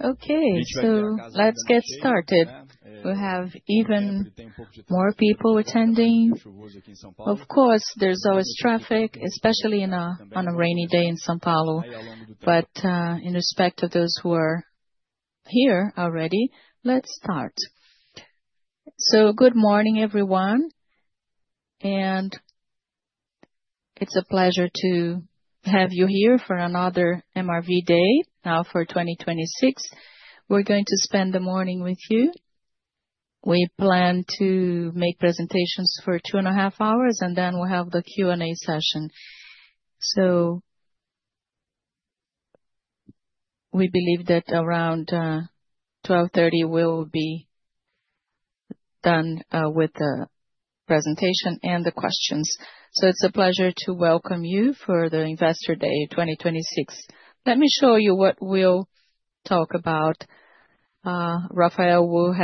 Okay. Let's get started. We have even more people attending. Of course, there's always traffic, especially on a rainy day in São Paulo. In respect to those who are here already, let's start. Good morning, everyone, and it's a pleasure to have you here for another MRV Day. Now for 2026, we're going to spend the morning with you. We plan to make presentations for two and a half hours, and then we'll have the Q&A session. We believe that around 12:30 P.M., we'll be done with the presentation and the questions. It's a pleasure to welcome you for the Investor Day 2026. Let me show you what we'll talk about. Rafael will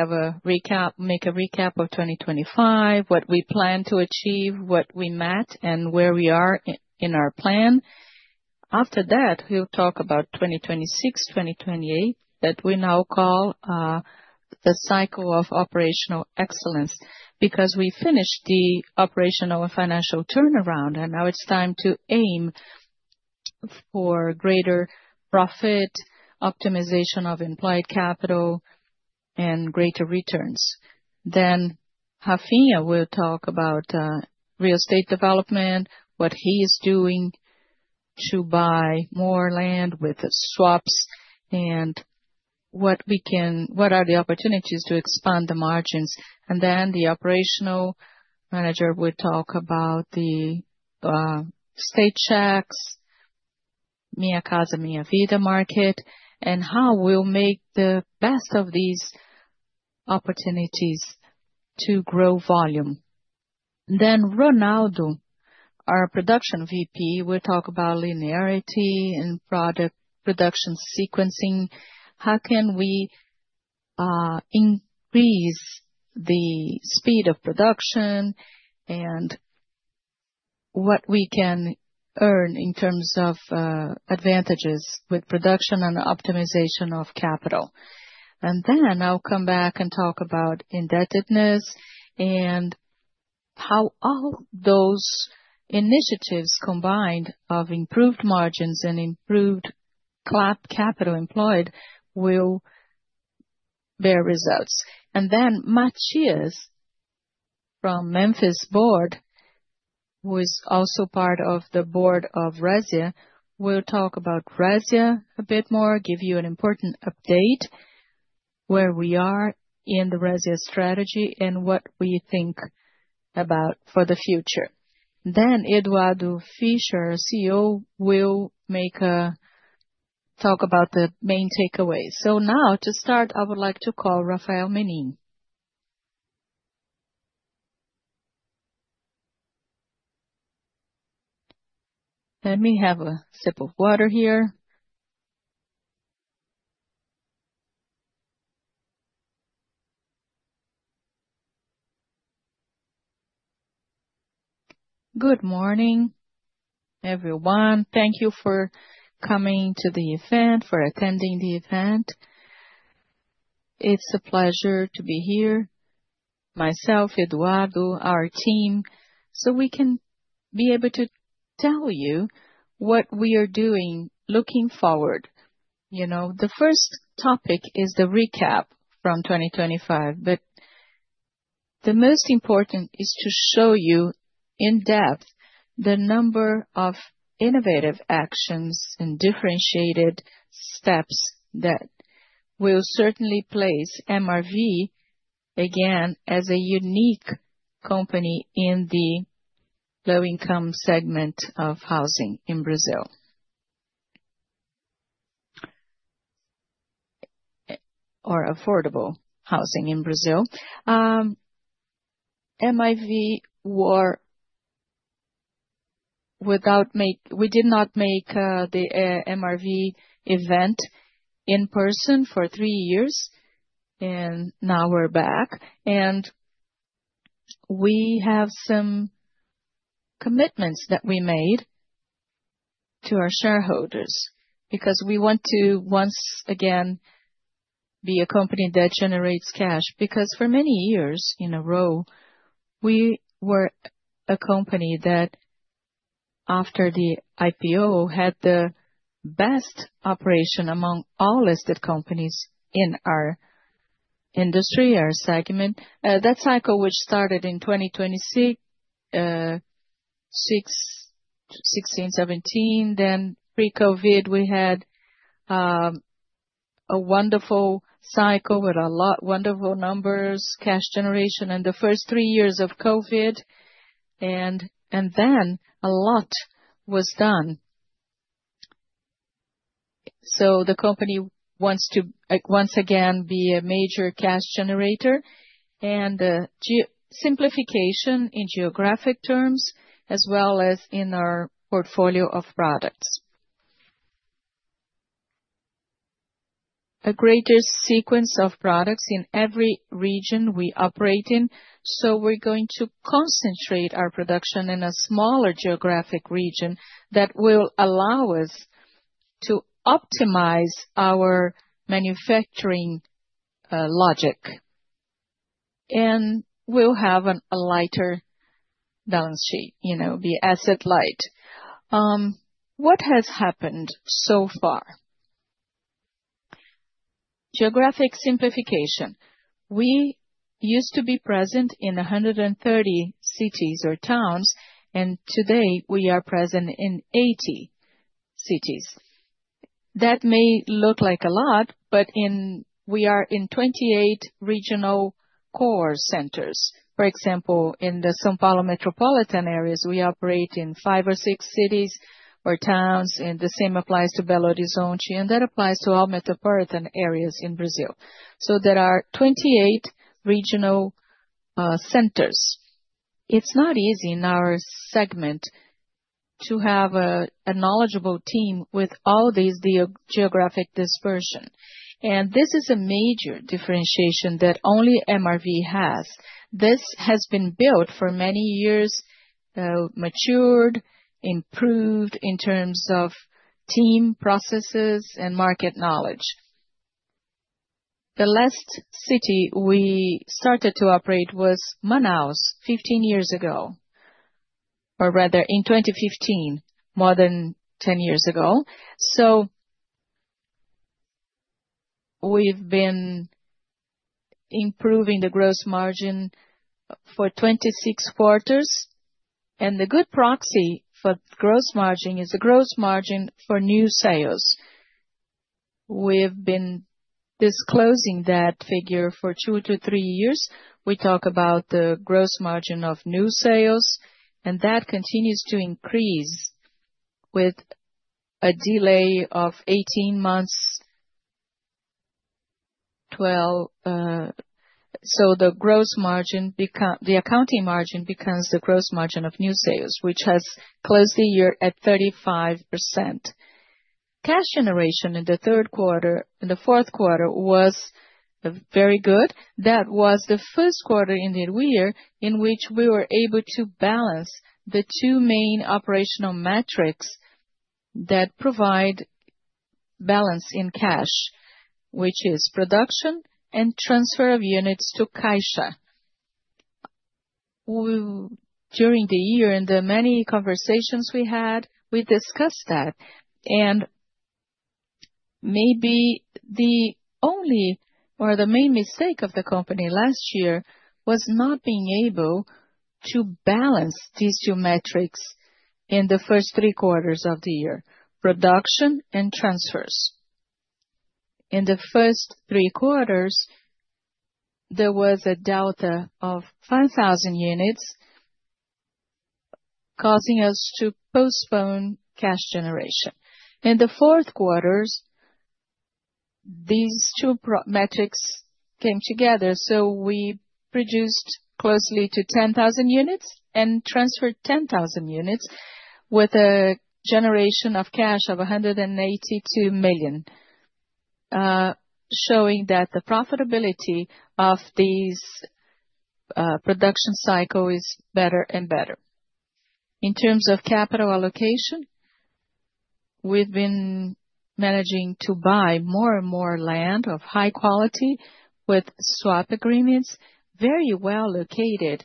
make a recap of 2025, what we plan to achieve, what we met, and where we are in our plan. After that, he'll talk about 2026, 2028 that we now call the cycle of operational excellence, because we finished the operational and financial turnaround, and now it's time to aim for greater profit, optimization of employed capital, and greater returns. Rafael will talk about real estate development, what he is doing to buy more land with the swaps and what are the opportunities to expand the margins. The operational manager will talk about the state checks, Minha Casa, Minha Vida market, and how we'll make the best of these opportunities to grow volume. Ronaldo, our production VP, will talk about linearity and product production sequencing. How can we increase the speed of production and what we can earn in terms of advantages with production and optimization of capital. Then I'll come back and talk about indebtedness and how all those initiatives combined of improved margins and improved capital employed will bear results. Then Matias Rotella from the Menin board, who is also part of the board of Resia, will talk about Resia a bit more, give you an important update where we are in the Resia strategy and what we think about for the future. Eduardo Fischer, CEO, will talk about the main takeaways. Now to start, I would like to call Rafael Menin. Let me have a sip of water here. Good morning, everyone. Thank you for coming to the event, for attending the event. It's a pleasure to be here, myself, Eduardo, our team, so we can be able to tell you what we are doing looking forward. You know, the first topic is the recap from 2025, but the most important is to show you in depth the number of innovative actions and differentiated steps that will certainly place MRV again as a unique company in the low-income segment of housing in Brazil. Or affordable housing in Brazil. We did not make the MRV event in person for 3 years, and now we're back. We have some commitments that we made to our shareholders because we want to, once again, be a company that generates cash. For many years in a row, we were a company that, after the IPO, had the best operation among all listed companies in our industry, our segment. That cycle, which started in 2016, 2017, then pre-COVID, we had a wonderful cycle with a lot of wonderful numbers, cash generation in the first three years of COVID, and then a lot was done. The company wants to, like, once again, be a major cash generator and geographic simplification in geographic terms, as well as in our portfolio of products. A greater sequence of products in every region we operate in. We're going to concentrate our production in a smaller geographic region that will allow us to optimize our manufacturing logic. We'll have a lighter balance sheet, you know, be asset-light. What has happened so far? Geographic simplification. We used to be present in 130 cities or towns, and today we are present in 80 cities. That may look like a lot, but we are in 28 regional core centers. For example, in the São Paulo metropolitan areas, we operate in five or six cities or towns, and the same applies to Belo Horizonte, and that applies to all metropolitan areas in Brazil. There are 28 regional centers. It's not easy in our segment to have a knowledgeable team with all this geographic dispersion. This is a major differentiation that only MRV has. This has been built for many years, matured, improved in terms of team, processes, and market knowledge. The last city we started to operate was Manaus 15 years ago, or rather in 2015, more than 10 years ago. We've been improving the gross margin for 26 quarters, and the good proxy for gross margin is the gross margin for new sales. We've been disclosing that figure for 2-3 years. We talk about the gross margin of new sales, and that continues to increase with a delay of 18 months, 12. So the accounting margin becomes the gross margin of new sales, which has closed the year at 35%. Cash generation in the fourth quarter was very good. That was the first quarter in the year in which we were able to balance the two main operational metrics that provide balance in cash, which is production and transfer of units to Caixa. During the year and the many conversations we had, we discussed that. Maybe the only or the main mistake of the company last year was not being able to balance these two metrics in the first three quarters of the year, production and transfers. In the first three quarters, there was a delta of 5,000 units causing us to postpone cash generation. In the fourth quarter, these two metrics came together, so we produced close to 10,000 units and transferred 10,000 units with a generation of cash of 182 million, showing that the profitability of these production cycle is better and better. In terms of capital allocation, we've been managing to buy more and more land of high quality with swap agreements, very well located,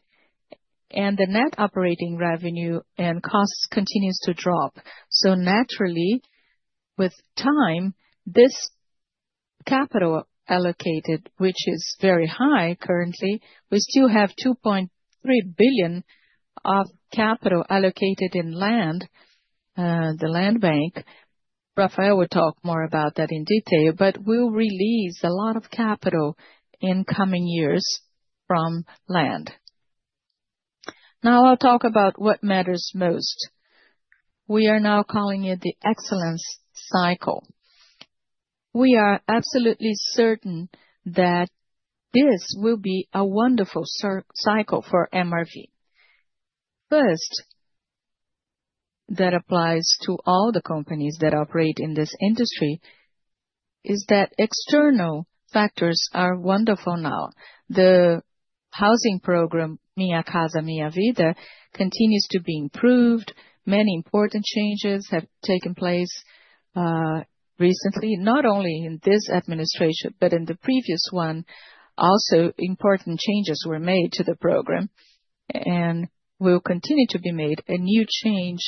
and the net operating revenue and costs continues to drop. Naturally, with time, this capital allocated, which is very high currently, we still have 2.3 billion of capital allocated in land, the land bank. Rafael will talk more about that in detail, but we'll release a lot of capital in coming years from land. Now I'll talk about what matters most. We are now calling it the excellence cycle. We are absolutely certain that this will be a wonderful cycle for MRV. First, that applies to all the companies that operate in this industry, is that external factors are wonderful now. The housing program, Minha Casa, Minha Vida, continues to be improved. Many important changes have taken place, recently, not only in this administration, but in the previous one, also important changes were made to the program and will continue to be made. A new change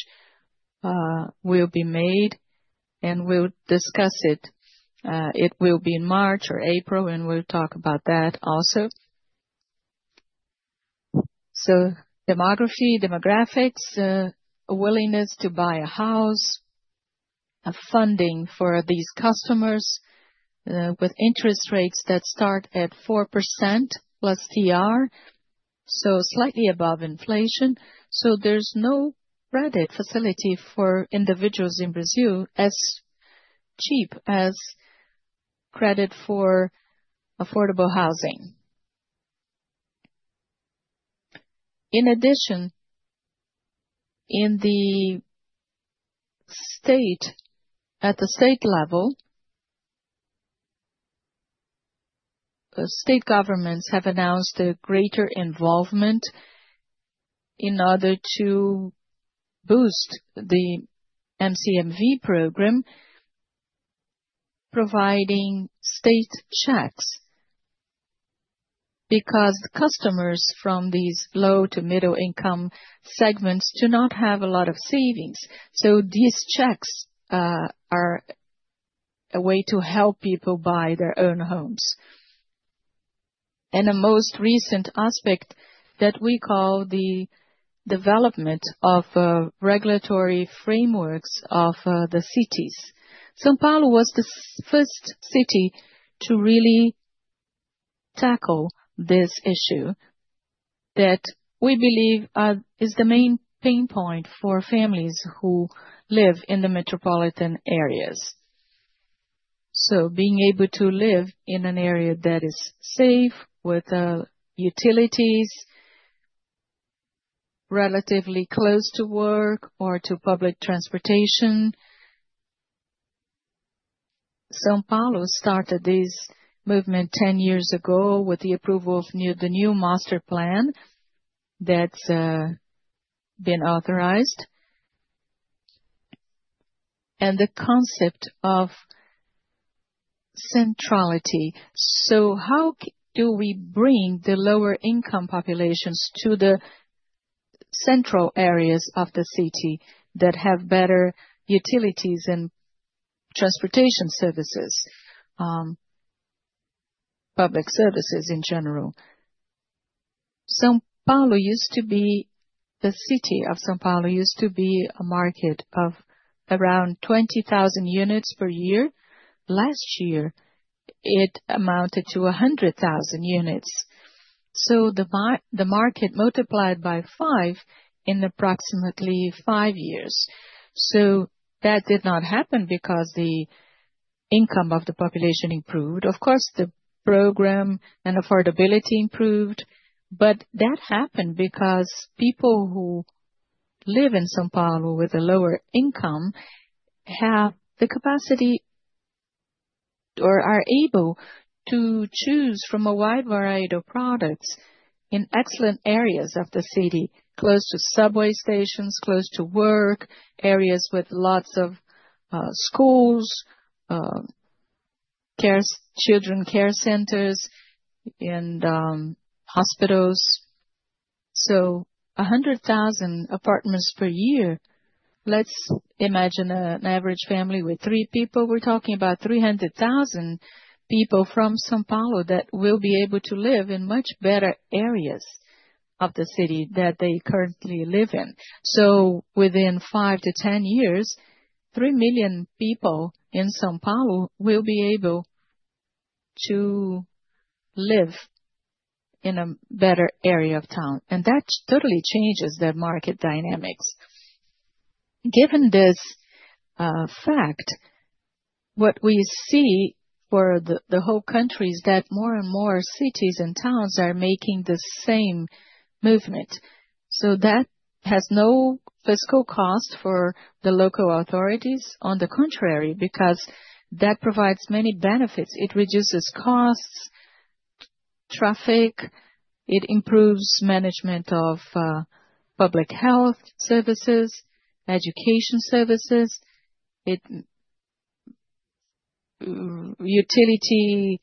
will be made, and we'll discuss it. It will be in March or April, and we'll talk about that also. Demographics, a willingness to buy a house, funding for these customers, with interest rates that start at 4% plus TR, so slightly above inflation. There's no credit facility for individuals in Brazil as cheap as credit for affordable housing. In addition, in the states, at the state level, state governments have announced a greater involvement in order to boost the MCMV program, providing state checks. Because customers from these low to middle income segments do not have a lot of savings, so these checks are a way to help people buy their own homes. The most recent aspect that we call the development of regulatory frameworks of the cities. São Paulo was the first city to really tackle this issue that we believe is the main pain point for families who live in the metropolitan areas, being able to live in an area that is safe, with utilities, relatively close to work or to public transportation. São Paulo started this movement 10 years ago with the approval of the new master plan that's been authorized. The concept of centrality. How do we bring the lower income populations to the central areas of the city that have better utilities and transportation services, public services in general? The city of São Paulo used to be a market of around 20,000 units per year. Last year, it amounted to 100,000 units. The market multiplied by five in approximately five years. That did not happen because the income of the population improved. Of course, the program and affordability improved, but that happened because people who live in São Paulo with a lower income have the capacity or are able to choose from a wide variety of products in excellent areas of the city, close to subway stations, close to work, areas with lots of schools, child care centers and hospitals. 100,000 apartments per year. Let's imagine an average family with three people. We're talking about 300,000 people from São Paulo that will be able to live in much better areas of the city that they currently live in. Within 5-10 years, 3 million people in São Paulo will be able to live in a better area of town, and that totally changes the market dynamics. Given this fact, what we see for the whole country is that more and more cities and towns are making the same movement. That has no fiscal cost for the local authorities, on the contrary, because that provides many benefits. It reduces costs, traffic, it improves management of public health services, education services. Utilities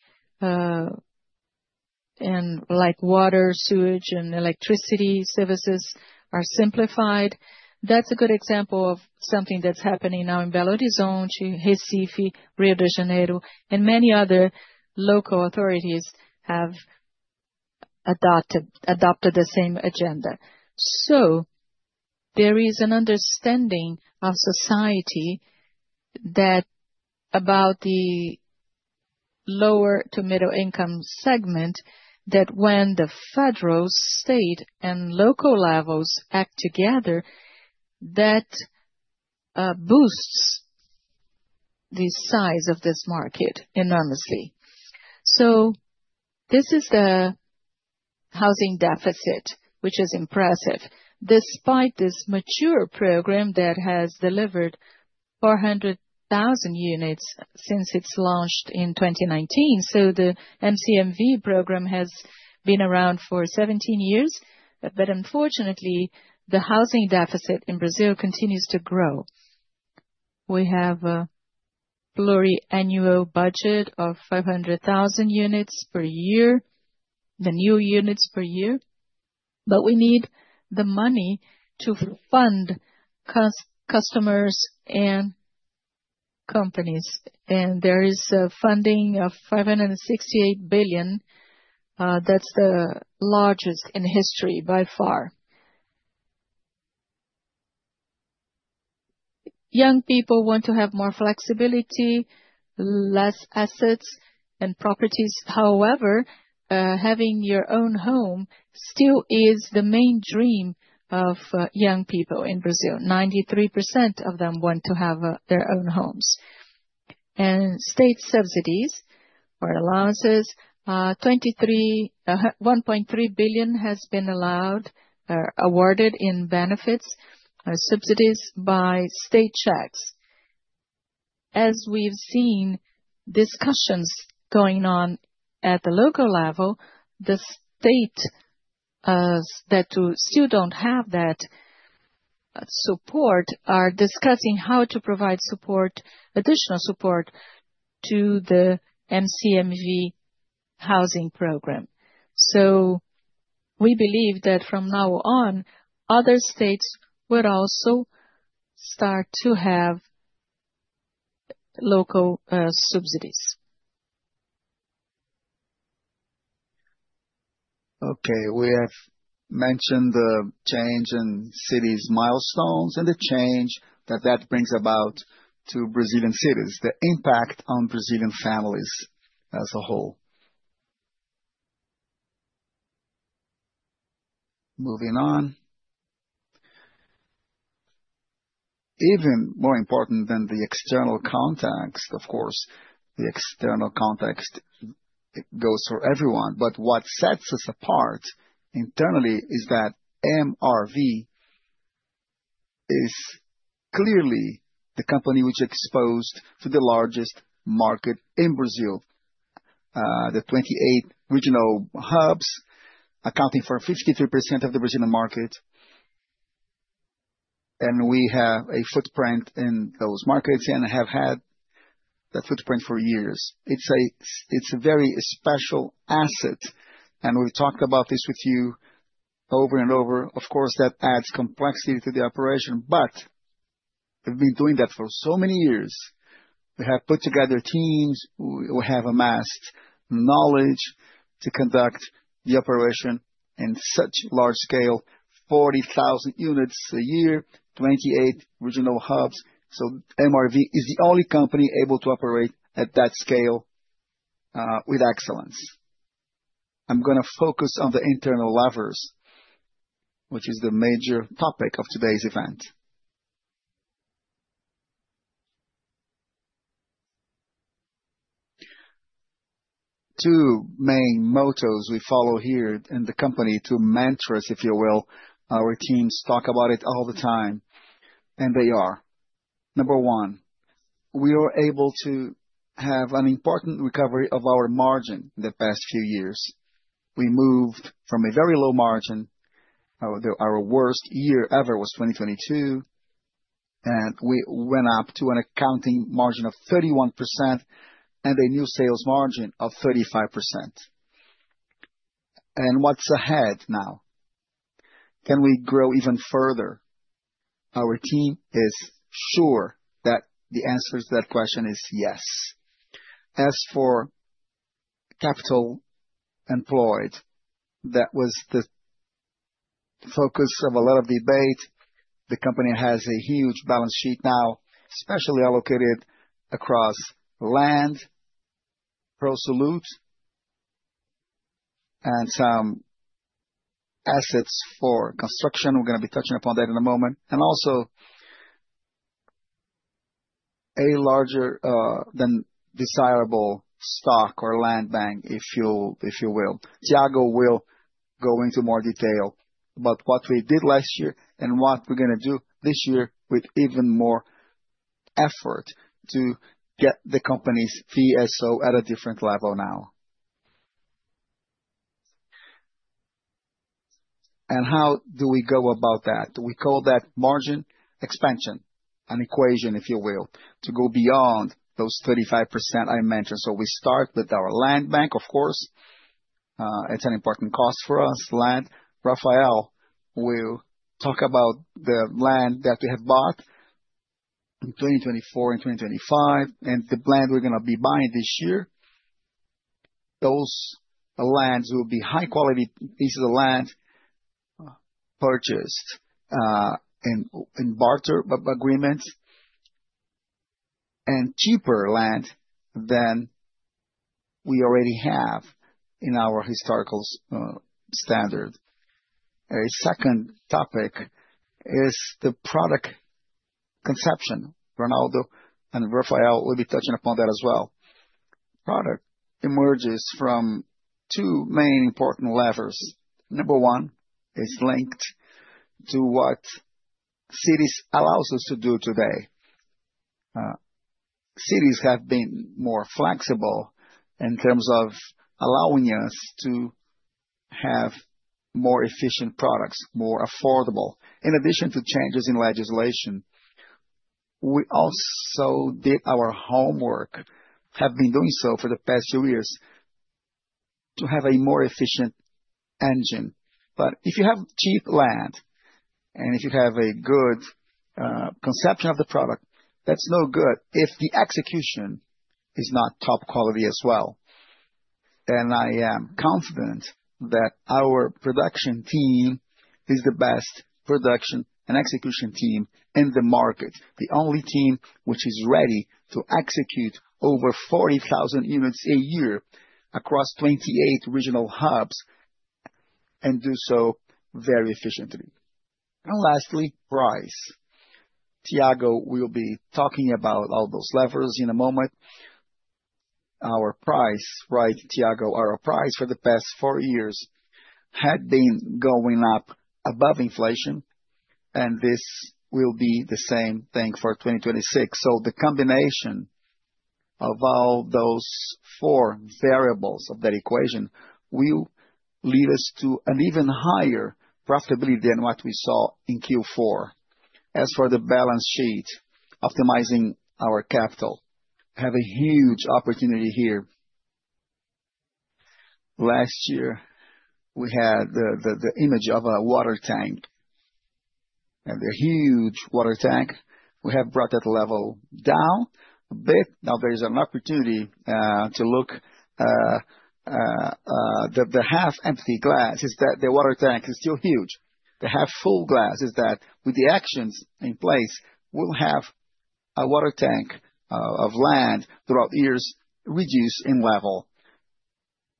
and, like, water, sewage, and electricity services are simplified. That's a good example of something that's happening now in Belo Horizonte, Recife, Rio de Janeiro. Many other local authorities have adopted the same agenda. There is an understanding of society that, about the lower to middle income segment, that when the federal, state, and local levels act together, that boosts the size of this market enormously. This is the housing deficit, which is impressive. Despite this mature program that has delivered 400,000 units since it's launched in 2019. The MCMV program has been around for 17 years. Unfortunately, the housing deficit in Brazil continues to grow. We have a pluriannual budget of 500,000 units per year, the new units per year. We need the money to fund customers and companies. There is a funding of 568 billion, that's the largest in history by far. Young people want to have more flexibility, less assets and properties. However, having your own home still is the main dream of young people in Brazil. 93% of them want to have their own homes. State subsidies or allowances, 23, 1.3 billion has been allowed or awarded in benefits, subsidies by state checks. As we've seen discussions going on at the local level, the states that still don't have that support are discussing how to provide support, additional support to the MCMV housing program. We believe that from now on, other states would also start to have local subsidies. Okay. We have mentioned the change in cities milestones and the change that brings about to Brazilian cities, the impact on Brazilian families as a whole. Moving on. Even more important than the external context, of course, it goes for everyone. What sets us apart internally is that MRV is clearly the company which exposed to the largest market in Brazil. The 28 regional hubs accounting for 53% of the Brazilian market. We have a footprint in those markets, and have had that footprint for years. It's a very special asset, and we've talked about this with you over and over. Of course, that adds complexity to the operation, but we've been doing that for so many years. We have put together teams. We have amassed knowledge to conduct the operation in such large scale, 40,000 units a year, 28 regional hubs. MRV is the only company able to operate at that scale, with excellence. I'm gonna focus on the internal levers, which is the major topic of today's event. Two main mottos we follow here in the company. Two mantras, if you will. Our teams talk about it all the time, and they are, number one, we were able to have an important recovery of our margin the past few years. We moved from a very low margin. Our worst year ever was 2022, and we went up to an accounting margin of 31% and a new sales margin of 35%. What's ahead now? Can we grow even further? Our team is sure that the answer to that question is yes. As for capital employed, that was the focus of a lot of debate. The company has a huge balance sheet now, especially allocated across land, pro soluto, and some assets for construction. We're gonna be touching upon that in a moment. Also, a larger than desirable stock or land bank if you'll, if you will. Thiago will go into more detail about what we did last year and what we're gonna do this year with even more effort to get the company's VSO at a different level now. How do we go about that? We call that margin expansion. An equation, if you will, to go beyond those 35% I mentioned. We start with our land bank, of course. It's an important cost for us, land. Rafael will talk about the land that we have bought in 2024 and 2025, and the land we're gonna be buying this year. Those lands will be high quality pieces of land purchased in barter agreement, and cheaper land than we already have in our historical standard. A second topic is the product conception. Ronaldo and Rafael will be touching upon that as well. Product emerges from two main important levers. Number one is linked to what cities allows us to do today. Cities have been more flexible in terms of allowing us to have more efficient products, more affordable. In addition to changes in legislation, we also did our homework, have been doing so for the past few years, to have a more efficient engine. If you have cheap land and if you have a good conception of the product, that's no good if the execution is not top quality as well. I am confident that our production team is the best production and execution team in the market. The only team which is ready to execute over 40,000 units a year across 28 regional hubs, and do so very efficiently. Lastly, price. Thiago will be talking about all those levers in a moment. Our price, right, Thiago? Our price for the past four years had been going up above inflation, and this will be the same thing for 2026. The combination of all those four variables of that equation will lead us to an even higher profitability than what we saw in Q4. As for the balance sheet, optimizing our capital, have a huge opportunity here. Last year, we had the image of a water tank. We have a huge water tank. We have brought that level down a bit. Now, there is an opportunity to look at the half empty glass, that the water tank is still huge. The half full glass is that with the actions in place, we'll have a water tank of land throughout the years reduced in level.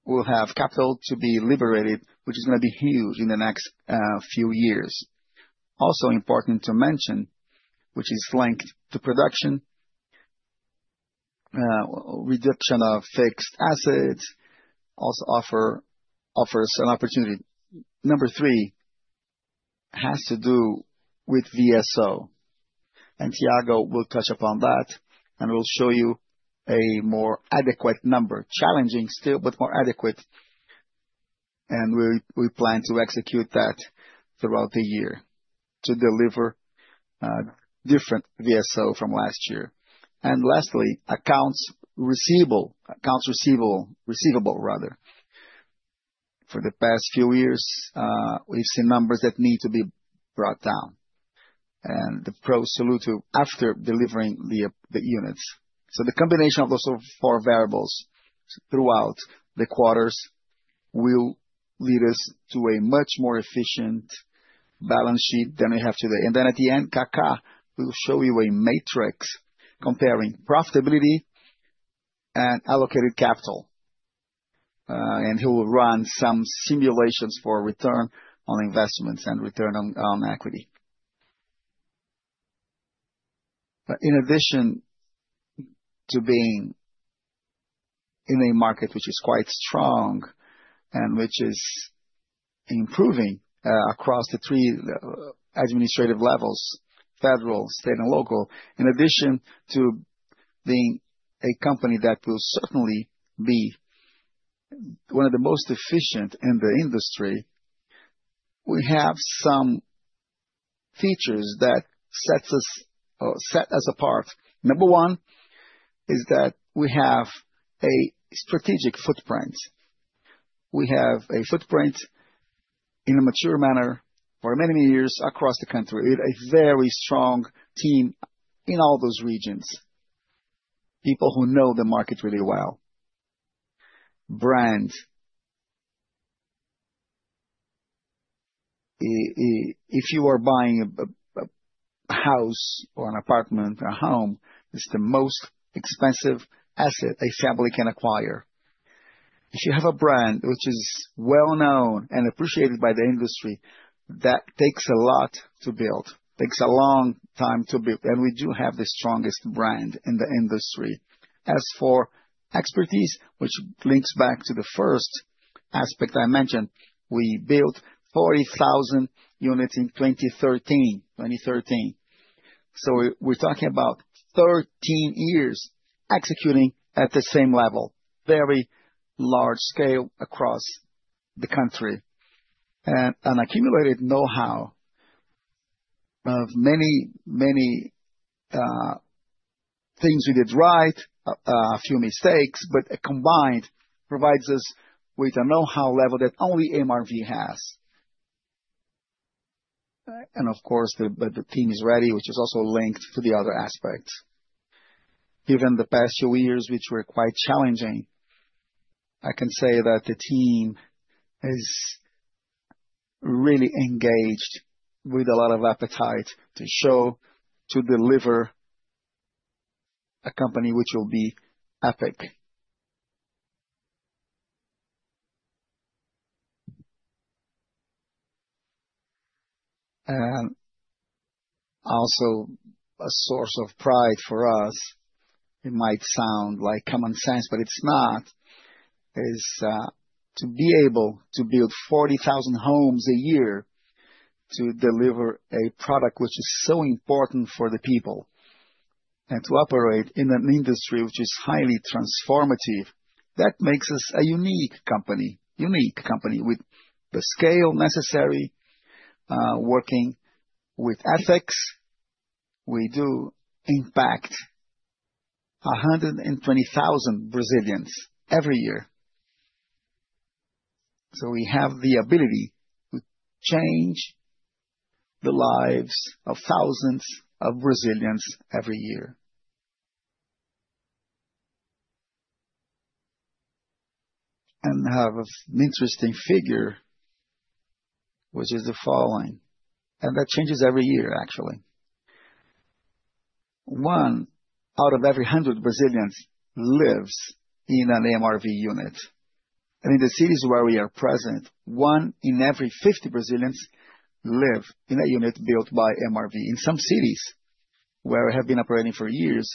We'll have capital to be liberated, which is gonna be huge in the next few years. Also important to mention, which is linked to production, reduction of fixed assets also offers an opportunity. Number three has to do with VSO, and Thiago will touch upon that, and we'll show you a more adequate number. Challenging still, but more adequate. We plan to execute that throughout the year to deliver a different VSO from last year. Lastly, accounts receivable, rather. For the past few years, we've seen numbers that need to be brought down, and the Pro Soluto after delivering the units. The combination of those four variables throughout the quarters will lead us to a much more efficient balance sheet than we have today. Then at the end, Kaká will show you a matrix comparing profitability and allocated capital. He will run some simulations for return on investments and return on equity. In addition to being in a market which is quite strong and which is improving across the three administrative levels, federal, state, and local. In addition to being a company that will certainly be one of the most efficient in the industry, we have some features that set us apart. Number one is that we have a strategic footprint. We have a footprint in a mature manner for many, many years across the country, with a very strong team in all those regions. People who know the market really well. Brand. If you are buying a house or an apartment or a home, it's the most expensive asset a family can acquire. If you have a brand which is well-known and appreciated by the industry, that takes a lot to build, takes a long time to build, and we do have the strongest brand in the industry. As for expertise, which links back to the first aspect I mentioned, we built 40,000 units in 2013. We're talking about 13 years executing at the same level, very large scale across the country. An accumulated know-how of many things we did right, a few mistakes, but a combination provides us with a know-how level that only MRV has. Of course, the team is ready, which is also linked to the other aspects. Given the past few years, which were quite challenging, I can say that the team is really engaged with a lot of appetite to show, to deliver a company which will be epic. Also a source of pride for us, it might sound like common sense, but it's not, is, to be able to build 40,000 homes a year to deliver a product which is so important for the people, and to operate in an industry which is highly transformative, that makes us a unique company. Unique company with the scale necessary, working with ethics. We do impact 120,000 Brazilians every year. We have the ability to change the lives of thousands of Brazilians every year. I have an interesting figure, which is the following, and that changes every year, actually. One out of every 100 Brazilians lives in an MRV unit. In the cities where we are present, one in every 50 Brazilians live in a unit built by MRV. In some cities where we have been operating for years,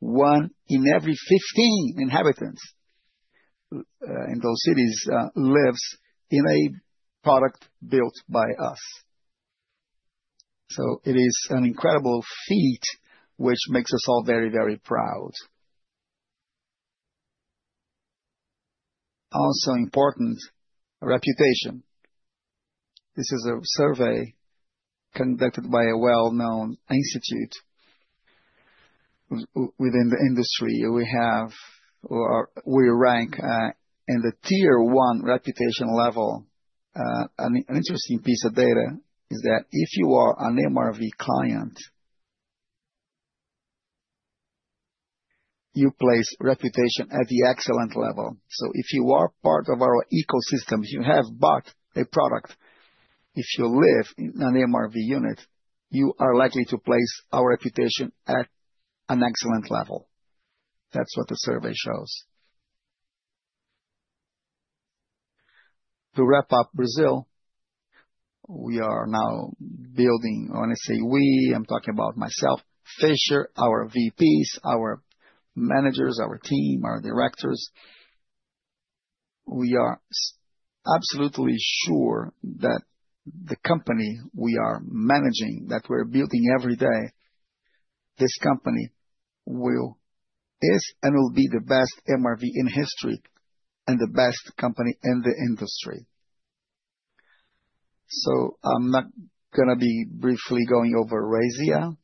1 in every 15 inhabitants in those cities lives in a product built by us. It is an incredible feat which makes us all very, very proud. Also important, reputation. This is a survey conducted by a well-known institute within the industry. We rank in the tier one reputation level. An interesting piece of data is that if you are an MRV client, you place reputation at the excellent level. If you are part of our ecosystem, you have bought a product. If you live in an MRV unit, you are likely to place our reputation at an excellent level. That's what the survey shows. To wrap up Brazil, we are now building. When I say we, I'm talking about myself, Fischer, our VPs, our managers, our team, our directors. We are absolutely sure that the company we are managing, that we're building every day, this company will, is and will be the best MRV in history and the best company in the industry. I'm not gonna be briefly going over Resia.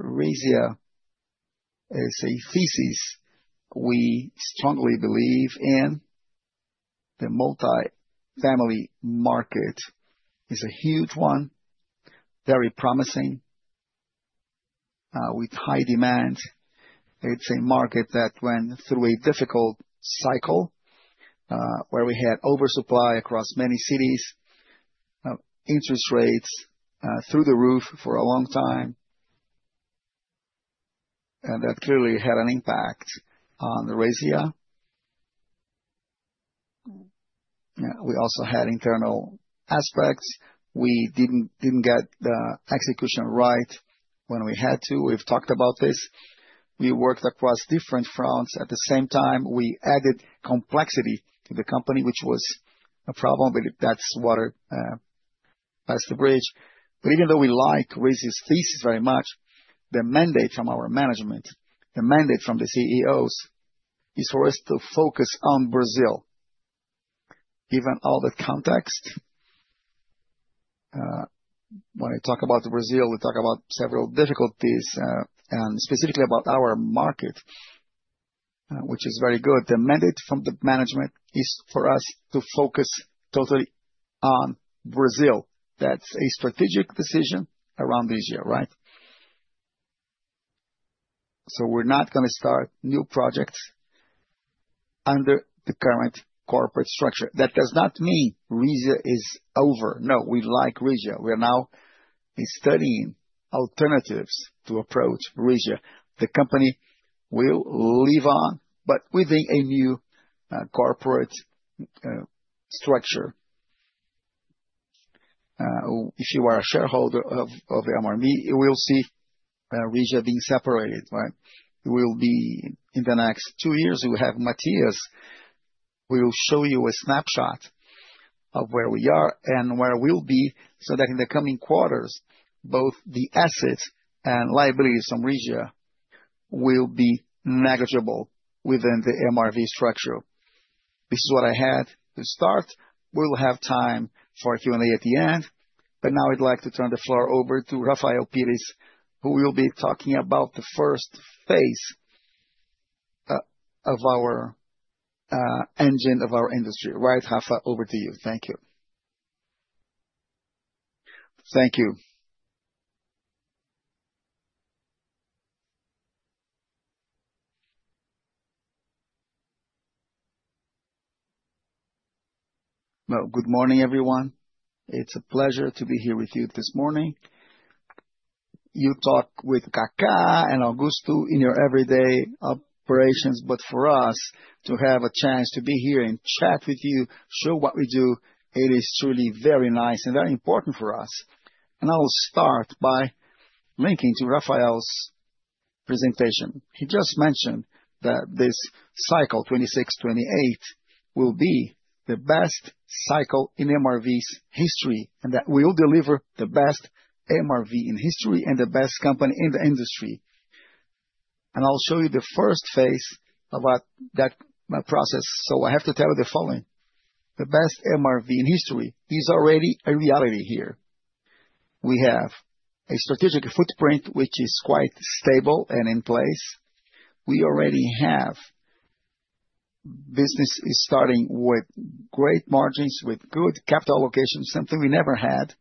Resia is a thesis we strongly believe in. The multi-family market is a huge one, very promising, with high demand. It's a market that went through a difficult cycle, where we had oversupply across many cities, interest rates through the roof for a long time. That clearly had an impact on Resia. We also had internal aspects. We didn't get the execution right when we had to. We've talked about this. We worked across different fronts. At the same time, we added complexity to the company, which was a problem, but that's water under the bridge. Even though we like Resia's thesis very much, the mandate from our management, the mandate from the CEOs, is for us to focus on Brazil. Given all that context, when we talk about Brazil, we talk about several difficulties, and specifically about our market, which is very good. The mandate from the management is for us to focus totally on Brazil. That's a strategic decision around this year, right? We're not gonna start new projects under the current corporate structure. That does not mean Resia is over. No, we like Resia. We are now studying alternatives to approach Resia. The company will live on, but within a new, corporate, structure. If you are a shareholder of MRV, you will see, Resia being separated, right? You will be... In the next two years, we have Matias, we'll show you a snapshot of where we are and where we'll be, so that in the coming quarters, both the assets and liabilities from Resia will be negligible within the MRV structure. This is what I had to start. We'll have time for Q&A at the end. Now I'd like to turn the floor over to Rafael Pires, who will be talking about the first phase of our engine of our industry. Right, Rafael, over to you. Thank you. Thank you. Well, good morning, everyone. It's a pleasure to be here with you this morning. You talk with Kaká and Augusto in your everyday operations, but for us to have a chance to be here and chat with you, show what we do, it is truly very nice and very important for us. I will start by linking to Rafael's presentation. He just mentioned that this cycle 26, 28 will be the best cycle in MRV's history, and that we'll deliver the best MRV in history and the best company in the industry. I'll show you the first phase about that process. I have to tell you the following. The best MRV in history is already a reality here. We have a strategic footprint which is quite stable and in place. We already have businesses starting with great margins, with good capital allocation, something we never had.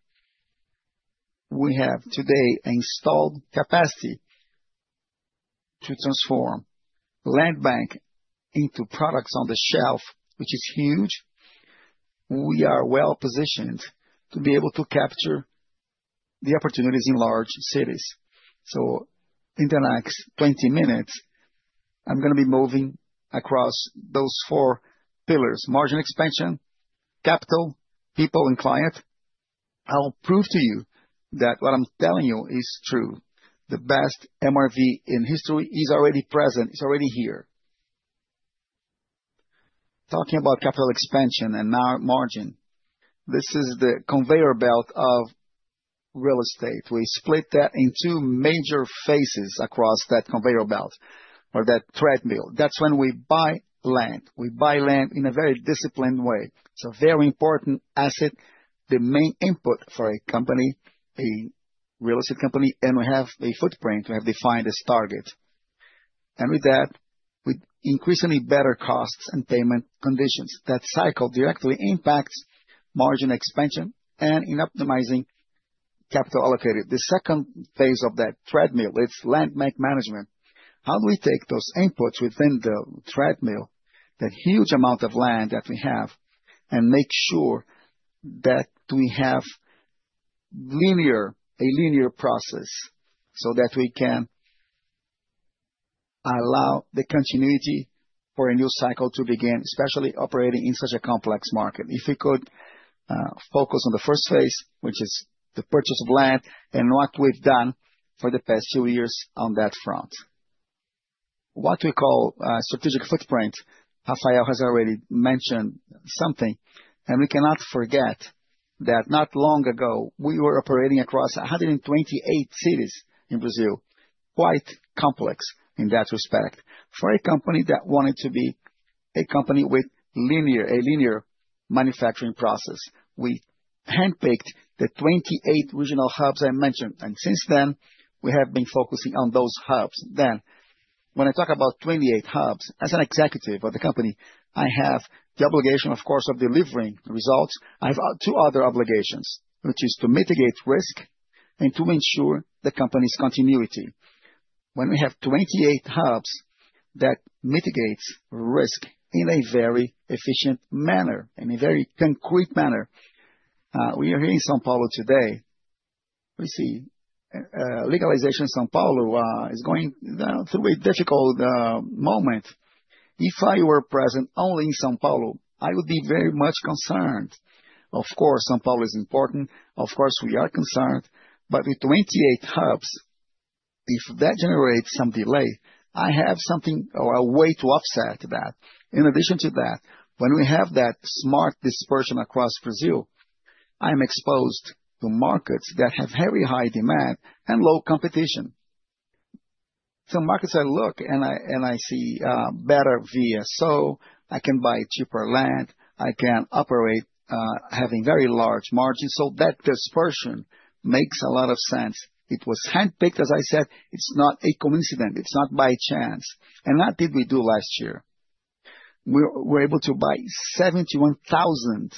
We have today installed capacity to transform land bank into products on the shelf, which is huge. We are well-positioned to be able to capture the opportunities in large cities. In the next 20 minutes, I'm gonna be moving across those four pillars, margin expansion, capital, people, and client. I'll prove to you that what I'm telling you is true. The best MRV in history is already present. It's already here. Talking about capital expansion and now margin. This is the conveyor belt of real estate. We split that in two major phases across that conveyor belt or that treadmill. That's when we buy land. We buy land in a very disciplined way. It's a very important asset, the main input for a company, a real estate company, and we have a footprint. We have defined its target. With that, with increasingly better costs and payment conditions, that cycle directly impacts margin expansion and in optimizing capital allocated. The second phase of that treadmill is land management. How do we take those inputs within the treadmill, that huge amount of land that we have, and make sure that we have a linear process so that we can allow the continuity for a new cycle to begin, especially operating in such a complex market? If we could focus on the first phase, which is the purchase of land and what we've done for the past two years on that front. What we call strategic footprint, Rafael has already mentioned something, and we cannot forget that not long ago, we were operating across 128 cities in Brazil. Quite complex in that respect for a company that wanted to be a company with a linear manufacturing process. We handpicked the 28 regional hubs I mentioned, and since then, we have been focusing on those hubs. When I talk about 28 hubs, as an executive of the company, I have the obligation, of course, of delivering results. I have two other obligations, which is to mitigate risk and to ensure the company's continuity. When we have 28 hubs, that mitigates risk in a very efficient manner, in a very concrete manner. We are here in São Paulo today. We see legalization in São Paulo is going through a difficult moment. If I were present only in São Paulo, I would be very much concerned. Of course, São Paulo is important. Of course, we are concerned. With 28 hubs, if that generates some delay, I have something or a way to offset that. In addition to that, when we have that smart dispersion across Brazil, I'm exposed to markets that have very high demand and low competition. Markets I look and I see better VSO, I can buy cheaper land, I can operate having very large margins. That dispersion makes a lot of sense. It was handpicked, as I said. It's not a coincidence. It's not by chance. What did we do last year? We're able to buy 71,000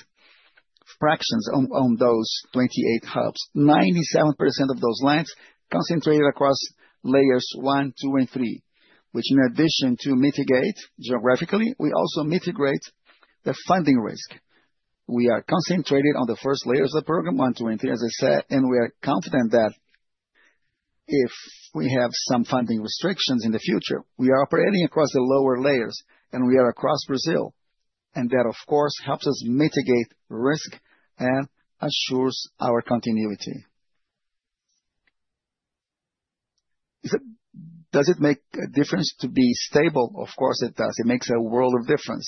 fractions on those 28 hubs, 97% of those lands concentrated across layers one, two, and three, which in addition to mitigate geographically, we also mitigate the funding risk. We are concentrated on the first layers of the program, 1 to 20, as I said, and we are confident that if we have some funding restrictions in the future, we are operating across the lower layers, and we are across Brazil. That, of course, helps us mitigate risk and assures our continuity. Does it make a difference to be stable? Of course, it does. It makes a world of difference.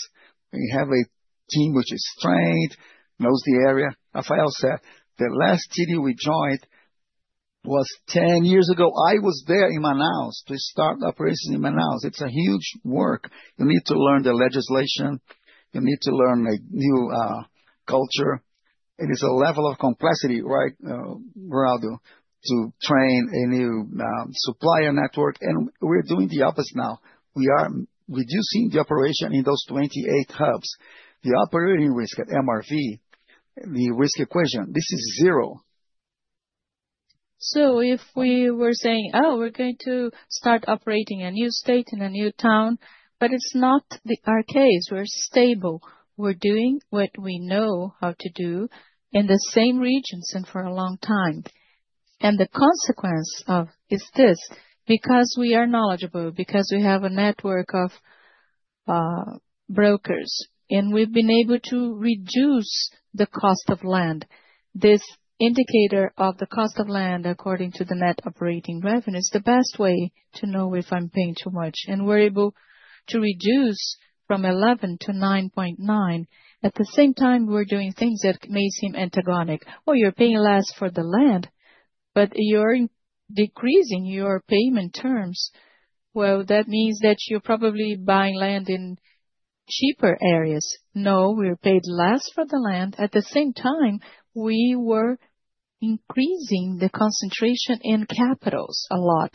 We have a team which is trained, knows the area. Rafael said the last city we joined was 10 years ago. I was there in Manaus to start operations in Manaus. It's a huge work. You need to learn the legislation. You need to learn a new culture. It is a level of complexity, right, Geraldo, to train a new supplier network, and we're doing the opposite now. We are reducing the operation in those 28 hubs. The operating risk at MRV, the risk equation, this is zero. If we were saying, "Oh, we're going to start operating a new state in a new town," but it's not our case. We're stable. We're doing what we know how to do in the same regions and for a long time. The consequence of this is, because we are knowledgeable, because we have a network of brokers, and we've been able to reduce the cost of land. This indicator of the cost of land, according to the net operating revenues, the best way to know if I'm paying too much. We're able to reduce from 11%-9.9%. At the same time, we're doing things that may seem antagonistic. Oh, you're paying less for the land, but you're decreasing your payment terms. Well, that means that you're probably buying land in cheaper areas. No, we paid less for the land. At the same time, we were increasing the concentration in capitals a lot.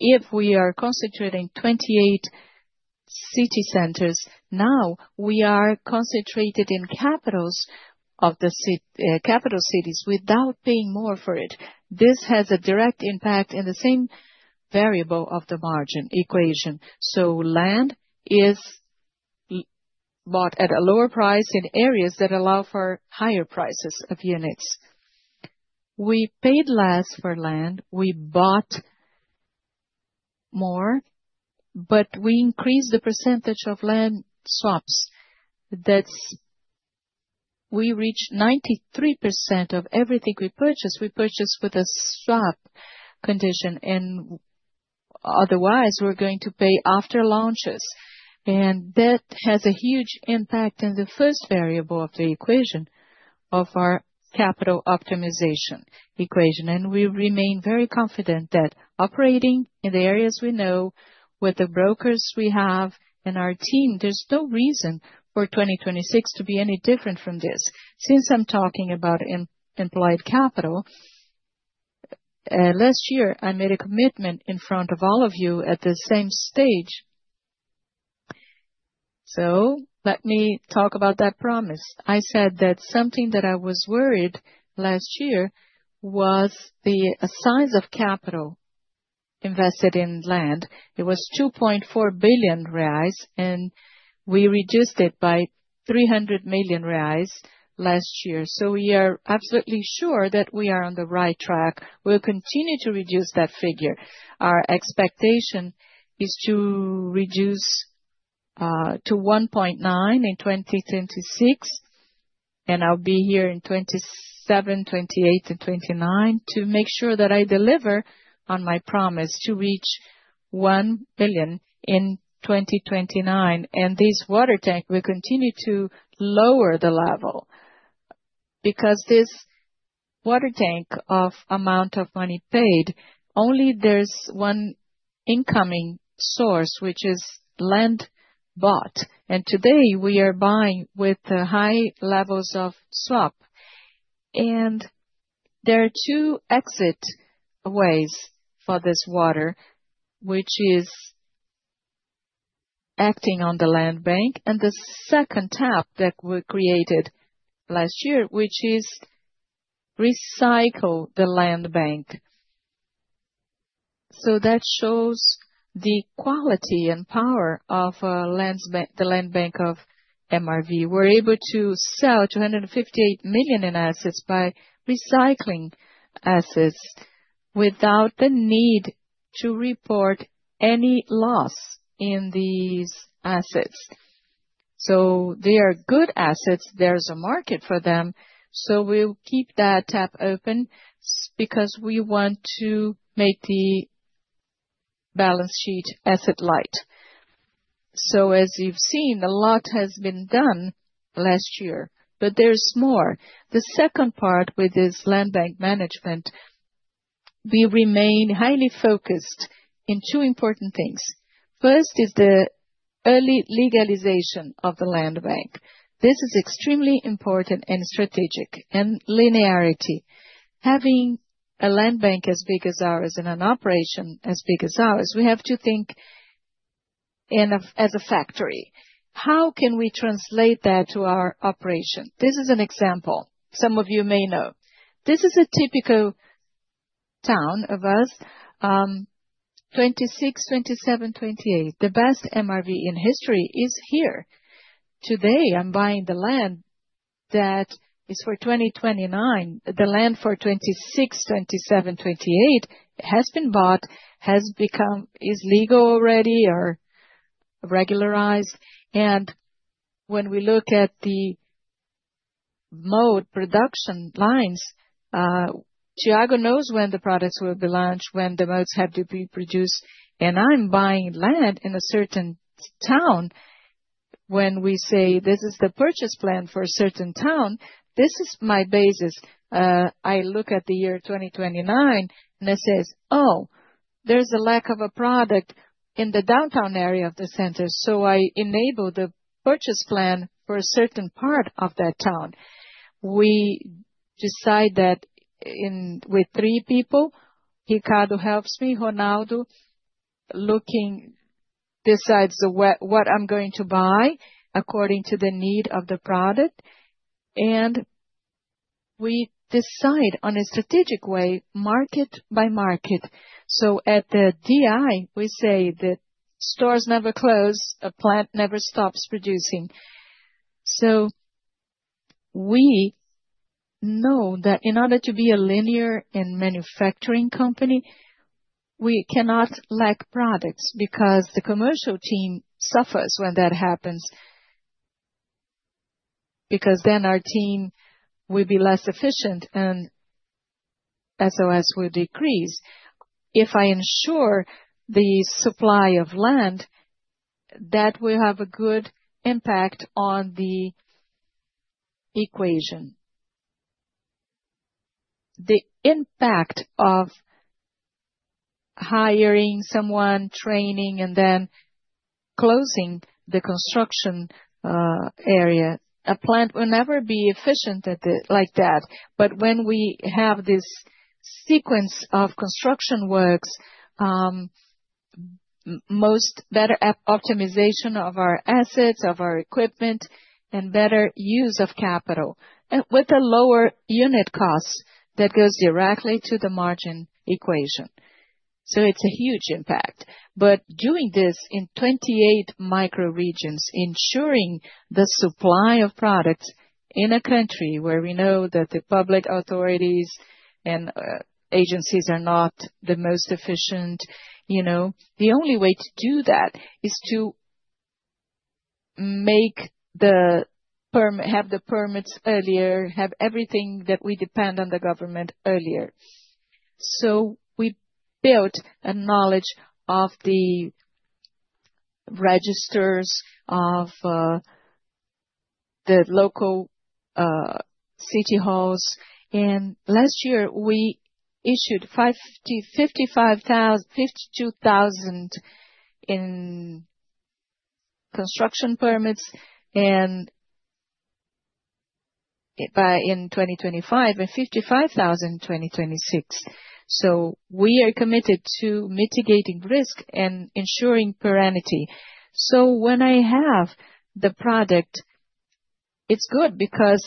If we are concentrating 28 city centers, now we are concentrated in capitals of the capital cities without paying more for it. This has a direct impact in the same variable of the margin equation. Land is bought at a lower price in areas that allow for higher prices of units. We paid less for land, we bought more, but we increased the percentage of land swaps. That's. We reach 93% of everything we purchase, we purchase with a swap condition and otherwise we're going to pay after launches. That has a huge impact in the first variable of the equation of our capital optimization equation. We remain very confident that operating in the areas we know with the brokers we have and our team, there's no reason for 2026 to be any different from this. Since I'm talking about employed capital, last year I made a commitment in front of all of you at the same stage. Let me talk about that promise. I said that something that I was worried last year was the size of capital invested in land. It was 2.4 billion reais, and we reduced it by 300 million reais last year. We are absolutely sure that we are on the right track. We'll continue to reduce that figure. Our expectation is to reduce to 1.9 in 2026, and I'll be here in 2027, 2028 and 2029 to make sure that I deliver on my promise to reach 1 billion in 2029. This water tank will continue to lower the level because this water tank of amount of money paid, only there's one incoming source which is land bought. Today we are buying with high levels of swap. There are two exit ways for this water, which is acting on the land bank, and the second tap that we created last year, which is recycle the land bank. That shows the quality and power of land bank, the land bank of MRV. We're able to sell 258 million in assets by recycling assets without the need to report any loss in these assets. They are good assets. There's a market for them. We'll keep that tap open because we want to make the balance sheet asset light. As you've seen, a lot has been done last year, but there's more. The second part with this land bank management, we remain highly focused in two important things. First is the early legalization of the land bank. This is extremely important and strategic and linearity. Having a land bank as big as ours in an operation as big as ours, we have to think in as a factory, how can we translate that to our operation? This is an example some of you may know. This is a typical townhouse of us, 26, 27, 28. The best MRV in history is here. Today, I'm buying the land that is for 2029. The land for 2026, 2027, 2028 has been bought, is legal already or regularized. When we look at the model production lines, Thiago knows when the products will be launched, when the models have to be produced, and I'm buying land in a certain town. When we say this is the purchase plan for a certain town, this is my basis. I look at the year 2029 and it says, "Oh, there's a lack of a product in the downtown area of the center." I enable the purchase plan for a certain part of that town. We decide that with three people. Ricardo helps me. Ronaldo looking decides what I'm going to buy according to the need of the product, and we decide on a strategic way market by market. At the DI, we say the stores never close, a plant never stops producing. We know that in order to be a linear and manufacturing company, we cannot lack products because the commercial team suffers when that happens, because then our team will be less efficient and VSO will decrease. If I ensure the supply of land, that will have a good impact on the equation. The impact of hiring someone, training and then closing the construction area. A plant will never be efficient like that. When we have this sequence of construction works, most better optimization of our assets, of our equipment and better use of capital, with a lower unit cost that goes directly to the margin equation. It's a huge impact. Doing this in 28 micro regions, ensuring the supply of products in a country where we know that the public authorities and agencies are not the most efficient, you know, the only way to do that is to have the permits earlier, have everything that we depend on the government earlier. We built a knowledge of the registers of the local city halls. Last year we issued 52,000 in construction permits and in 2025 and 55,000 in 2026. We are committed to mitigating risk and ensuring permanency. When I have the product, it's good because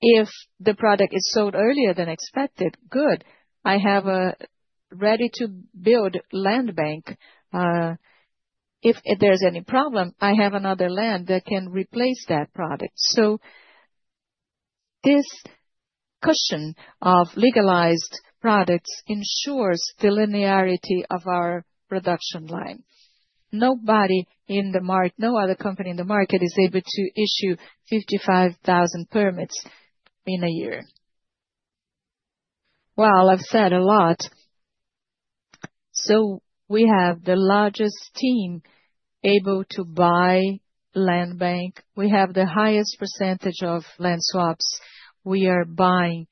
if the product is sold earlier than expected, good. I have a ready to build land bank. If there's any problem, I have another land that can replace that product. This cushion of legalized products ensures the linearity of our production line. Nobody in the market is able to issue 55,000 permits in a year. I've said a lot. We have the largest team able to buy land bank. We have the highest percentage of land swaps. We are buying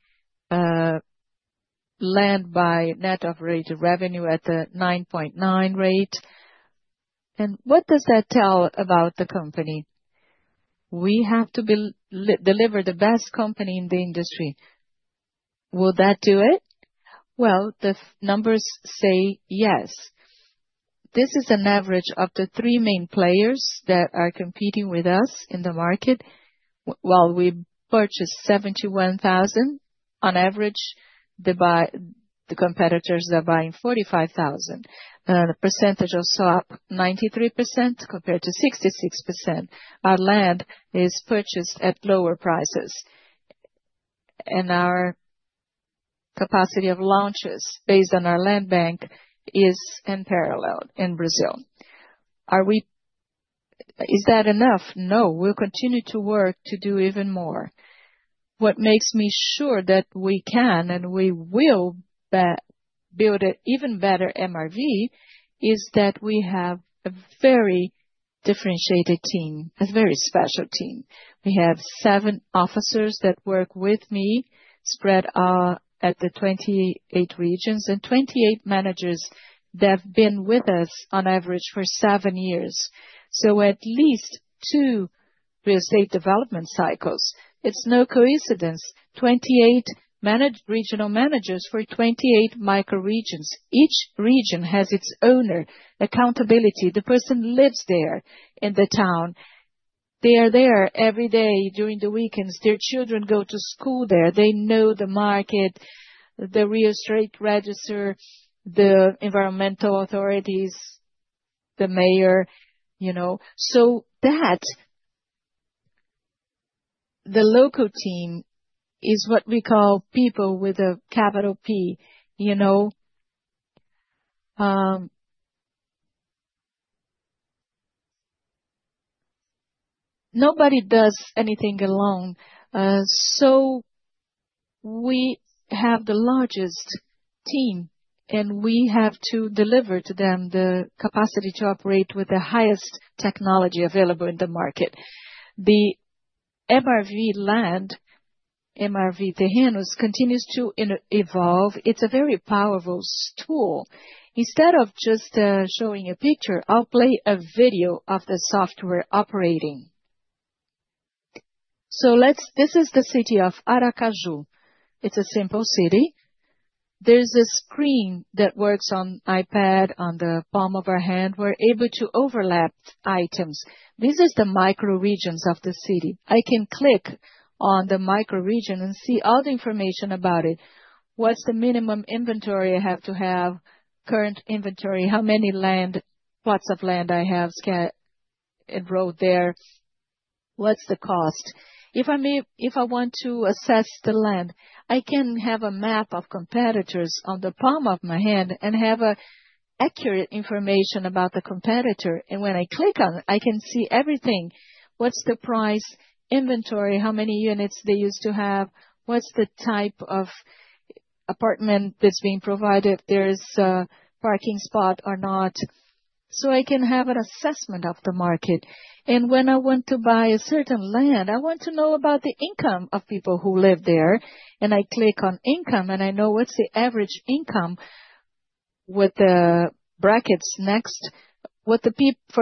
land by net operating income at a 9.9 rate. What does that tell about the company? We have to deliver the best company in the industry. Will that do it? The numbers say yes. This is an average of the three main players that are competing with us in the market. While we purchased 71,000, on average, the competitors are buying 45,000. The percentage of swap 93% compared to 66%. Our land is purchased at lower prices. Our capacity of launches based on our land bank is unparalleled in Brazil. Is that enough? No. We'll continue to work to do even more. What makes me sure that we can and we will build an even better MRV is that we have a very differentiated team, a very special team. We have seven officers that work with me, spread at the 28 regions, and 28 managers that have been with us on average for seven years. So at least two real estate development cycles. It's no coincidence. 28 regional managers for 28 micro regions. Each region has its owner accountability. The person lives there in the town. They are there every day during the weekends. Their children go to school there. They know the market, the real estate register, the environmental authorities, the mayor, you know. The local team is what we call people with a capital P, you know? Nobody does anything alone. We have the largest team, and we have to deliver to them the capacity to operate with the highest technology available in the market. The MRV land, MRV Terrenos, continues to evolve. It's a very powerful tool. Instead of just showing a picture, I'll play a video of the software operating. This is the city of Aracaju. It's a simple city. There's a screen that works on iPad, on the palm of our hand. We're able to overlap items. This is the micro regions of the city. I can click on the micro region and see all the information about it. What's the minimum inventory I have to have? Current inventory, how many land plots of land I have enrolled there. What's the cost? If I want to assess the land, I can have a map of competitors on the palm of my hand and have an accurate information about the competitor. When I click on it, I can see everything. What's the price, inventory, how many units they used to have? What's the type of apartment that's being provided? There's a parking spot or not. I can have an assessment of the market. When I want to buy a certain land, I want to know about the income of people who live there. I click on income, and I know what's the average income with the brackets next. For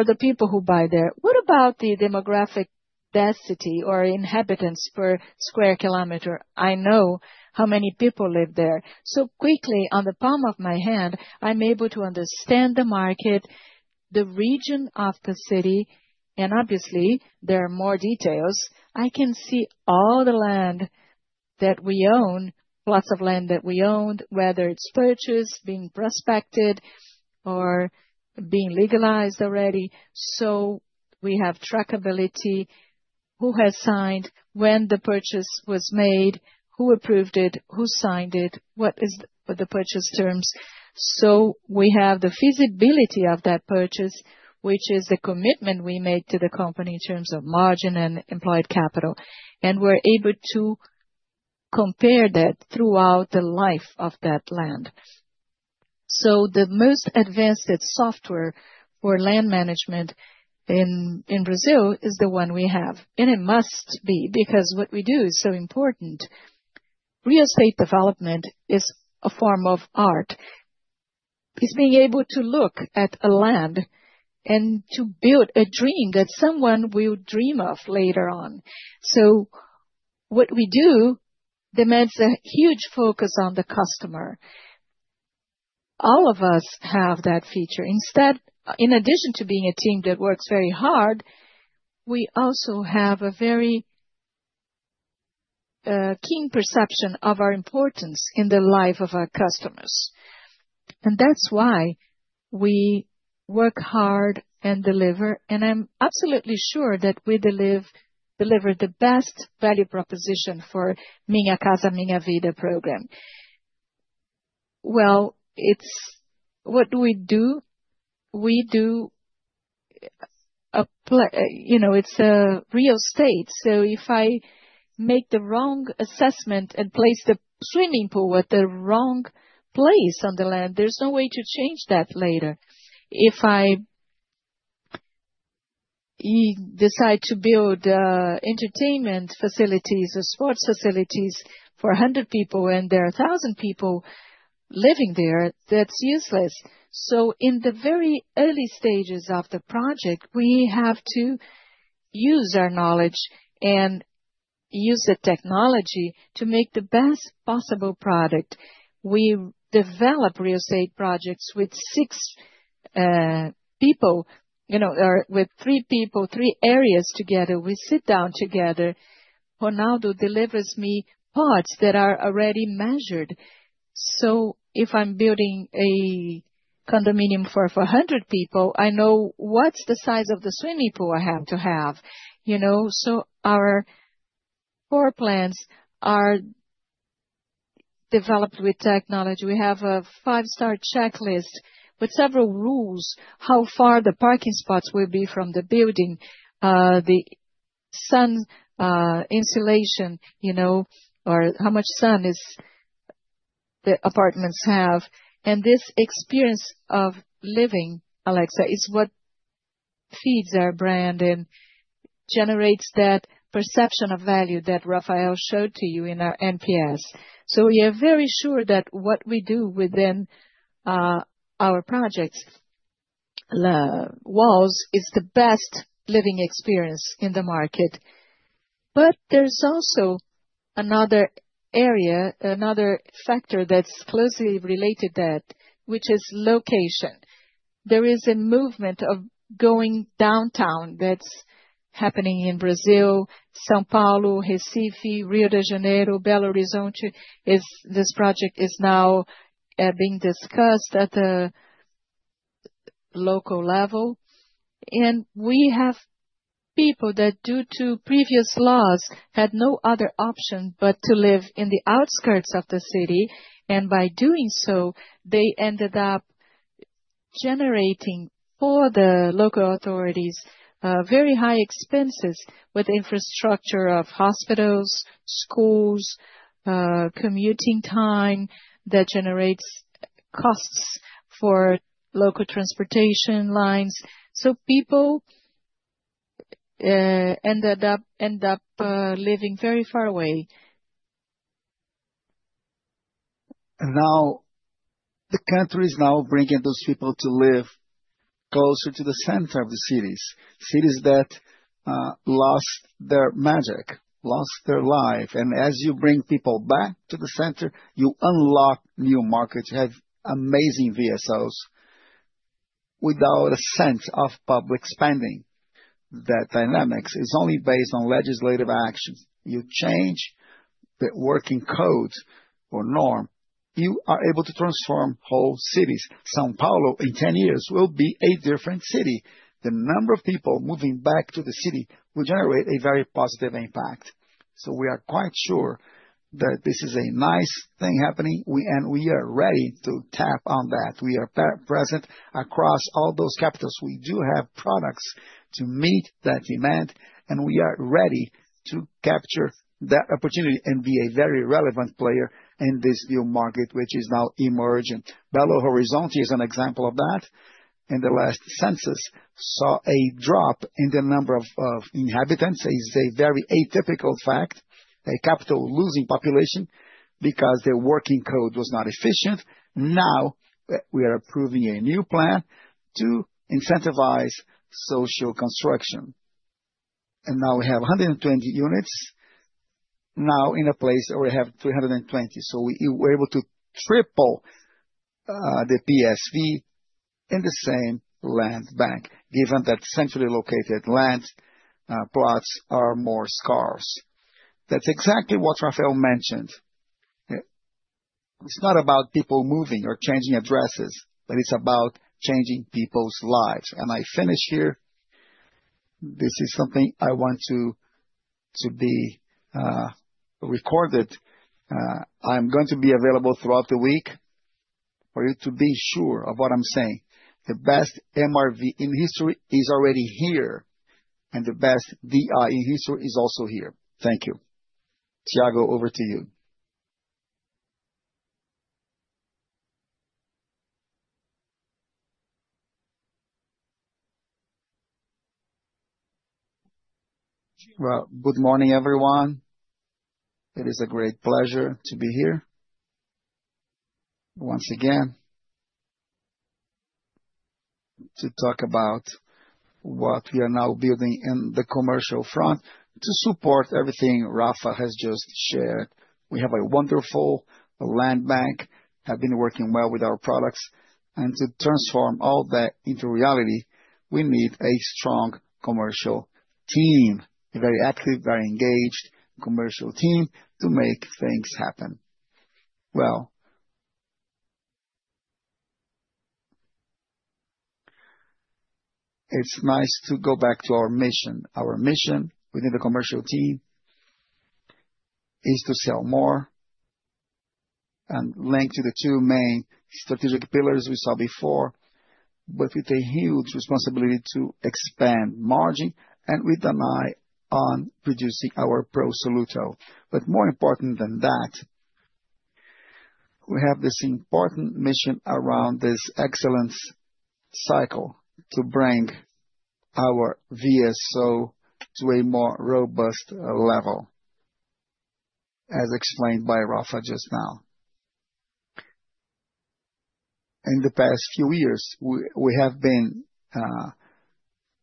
the people who buy there. What about the demographic density or inhabitants per square kilometer? I know how many people live there. Quickly, on the palm of my hand, I'm able to understand the market, the region of the city, and obviously, there are more details. I can see all the land that we own, plots of land that we owned, whether it's purchased, being prospected, or being legalized already. We have traceability. Who has signed, when the purchase was made, who approved it, who signed it, what is the purchase terms. We have the feasibility of that purchase, which is the commitment we made to the company in terms of margin and employed capital. And we're able to compare that throughout the life of that land. The most advanced software for land management in Brazil is the one we have. And it must be because what we do is so important. Real estate development is a form of art. It's being able to look at a land and to build a dream that someone will dream of later on. What we do demands a huge focus on the customer. All of us have that feature. In addition to being a team that works very hard, we also have a very keen perception of our importance in the life of our customers. That's why we work hard and deliver. I'm absolutely sure that we deliver the best value proposition for Minha Casa, Minha Vida program. Well, what we do, you know, it's real estate. If I make the wrong assessment and place the swimming pool at the wrong place on the land, there's no way to change that later. If I decide to build entertainment facilities or sports facilities for 100 people, and there are 1,000 people living there, that's useless. In the very early stages of the project, we have to use our knowledge and use the technology to make the best possible product. We develop real estate projects with three people, you know, three areas together. We sit down together. Ronaldo delivers me parts that are already measured. If I'm building a condominium for 100 people, I know what's the size of the swimming pool I have to have, you know. Our floor plans are developed with technology. We have a five-star checklist with several rules, how far the parking spots will be from the building, the sun insulation, you know, or how much sun the apartments have. This experience of living, Alexa, is what feeds our brand and generates that perception of value that Rafael showed to you in our NPS. We are very sure that what we do within our projects' walls is the best living experience in the market. There's also another area, another factor that's closely related to that, which is location. There is a movement of going downtown that's happening in Brazil, São Paulo, Recife, Rio de Janeiro, Belo Horizonte. This project is now being discussed at the local level. We have people that, due to previous laws, had no other option but to live in the outskirts of the city. By doing so, they ended up generating for the local authorities very high expenses with infrastructure of hospitals, schools, commuting time that generates costs for local transportation lines. People end up living very far away. Now, the country is now bringing those people to live closer to the center of the cities. Cities that lost their magic, lost their life. As you bring people back to the center, you unlock new markets. You have amazing VSOs without a sense of public spending. That dynamics is only based on legislative actions. You change the working codes or norm, you are able to transform whole cities. São Paulo, in ten years, will be a different city. The number of people moving back to the city will generate a very positive impact. We are quite sure that this is a nice thing happening. We are ready to tap on that. We are present across all those capitals. We do have products to meet that demand, and we are ready to capture that opportunity and be a very relevant player in this new market, which is now emerging. Belo Horizonte is an example of that. In the last census, saw a drop in the number of inhabitants. It's a very atypical fact, a capital losing population because their zoning code was not efficient. Now we are approving a new plan to incentivize social construction. Now we have 120 units in a place where we have 320. We're able to triple the PSV in the same land bank, given that centrally located land plots are more scarce. That's exactly what Rafael mentioned. It's not about people moving or changing addresses, but it's about changing people's lives. I finish here, this is something I want to be recorded. I'm going to be available throughout the week for you to be sure of what I'm saying. The best MRV in history is already here, and the best VI in history is also here. Thank you. Thiago, over to you. Well, good morning, everyone. It is a great pleasure to be here once again, to talk about what we are now building in the commercial front to support everything Rafa has just shared. We have a wonderful land bank, have been working well with our products, and to transform all that into reality, we need a strong commercial team, a very active, very engaged commercial team to make things happen. Well, it's nice to go back to our mission. Our mission within the commercial team is to sell more and link to the two main strategic pillars we saw before, but with a huge responsibility to expand margin and with an eye on reducing our Pro Soluto. More important than that, we have this important mission around this excellence cycle to bring our VSO to a more robust level, as explained by Rafa just now. In the past few years, we have been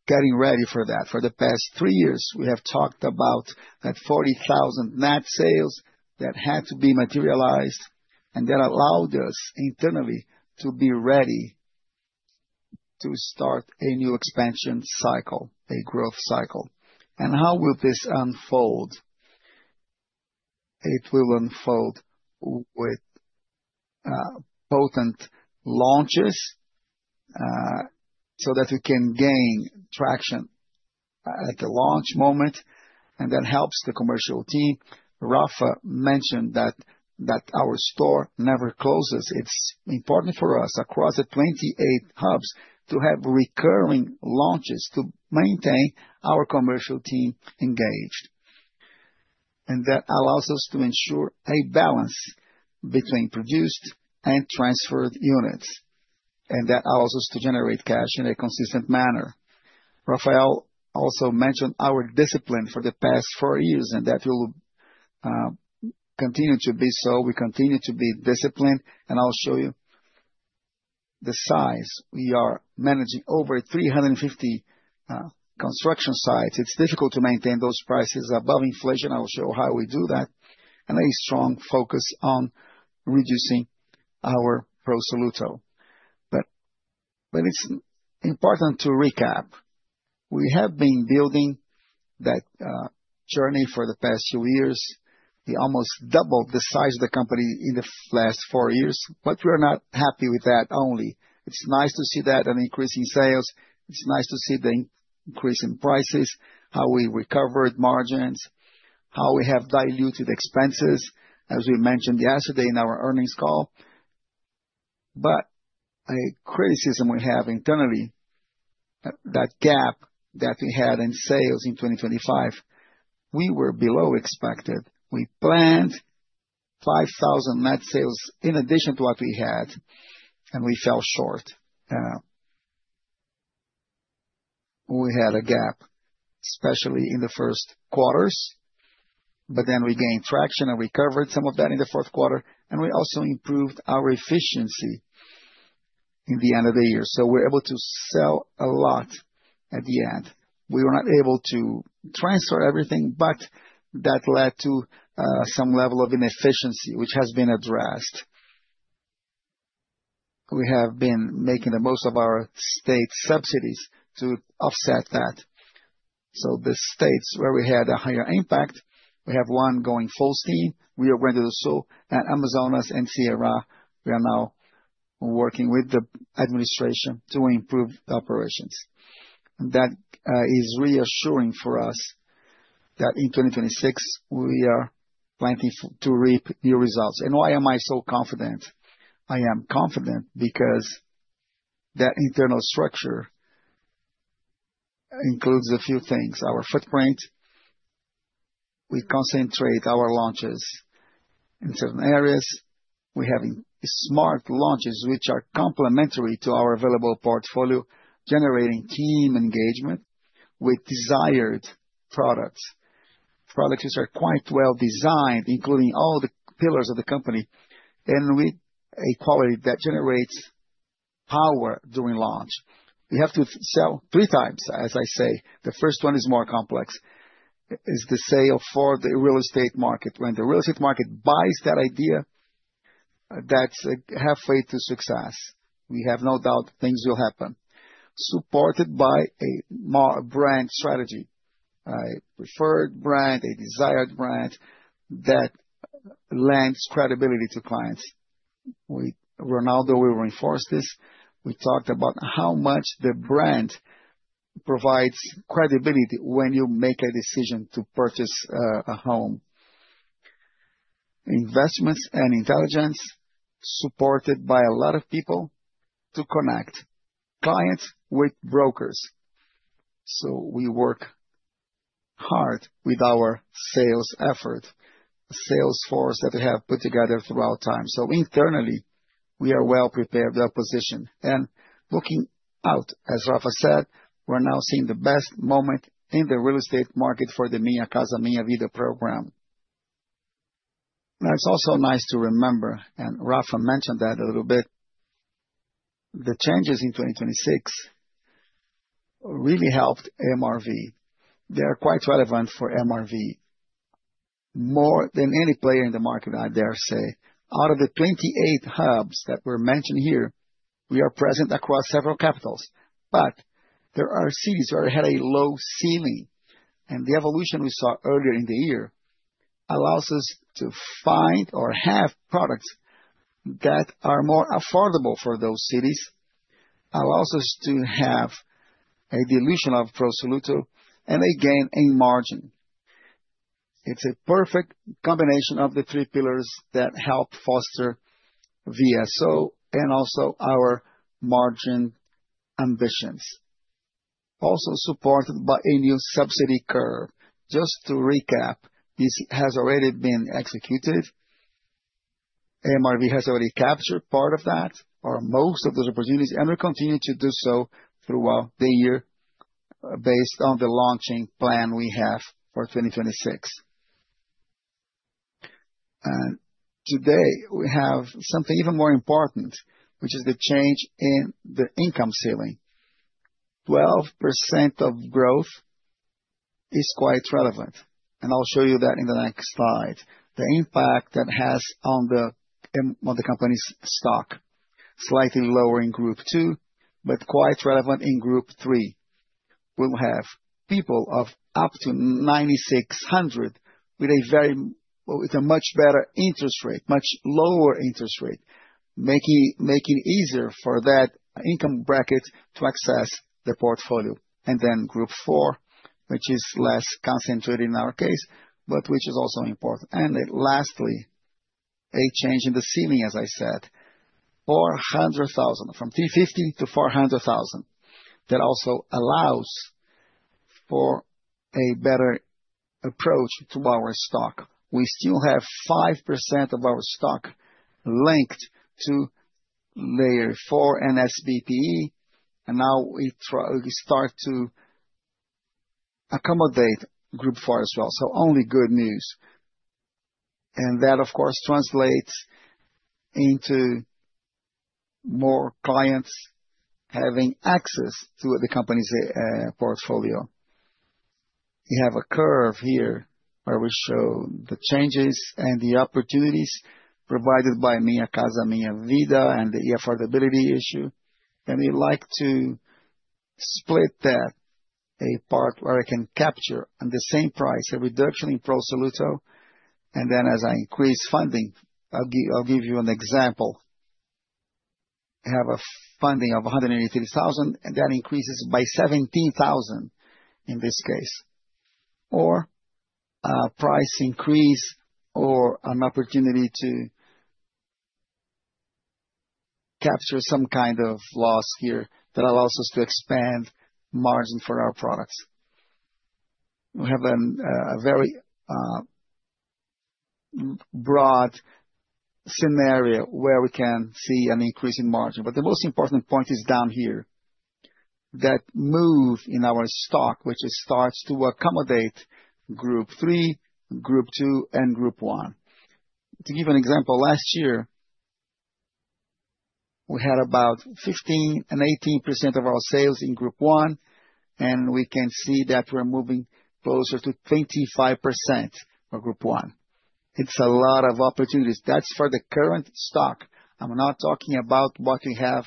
getting ready for that. For the past 3 years, we have talked about that 40,000 net sales that had to be materialized and that allowed us internally to be ready to start a new expansion cycle, a growth cycle. How will this unfold? It will unfold with potent launches, so that we can gain traction at the launch moment and that helps the commercial team. Rafael mentioned that our store never closes. It's important for us across the 28 hubs to have recurring launches to maintain our commercial team engaged. That allows us to ensure a balance between produced and transferred units, and that allows us to generate cash in a consistent manner. Rafael also mentioned our discipline for the past four years, and that will continue to be so. We continue to be disciplined, and I'll show you the size. We are managing over 350 construction sites. It's difficult to maintain those prices above inflation. I will show how we do that, and a strong focus on reducing our Pro Soluto. It's important to recap. We have been building that journey for the past few years. We almost doubled the size of the company in the last four years, but we're not happy with that only. It's nice to see that an increase in sales, it's nice to see the increase in prices, how we recovered margins, how we have diluted expenses, as we mentioned yesterday in our earnings call. A criticism we have internally, that gap that we had in sales in 2025, we were below expected. We planned 5,000 net sales in addition to what we had, and we fell short. We had a gap, especially in the first quarters, but then we gained traction and recovered some of that in the fourth quarter. We also improved our efficiency in the end of the year. We're able to sell a lot at the end. We were not able to transfer everything, but that led to some level of inefficiency, which has been addressed. We have been making the most of our state subsidies to offset that. The states where we had a higher impact, we have one going full steam. Rio Grande do Sul and Amazonas and Ceará, we are now working with the administration to improve the operations. That is reassuring for us that in 2026 we are planning to reap new results. Why am I so confident? I am confident because that internal structure includes a few things. Our footprint, we concentrate our launches in certain areas. We're having smart launches which are complementary to our available portfolio, generating team engagement with desired products. Products which are quite well-designed, including all the pillars of the company, and with a quality that generates power during launch. We have to sell three times, as I say. The first one is more complex, is the sale for the real estate market. When the real estate market buys that idea, that's halfway to success. We have no doubt things will happen. Supported by an MRV brand strategy. A preferred brand, a desired brand that lends credibility to clients. Ronaldo will reinforce this. We talked about how much the brand provides credibility when you make a decision to purchase a home. Investments and intelligence supported by a lot of people to connect clients with brokers. We work hard with our sales effort, sales force that we have put together throughout time. Internally, we are well-prepared, well-positioned. Looking out, as Rafa said, we're now seeing the best moment in the real estate market for the Minha Casa, Minha Vida program. Now, it's also nice to remember, and Rafa mentioned that a little bit, the changes in 2026 really helped MRV. They are quite relevant for MRV more than any player in the market, I dare say. Out of the 28 hubs that were mentioned here, we are present across several capitals. There are cities where it had a low ceiling, and the evolution we saw earlier in the year allows us to find or have products that are more affordable for those cities, allows us to have a dilution of Pro Soluto and a gain in margin. It's a perfect combination of the three pillars that help foster VSO and also our margin ambitions. Also supported by a new subsidy curve. Just to recap, this has already been executed. MRV has already captured part of that or most of those opportunities, and we continue to do so throughout the year based on the launching plan we have for 2026. Today, we have something even more important, which is the change in the income ceiling. 12% of growth is quite relevant, and I'll show you that in the next slide. The impact that has on the company's stock, slightly lower in group two, but quite relevant in group three. We will have people of up to 9,600 with a much better interest rate, much lower interest rate, making it easier for that income bracket to access the portfolio. Then group four, which is less concentrated in our case, but which is also important. Lastly, a change in the ceiling, as I said, 400,000, from 350,000 to 400,000. That also allows for a better approach to our stock. We still have 5% of our stock linked to layer four SBPE, and now we start to accommodate group four as well. Only good news. That, of course, translates into more clients having access to the company's portfolio. You have a curve here where we show the changes and the opportunities provided by Minha Casa, Minha Vida and the affordability issue. We like to split that, a part where I can capture on the same price a reduction in Pro Soluto. Then as I increase funding, I'll give you an example. I have a funding of 183 thousand, and that increases by 17 thousand in this case, or a price increase or an opportunity to capture some kind of loss here that allows us to expand margin for our products. We have a very broad scenario where we can see an increase in margin. The most important point is down here. That move in our stock, which it starts to accommodate group three, group two, and group one. To give an example, last year, we had about 15%-18% of our sales in group one, and we can see that we're moving closer to 25% for group one. It's a lot of opportunities. That's for the current stock. I'm not talking about what we have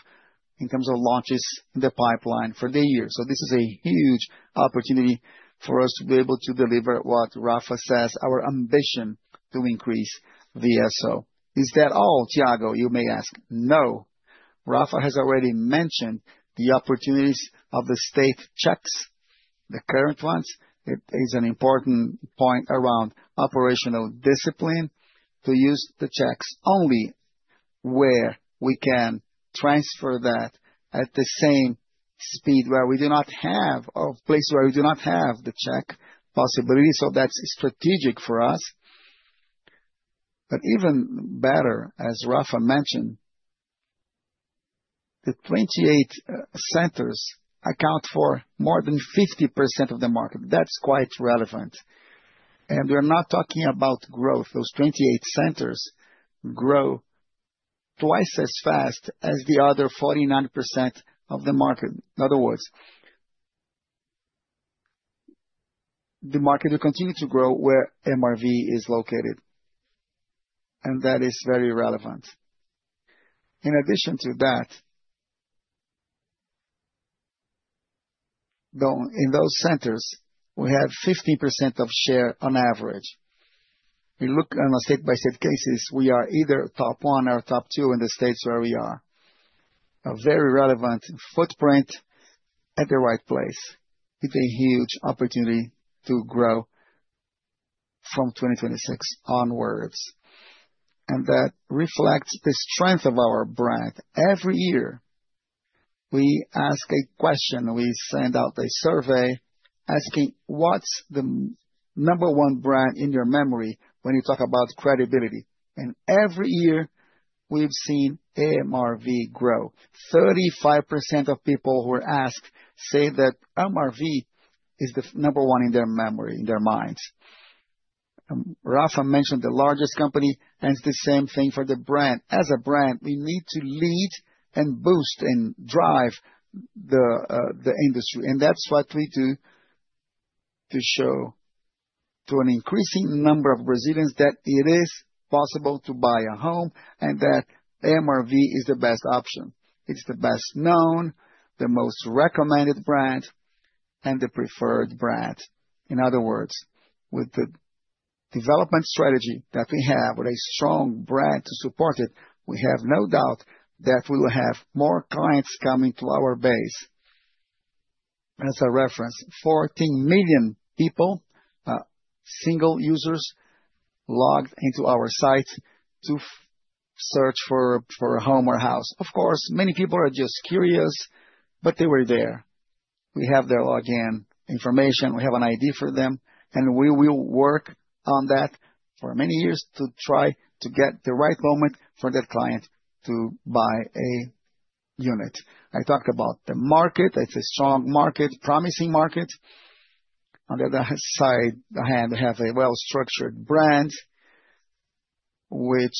in terms of launches in the pipeline for the year. This is a huge opportunity for us to be able to deliver what Rafa says, our ambition to increase VSO. Is that all, Thiago, you may ask? No. Rafa has already mentioned the opportunities of the state checks, the current ones. It is an important point around operational discipline to use the checks only where we can transfer that at the same speed where we do not have or place where we do not have the check possibility. That's strategic for us. Even better, as Rafa mentioned, the 28 centers account for more than 50% of the market. That's quite relevant. We're not talking about growth. Those 28 centers grow twice as fast as the other 49% of the market. In other words, the market will continue to grow where MRV is located. That is very relevant. In addition to that, though, in those centers, we have 50% share on average. We look at a state-by-state basis, we are either top one or top two in the states where we are. A very relevant footprint at the right place, with a huge opportunity to grow from 2026 onwards. That reflects the strength of our brand. Every year we ask a question, we send out a survey asking, "What's the number one brand in your memory when you talk about credibility?" Every year, we've seen MRV grow. 35% of people who are asked say that MRV is the number one in their memory, in their minds. Rafa mentioned the largest company, and it's the same thing for the brand. As a brand, we need to lead and boost and drive the industry, and that's what we do to show to an increasing number of Brazilians that it is possible to buy a home and that MRV is the best option. It's the best known, the most recommended brand and the preferred brand. In other words, with the development strategy that we have, with a strong brand to support it, we have no doubt that we will have more clients coming to our base. As a reference, 14 million people, single users logged into our site to search for a home or house. Of course, many people are just curious, but they were there. We have their login information, we have an ID for them, and we will work on that for many years to try to get the right moment for that client to buy a unit. I talked about the market. It's a strong market, promising market. On the other hand, we have a well-structured brand which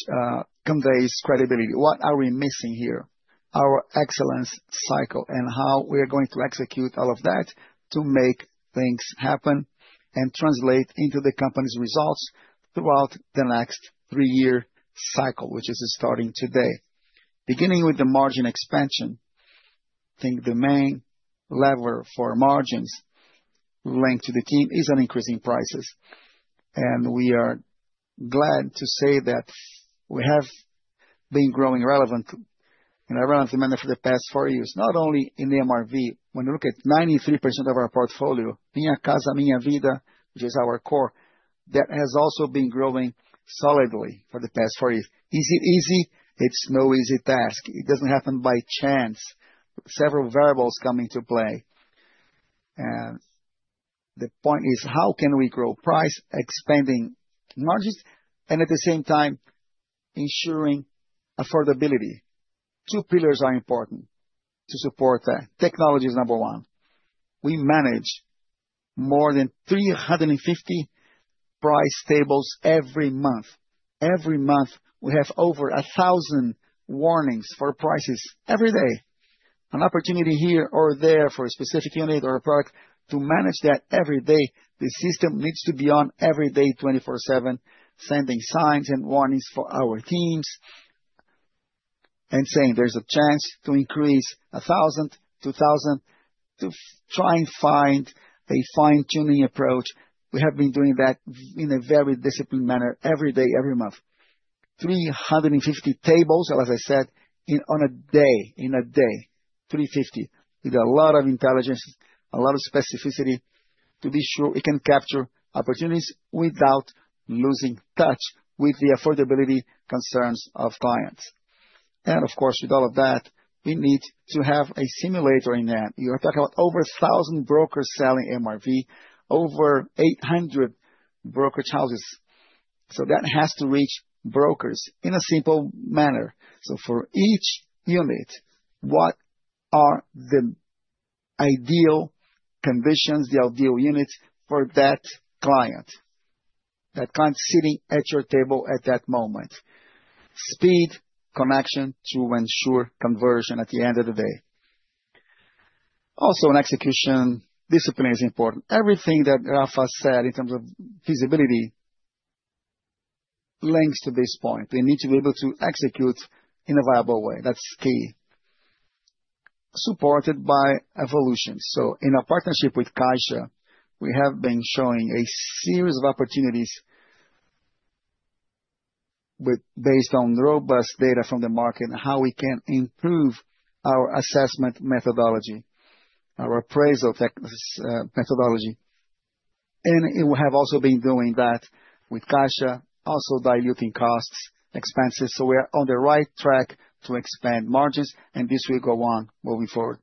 conveys credibility. What are we missing here? Our excellence cycle and how we are going to execute all of that to make things happen and translate into the company's results throughout the next three-year cycle, which is starting today. Beginning with the margin expansion, I think the main lever for margins linked to the team is on increasing prices. We are glad to say that we have been growing relevant and around the demand for the past four years, not only in MRV. When you look at 93% of our portfolio, Minha Casa, Minha Vida, which is our core, that has also been growing solidly for the past four years. Is it easy? It's no easy task. It doesn't happen by chance. Several variables come into play. The point is, how can we grow prices expanding margins and at the same time ensuring affordability? Two pillars are important to support that. Technology is number one. We manage more than 350 price tables every month. Every month, we have over 1,000 warnings for prices. Every day, an opportunity here or there for a specific unit or a product. To manage that every day, the system needs to be on every day, 24/7, sending signs and warnings for our teams and saying, "There's a chance to increase 1,000, 2,000," to try and find a fine-tuning approach. We have been doing that in a very disciplined manner every day, every month. 350 tables, as I said, in a day, 350, with a lot of intelligence, a lot of specificity to be sure it can capture opportunities without losing touch with the affordability concerns of clients. Of course, with all of that, we need to have a simulator in that. You are talking about over 1,000 brokers selling MRV, over 800 brokerage houses. That has to reach brokers in a simple manner. For each unit, what are the ideal conditions, the ideal units for that client? That client sitting at your table at that moment. Speed, connection to ensure conversion at the end of the day. Also in execution, discipline is important. Everything that Rafa said in terms of visibility links to this point. We need to be able to execute in a viable way. That's key. Supported by evolution. In our partnership with Caixa, we have been showing a series of opportunities based on robust data from the market, how we can improve our assessment methodology, our appraisal methodology. We have also been doing that with Caixa, also diluting costs, expenses, so we are on the right track to expand margins, and this will go on moving forward.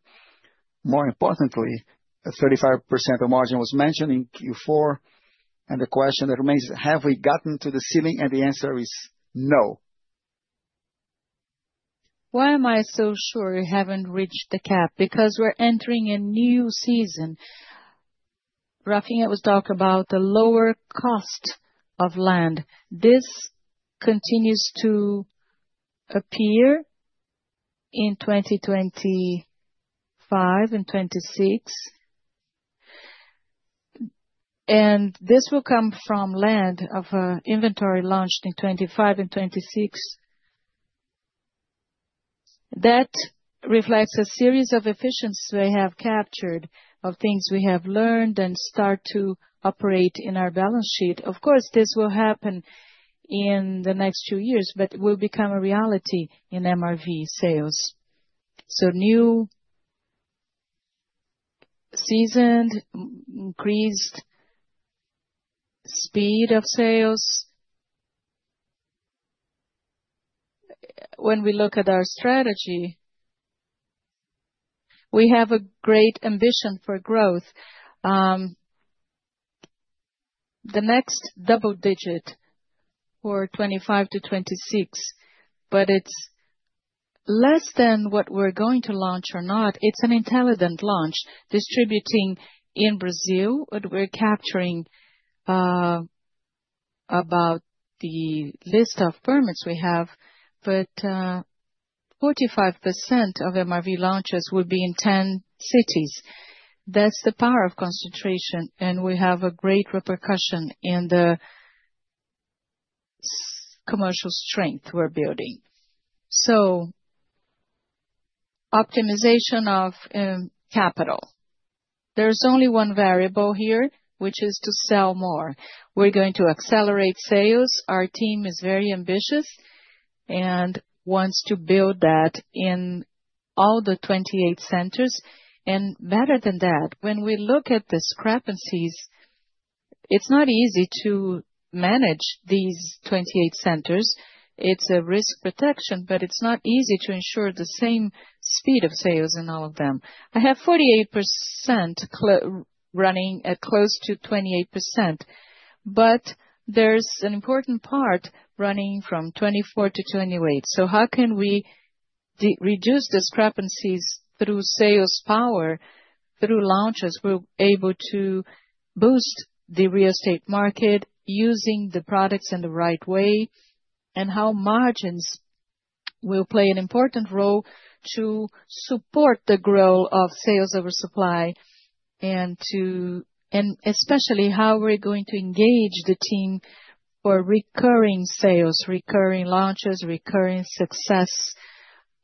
More importantly, a 35% margin was mentioned in Q4, and the question that remains, have we gotten to the ceiling? The answer is no. Why am I so sure we haven't reached the cap? Because we're entering a new season. Rafinha was talking about the lower cost of land. This continues to appear in 2025 and 2026. This will come from land of inventory launched in 2025 and 2026. That reflects a series of efficiencies we have captured of things we have learned and start to operate in our balance sheet. Of course, this will happen in the next few years, but will become a reality in MRV sales. New season, increased speed of sales. When we look at our strategy, we have a great ambition for growth. The next double-digit for 2025 to 2026, but it's less than what we're going to launch or not. It's an intelligent launch distributing in Brazil. What we're capturing about the list of permits we have, but forty-five percent of MRV launches will be in 10 cities. That's the power of concentration, and we have a great repercussion in the commercial strength we're building. Optimization of capital. There's only one variable here, which is to sell more. We're going to accelerate sales. Our team is very ambitious and wants to build that in all the 28 centers. Better than that, when we look at discrepancies, it's not easy to manage these 28 centers. It's a risk protection, but it's not easy to ensure the same speed of sales in all of them. I have 48% running at close to 28%, but there's an important part running from 24% to 28%. How can we reduce discrepancies through sales power? Through launches, we're able to boost the real estate market using the products in the right way, and how margins will play an important role to support the growth of sales oversupply and to especially how we're going to engage the team for recurring sales, recurring launches, recurring success,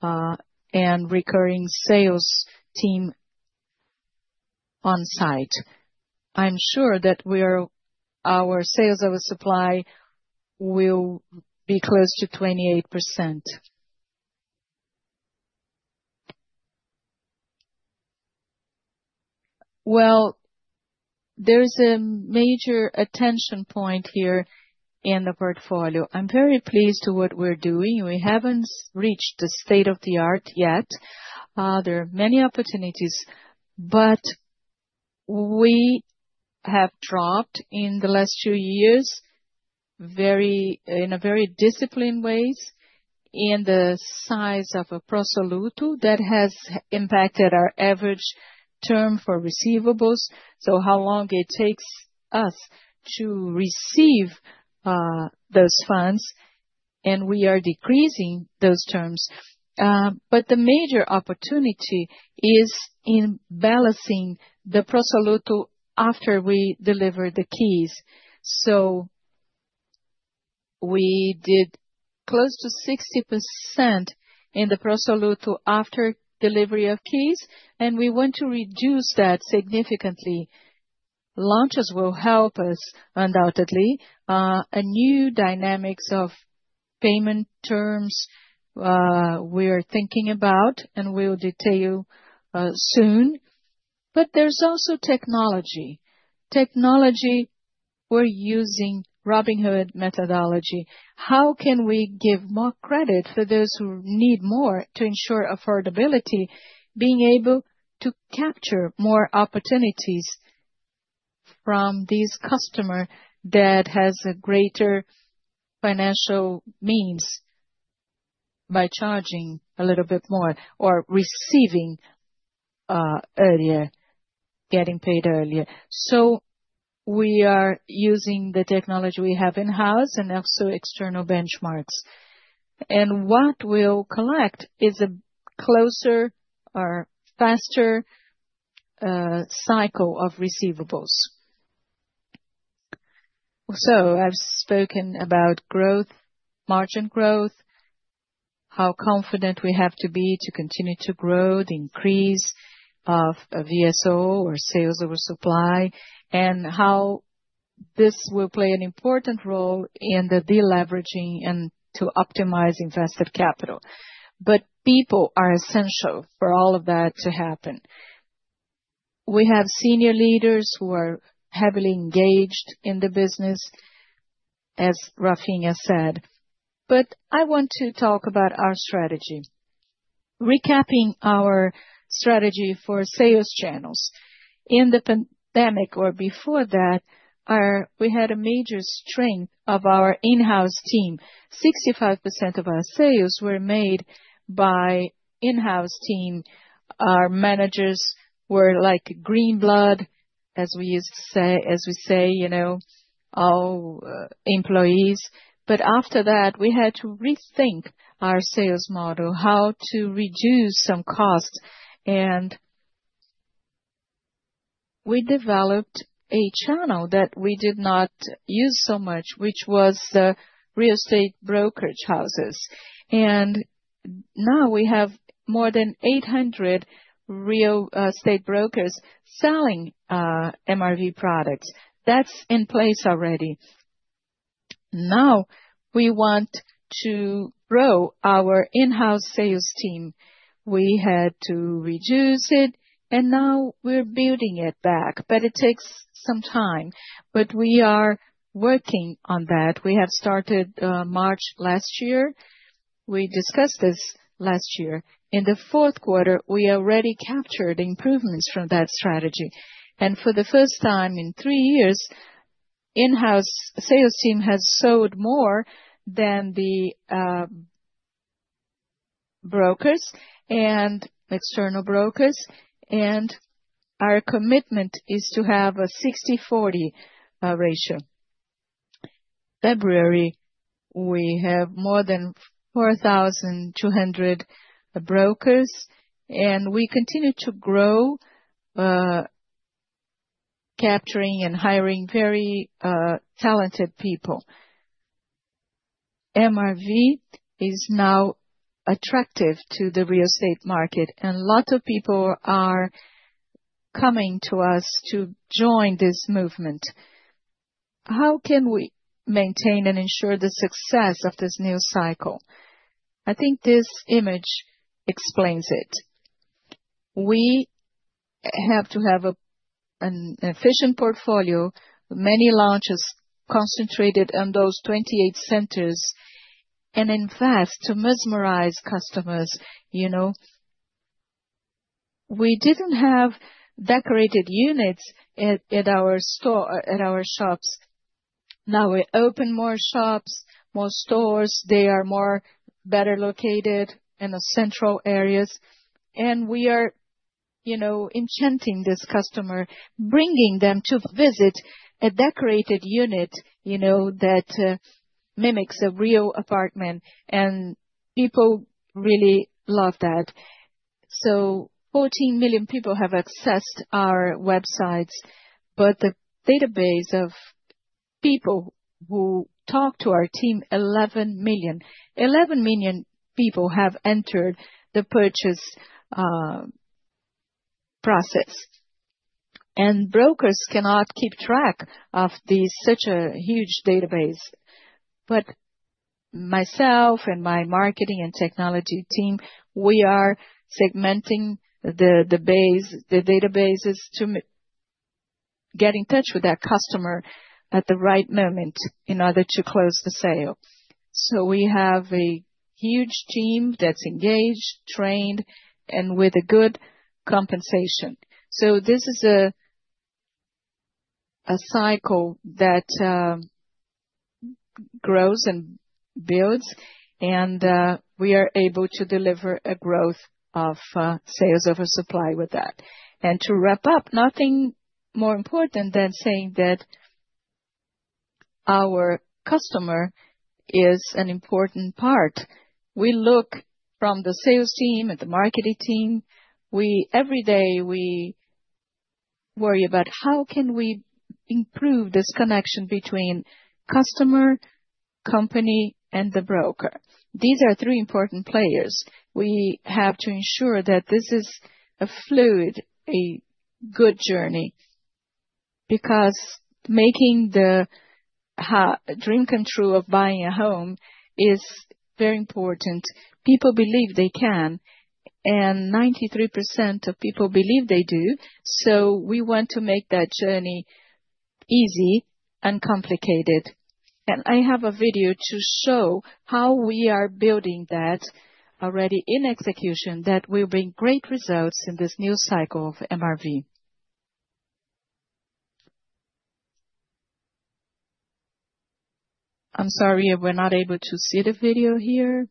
and recurring sales team on site. I'm sure that our sales oversupply will be close to 28%. Well, there's a major attention point here in the portfolio. I'm very pleased with what we're doing. We haven't reached the state-of-the-art yet. There are many opportunities, but we have dropped in the last few years in a very disciplined way in the size of a Pro Soluto that has impacted our average term for receivables, so how long it takes us to receive those funds, and we are decreasing those terms. The major opportunity is in balancing the Pro Soluto after we deliver the keys. We did close to 60% in the Pro Soluto after delivery of keys, and we want to reduce that significantly. Launches will help us undoubtedly. A new dynamics of payment terms, we are thinking about and we'll detail soon. There's also technology. Technology, we're using Robin Hood methodology. How can we give more credit for those who need more to ensure affordability, being able to capture more opportunities from this customer that has a greater financial means by charging a little bit more or receiving earlier, getting paid earlier? We are using the technology we have in-house and also external benchmarks. What we'll collect is a closer or faster cycle of receivables. I've spoken about growth, margin growth, how confident we have to be to continue to grow, the increase of VSO or sales oversupply, and how this will play an important role in the deleveraging and to optimize invested capital. People are essential for all of that to happen. We have senior leaders who are heavily engaged in the business, as Rafinha said, but I want to talk about our strategy. Recapping our strategy for sales channels. In the pandemic or before that, we had a major strength of our in-house team. 65% of our sales were made by in-house team. Our managers were like green blood, as we used to say, as we say, you know. Our employees. After that, we had to rethink our sales model, how to reduce some costs. We developed a channel that we did not use so much, which was the real estate brokerage houses. Now we have more than 800 real estate brokers selling MRV products. That's in place already. Now we want to grow our in-house sales team. We had to reduce it, and now we're building it back, but it takes some time. We are working on that. We have started March last year. We discussed this last year. In the fourth quarter, we already captured improvements from that strategy. For the first time in three years, in-house sales team has sold more than the brokers and external brokers. Our commitment is to have a 60/40 ratio. February, we have more than 4,200 brokers, and we continue to grow, capturing and hiring very talented people. MRV is now attractive to the real estate market, and lots of people are coming to us to join this movement. How can we maintain and ensure the success of this new cycle? I think this image explains it. We have to have an efficient portfolio, many launches concentrated on those 28 centers. In fact, to mesmerize customers, you know. We didn't have decorated units at our shops. Now we open more shops, more stores. They are more better located in the central areas. We are, you know, enchanting this customer, bringing them to visit a decorated unit, you know, that mimics a real apartment, and people really love that. Fourteen million people have accessed our websites, but the database of people who talk to our team, 11 million. Eleven million people have entered the purchase process. Brokers cannot keep track of such a huge database. Myself and my marketing and technology team, we are segmenting the databases to get in touch with that customer at the right moment in order to close the sale. We have a huge team that's engaged, trained, and with a good compensation. This is a cycle that grows and builds, and we are able to deliver a growth of sales over supply with that. To wrap up, nothing more important than saying that our customer is an important part. We look from the sales team and the marketing team. Every day, we worry about how can we improve this connection between customer, company, and the broker. These are three important players. We have to ensure that this is a fluid, a good journey because making the dream come true of buying a home is very important. People believe they can, and 93% of people believe they do. We want to make that journey easy, uncomplicated. I have a video to show how we are building that already in execution that will bring great results in this new cycle of MRV. I'm sorry we're not able to see the video here.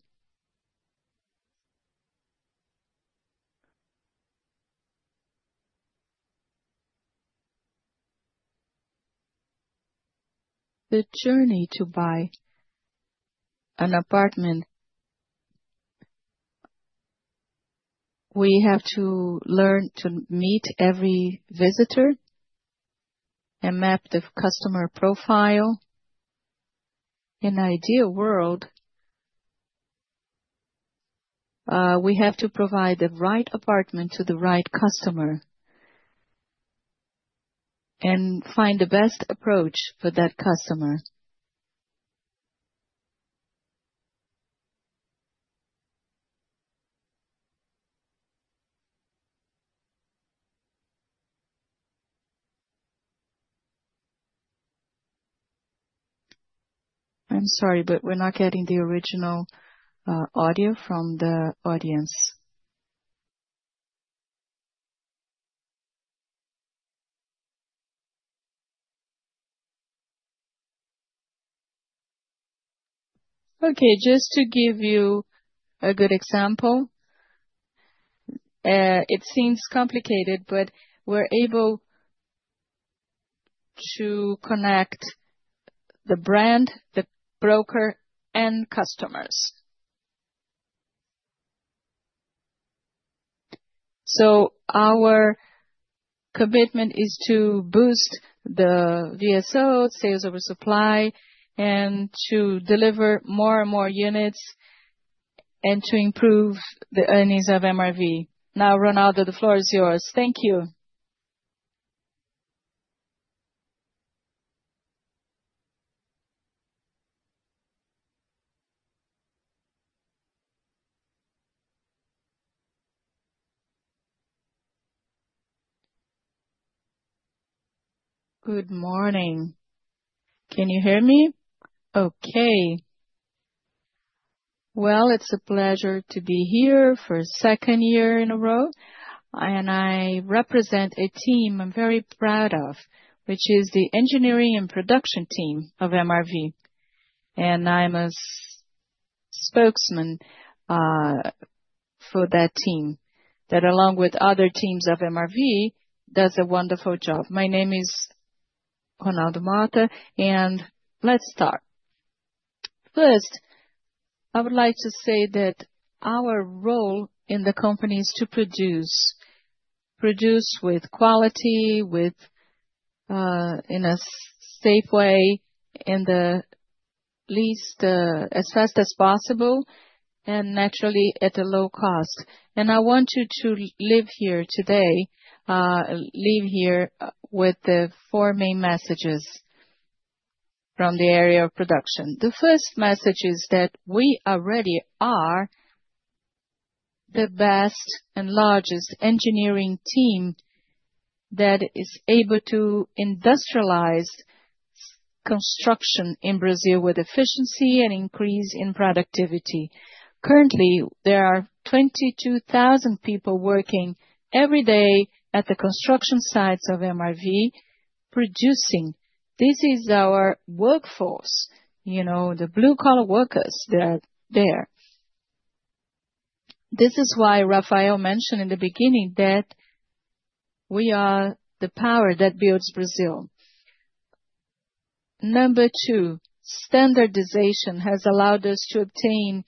The journey to buy an apartment. We have to learn to meet every visitor and map the customer profile. In an ideal world, we have to provide the right apartment to the right customer and find the best approach for that customer. I'm sorry, but we're not getting the original audio from the audience. Okay, just to give you a good example, it seems complicated, but we're able to connect the brand, the broker, and customers. Our commitment is to boost the VSO, sales over supply, and to deliver more and more units, and to improve the earnings of MRV. Now, Ronaldo, the floor is yours. Thank you. Good morning. Can you hear me? Okay. Well, it's a pleasure to be here for a second year in a row, and I represent a team I'm very proud of, which is the engineering and production team of MRV. I'm a spokesman for that team that along with other teams of MRV, does a wonderful job. My name is Ronaldo Motta, and let's start. First, I would like to say that our role in the company is to produce. Produce with quality, with in a safe way, in the least as fast as possible, and naturally, at a low cost. I want you to leave here today with the four main messages from the area of production. The first message is that we already are the best and largest engineering team that is able to industrialize construction in Brazil with efficiency and increase in productivity. Currently, there are 22,000 people working every day at the construction sites of MRV producing. This is our workforce, you know, the blue-collar workers, they're there. This is why Rafael mentioned in the beginning that we are the power that builds Brazil. Number two, standardization has allowed us to obtain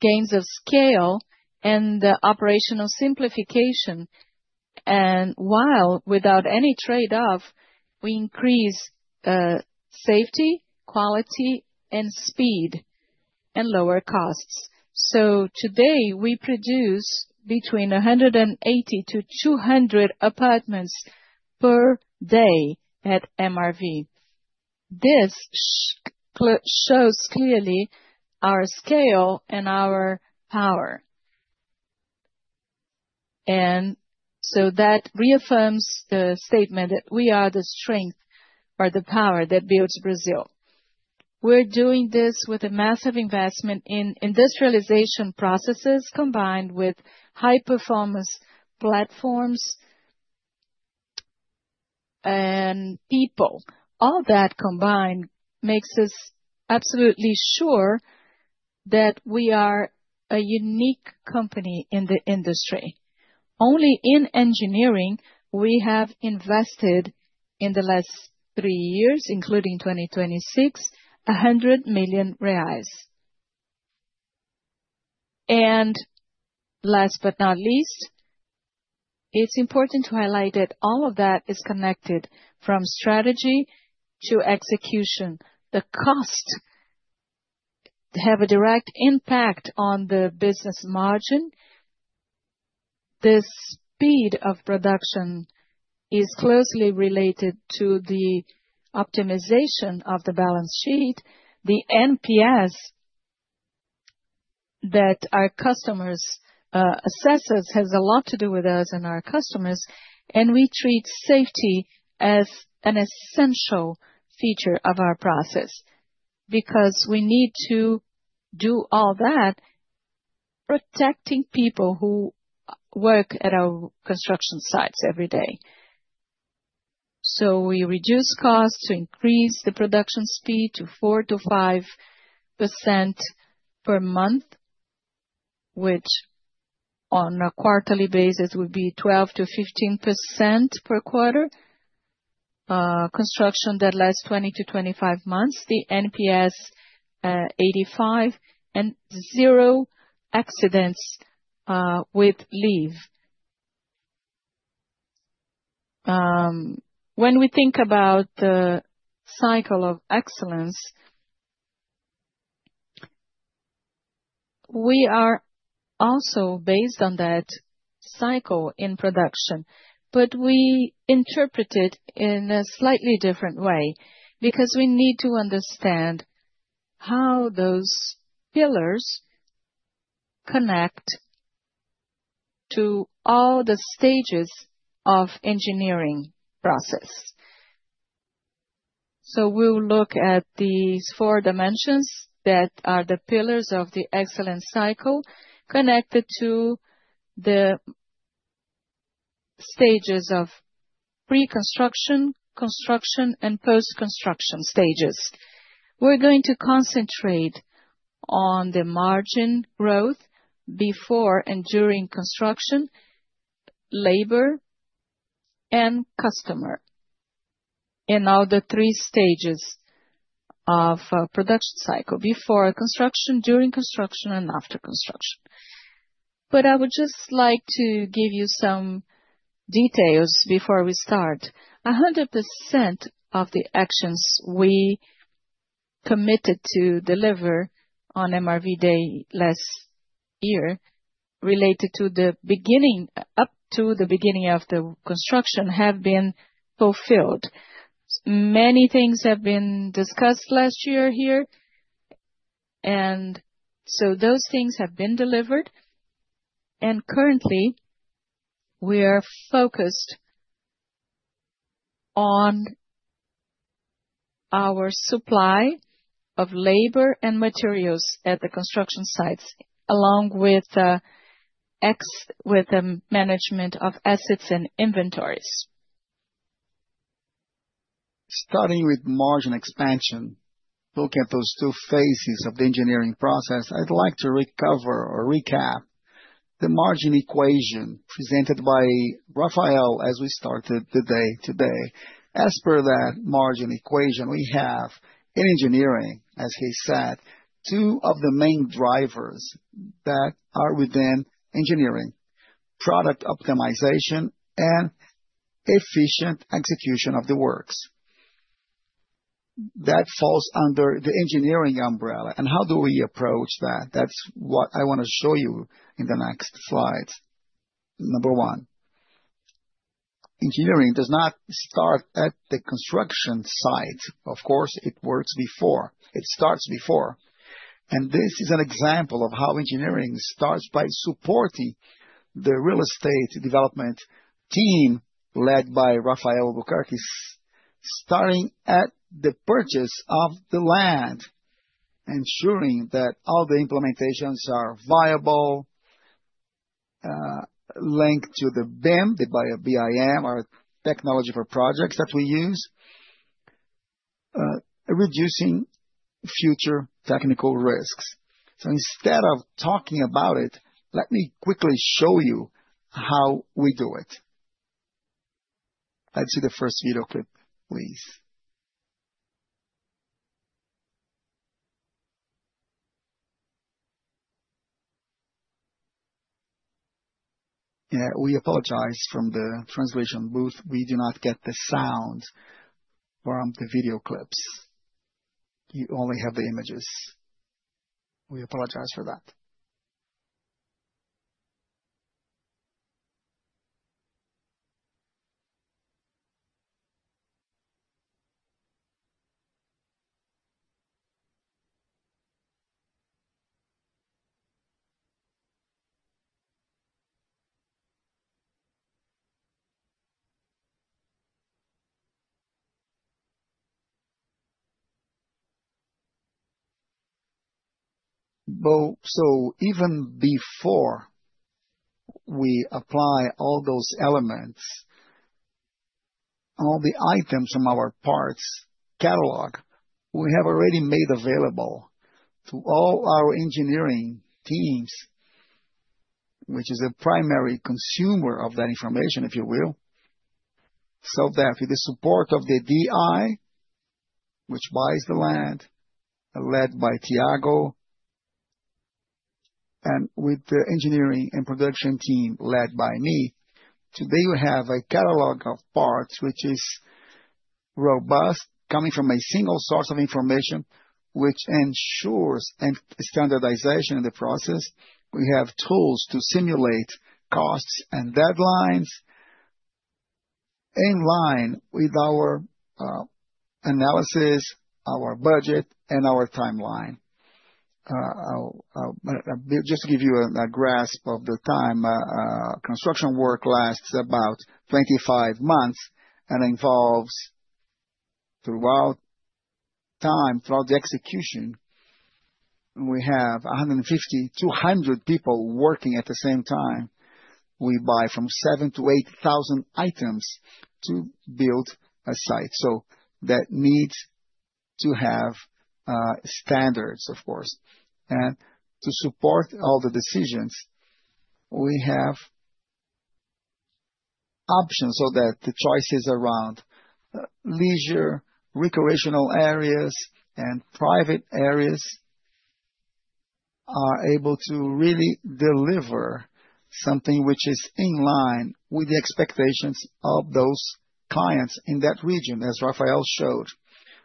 gains of scale and operational simplification. While without any trade-off, we increase safety, quality, and speed, and lower costs. Today, we produce between 180-200 apartments per day at MRV. This shows clearly our scale and our power. That reaffirms the statement that we are the strength or the power that builds Brazil. We're doing this with a massive investment in industrialization processes, combined with high-performance platforms and people. All that combined makes us absolutely sure that we are a unique company in the industry. Only in engineering, we have invested in the last three years, including 2026, 100 million reais. Last but not least, it's important to highlight that all of that is connected from strategy to execution. The costs have a direct impact on the business margin. The speed of production is closely related to the optimization of the balance sheet. The NPS that our customers assess us has a lot to do with us and our customers, and we treat safety as an essential feature of our process. Because we need to do all that, protecting people who work at our construction sites every day. We reduce costs to increase the production speed to 4%-5% per month, which on a quarterly basis would be 12%-15% per quarter. Construction that lasts 20-25 months. The NPS, 85, and 0 accidents with leave. When we think about the cycle of excellence, we are also based on that cycle in production. We interpret it in a slightly different way because we need to understand how those pillars connect to all the stages of engineering process. We'll look at these four dimensions that are the pillars of the excellence cycle connected to the stages of pre-construction, construction, and post-construction stages. We're going to concentrate on the margin growth before and during construction, labor, and customer in all the three stages of production cycle. Before construction, during construction, and after construction. I would just like to give you some details before we start. 100% of the actions we committed to deliver on MRV Day last year related to the beginning up to the beginning of the construction have been fulfilled. Many things have been discussed last year here, and so those things have been delivered. Currently, we are focused on our supply of labor and materials at the construction sites, along with the management of assets and inventories. Starting with margin expansion, looking at those two phases of the engineering process, I'd like to recover or recap the margin equation presented by Rafael as we started the day today. As per that margin equation, we have in engineering, as he said, two of the main drivers that are within engineering, product optimization and efficient execution of the works. That falls under the engineering umbrella. How do we approach that? That's what I wanna show you in the next slide. Number one, engineering does not start at the construction site. Of course, it works before. It starts before. This is an example of how engineering starts by supporting the real estate development team led by Rafael Pires, starting at the purchase of the land, ensuring that all the implementations are viable, linked to the BIM, our technology for projects that we use, reducing future technical risks. Instead of talking about it, let me quickly show you how we do it. Let's see the first video clip, please. Yeah, we apologize from the translation booth. We do not get the sound from the video clips. You only have the images. We apologize for that. Even before we apply all those elements, all the items from our parts catalog, we have already made available to all our engineering teams, which is a primary consumer of that information, if you will. With the support of the DI, which buys the land, led by Thiago, and with the engineering and production team led by me, today we have a catalog of parts which is robust, coming from a single source of information, which ensures an standardization in the process. We have tools to simulate costs and deadlines in line with our analysis, our budget, and our timeline. Just to give you a grasp of the time, construction work lasts about 25 months and involves, throughout the execution, 150, 200 people working at the same time. We buy from 7,000-8,000 items to build a site. That needs to have standards, of course. To support all the decisions, we have options so that the choices around leisure, recreational areas, and private areas are able to really deliver something which is in line with the expectations of those clients in that region, as Rafael showed,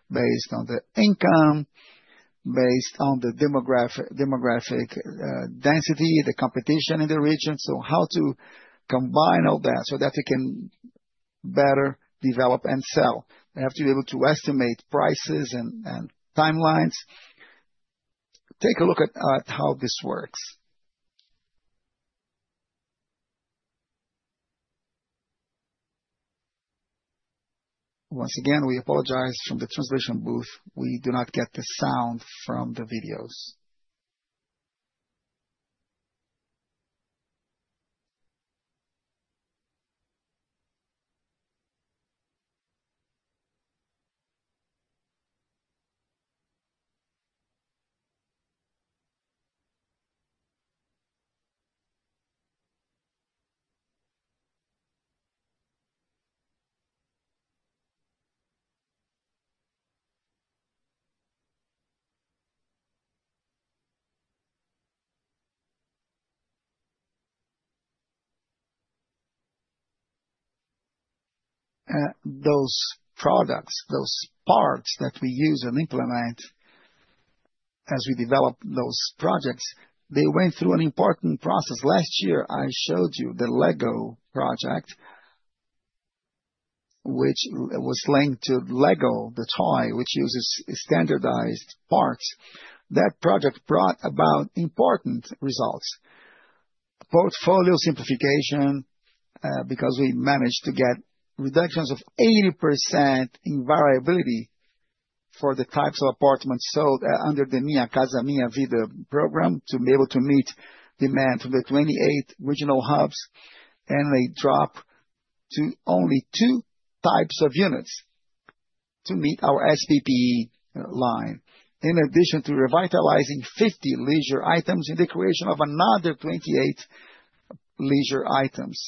based on the income, based on the demographic density, the competition in the region. How to combine all that so that we can better develop and sell. We have to be able to estimate prices and timelines. Take a look at how this works. Once again, we apologize from the translation booth. We do not get the sound from the videos. Those products, those parts that we use and implement as we develop those projects, they went through an important process. Last year, I showed you the Lego project, which was linked to Lego, the toy, which uses standardized parts. That project brought about important results. Portfolio simplification, because we managed to get reductions of 80% in variability for the types of apartments sold under the Minha Casa, Minha Vida program to be able to meet demand from the 28 regional hubs. A drop to only two types of units to meet our SBPE line. In addition to revitalizing 50 leisure items and the creation of another 28 leisure items.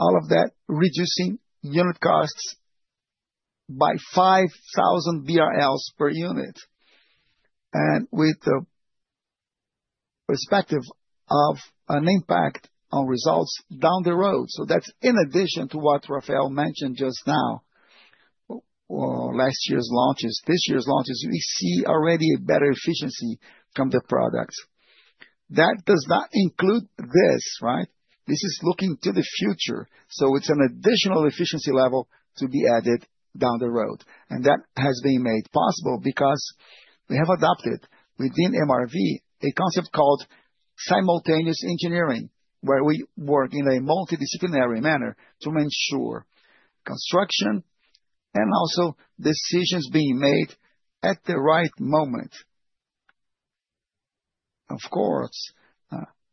All of that reducing unit costs by 5,000 BRL per unit. With the perspective of an impact on results down the road. That's in addition to what Rafael mentioned just now or last year's launches. This year's launches, we see already a better efficiency from the products. That does not include this, right? This is looking to the future, so it's an additional efficiency level to be added down the road. That has been made possible because we have adopted within MRV a concept called simultaneous engineering, where we work in a multidisciplinary manner to ensure construction and also decisions being made at the right moment. Of course,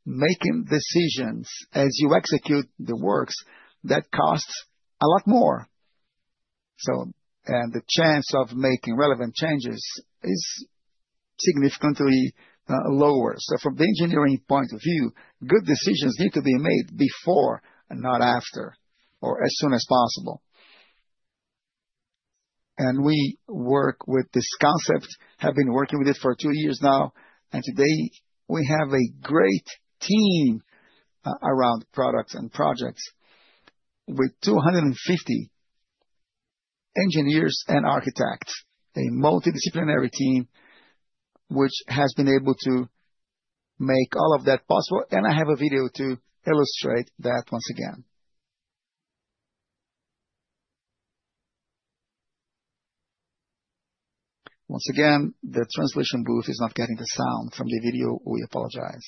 making decisions as you execute the works, that costs a lot more. The chance of making relevant changes is significantly lower. From the engineering point of view, good decisions need to be made before and not after, or as soon as possible. We work with this concept, have been working with it for two years now. Today we have a great team around products and projects with 250 engineers and architects. A multidisciplinary team which has been able to make all of that possible. I have a video to illustrate that once again. Once again, the translation booth is not getting the sound from the video. We apologize.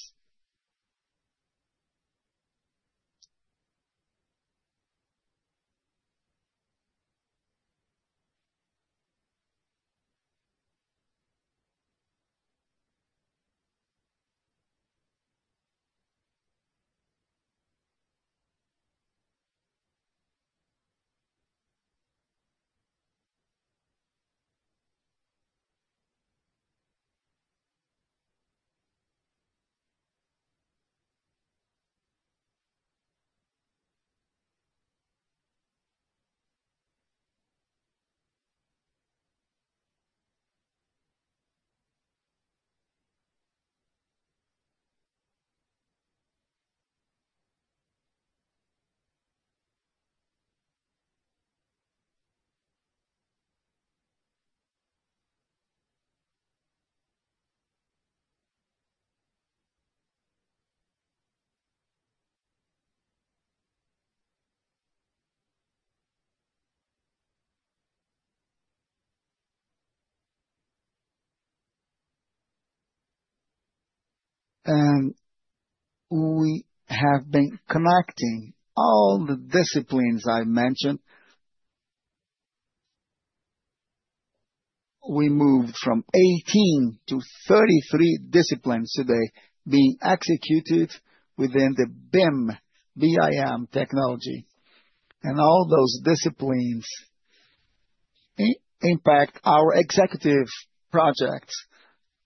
We have been connecting all the disciplines I mentioned. We moved from 18 to 33 disciplines today being executed within the BIM technology. All those disciplines impact our executive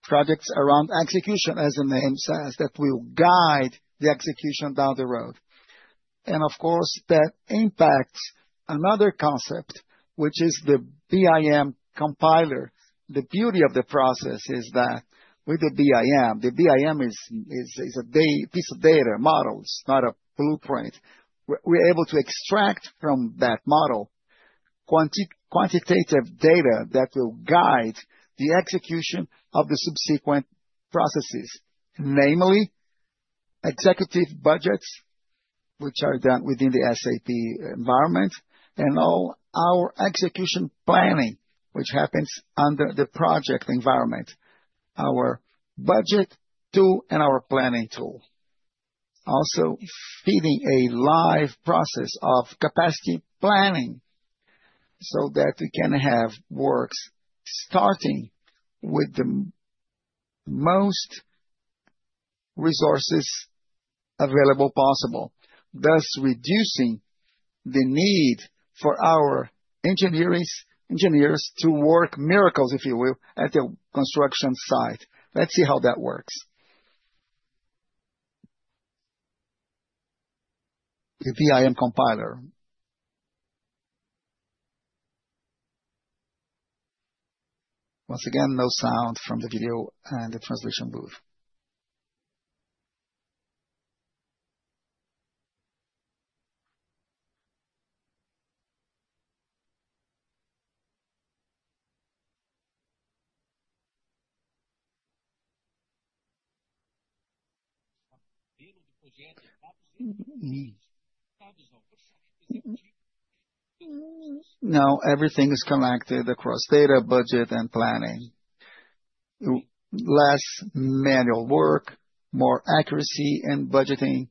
projects around execution, as the name says, that will guide the execution down the road. Of course, that impacts another concept, which is the BIM compiler. The beauty of the process is that with the BIM, the BIM is a piece of data models, not a blueprint. We're able to extract from that model quantitative data that will guide the execution of the subsequent processes. Namely, executive budgets, which are done within the SAP environment, and all our execution planning, which happens under the project environment, our budget tool and our planning tool. Also feeding a live process of capacity planning so that we can have works starting with the most resources available possible, thus reducing the need for our engineers to work miracles, if you will, at the construction site. Let's see how that works. The BIM compiler. Once again, no sound from the video and the translation booth. Now everything is connected across data, budget, and planning. Less manual work, more accuracy in budgeting,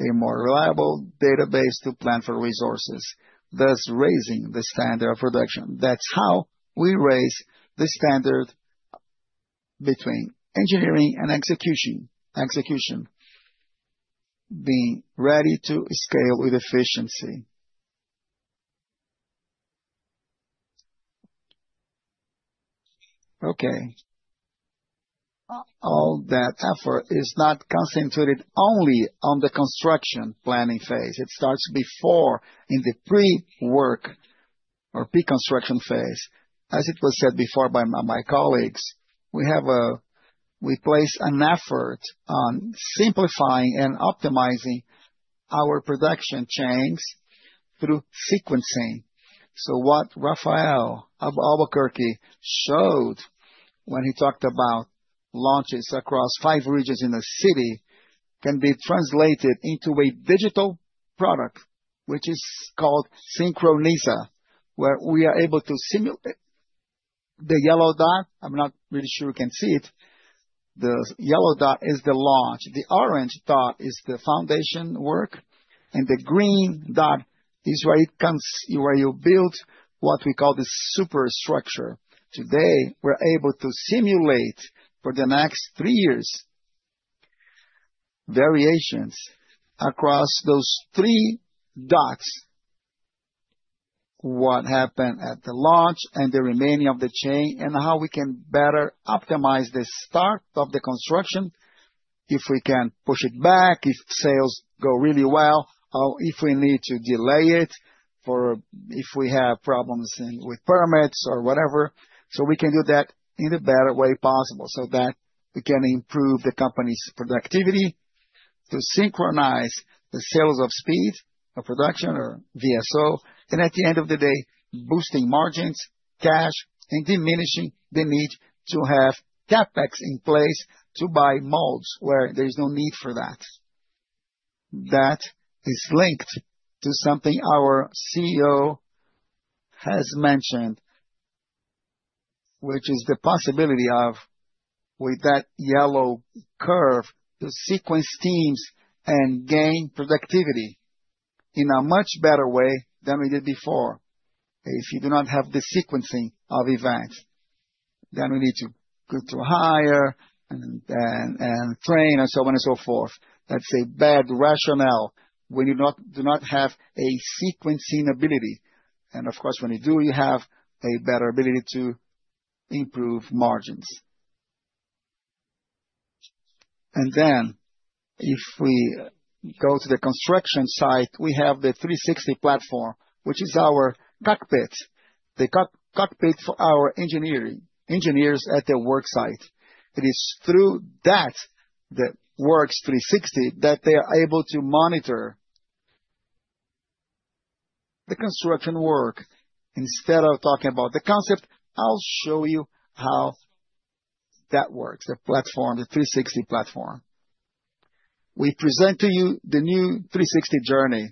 a more reliable database to plan for resources, thus raising the standard of production. That's how we raise the standard between engineering and execution. Being ready to scale with efficiency. Okay. All that effort is not concentrated only on the construction planning phase. It starts before in the pre-work or pre-construction phase. As it was said before by my colleagues, we place an effort on simplifying and optimizing our production chains through sequencing. What Rafael of Albuquerque showed when he talked about launches across five regions in a city can be translated into a digital product, which is called Synchroniza, where we are able to simulate. The yellow dot, I'm not really sure you can see it. The yellow dot is the launch, the orange dot is the foundation work, and the green dot is where you build what we call the superstructure. Today, we're able to simulate for the next three years variations across those three dots, what happened at the launch and the remaining of the chain, and how we can better optimize the start of the construction. If we can push it back, if sales go really well, or if we need to delay it if we have problems with permits or whatever. We can do that in a better way possible, so that we can improve the company's productivity to synchronize the sales of speed of production or VSO, and at the end of the day, boosting margins, cash, and diminishing the need to have CapEx in place to buy molds where there's no need for that. That is linked to something our CEO has mentioned, which is the possibility of, with that yellow curve, to sequence teams and gain productivity in a much better way than we did before. If you do not have the sequencing of events, then we need to go to hire and then train and so on and so forth. That's a bad rationale when you do not have a sequencing ability. Of course, when you do, you have a better ability to improve margins. If we go to the construction site, we have the three sixty platform, which is our cockpit. The cockpit for our engineers at the work site. It is through that, the Works three sixty, that they are able to monitor the construction work. Instead of talking about the concept, I'll show you how that works, the platform, the three sixty platform. We present to you the new three sixty journey.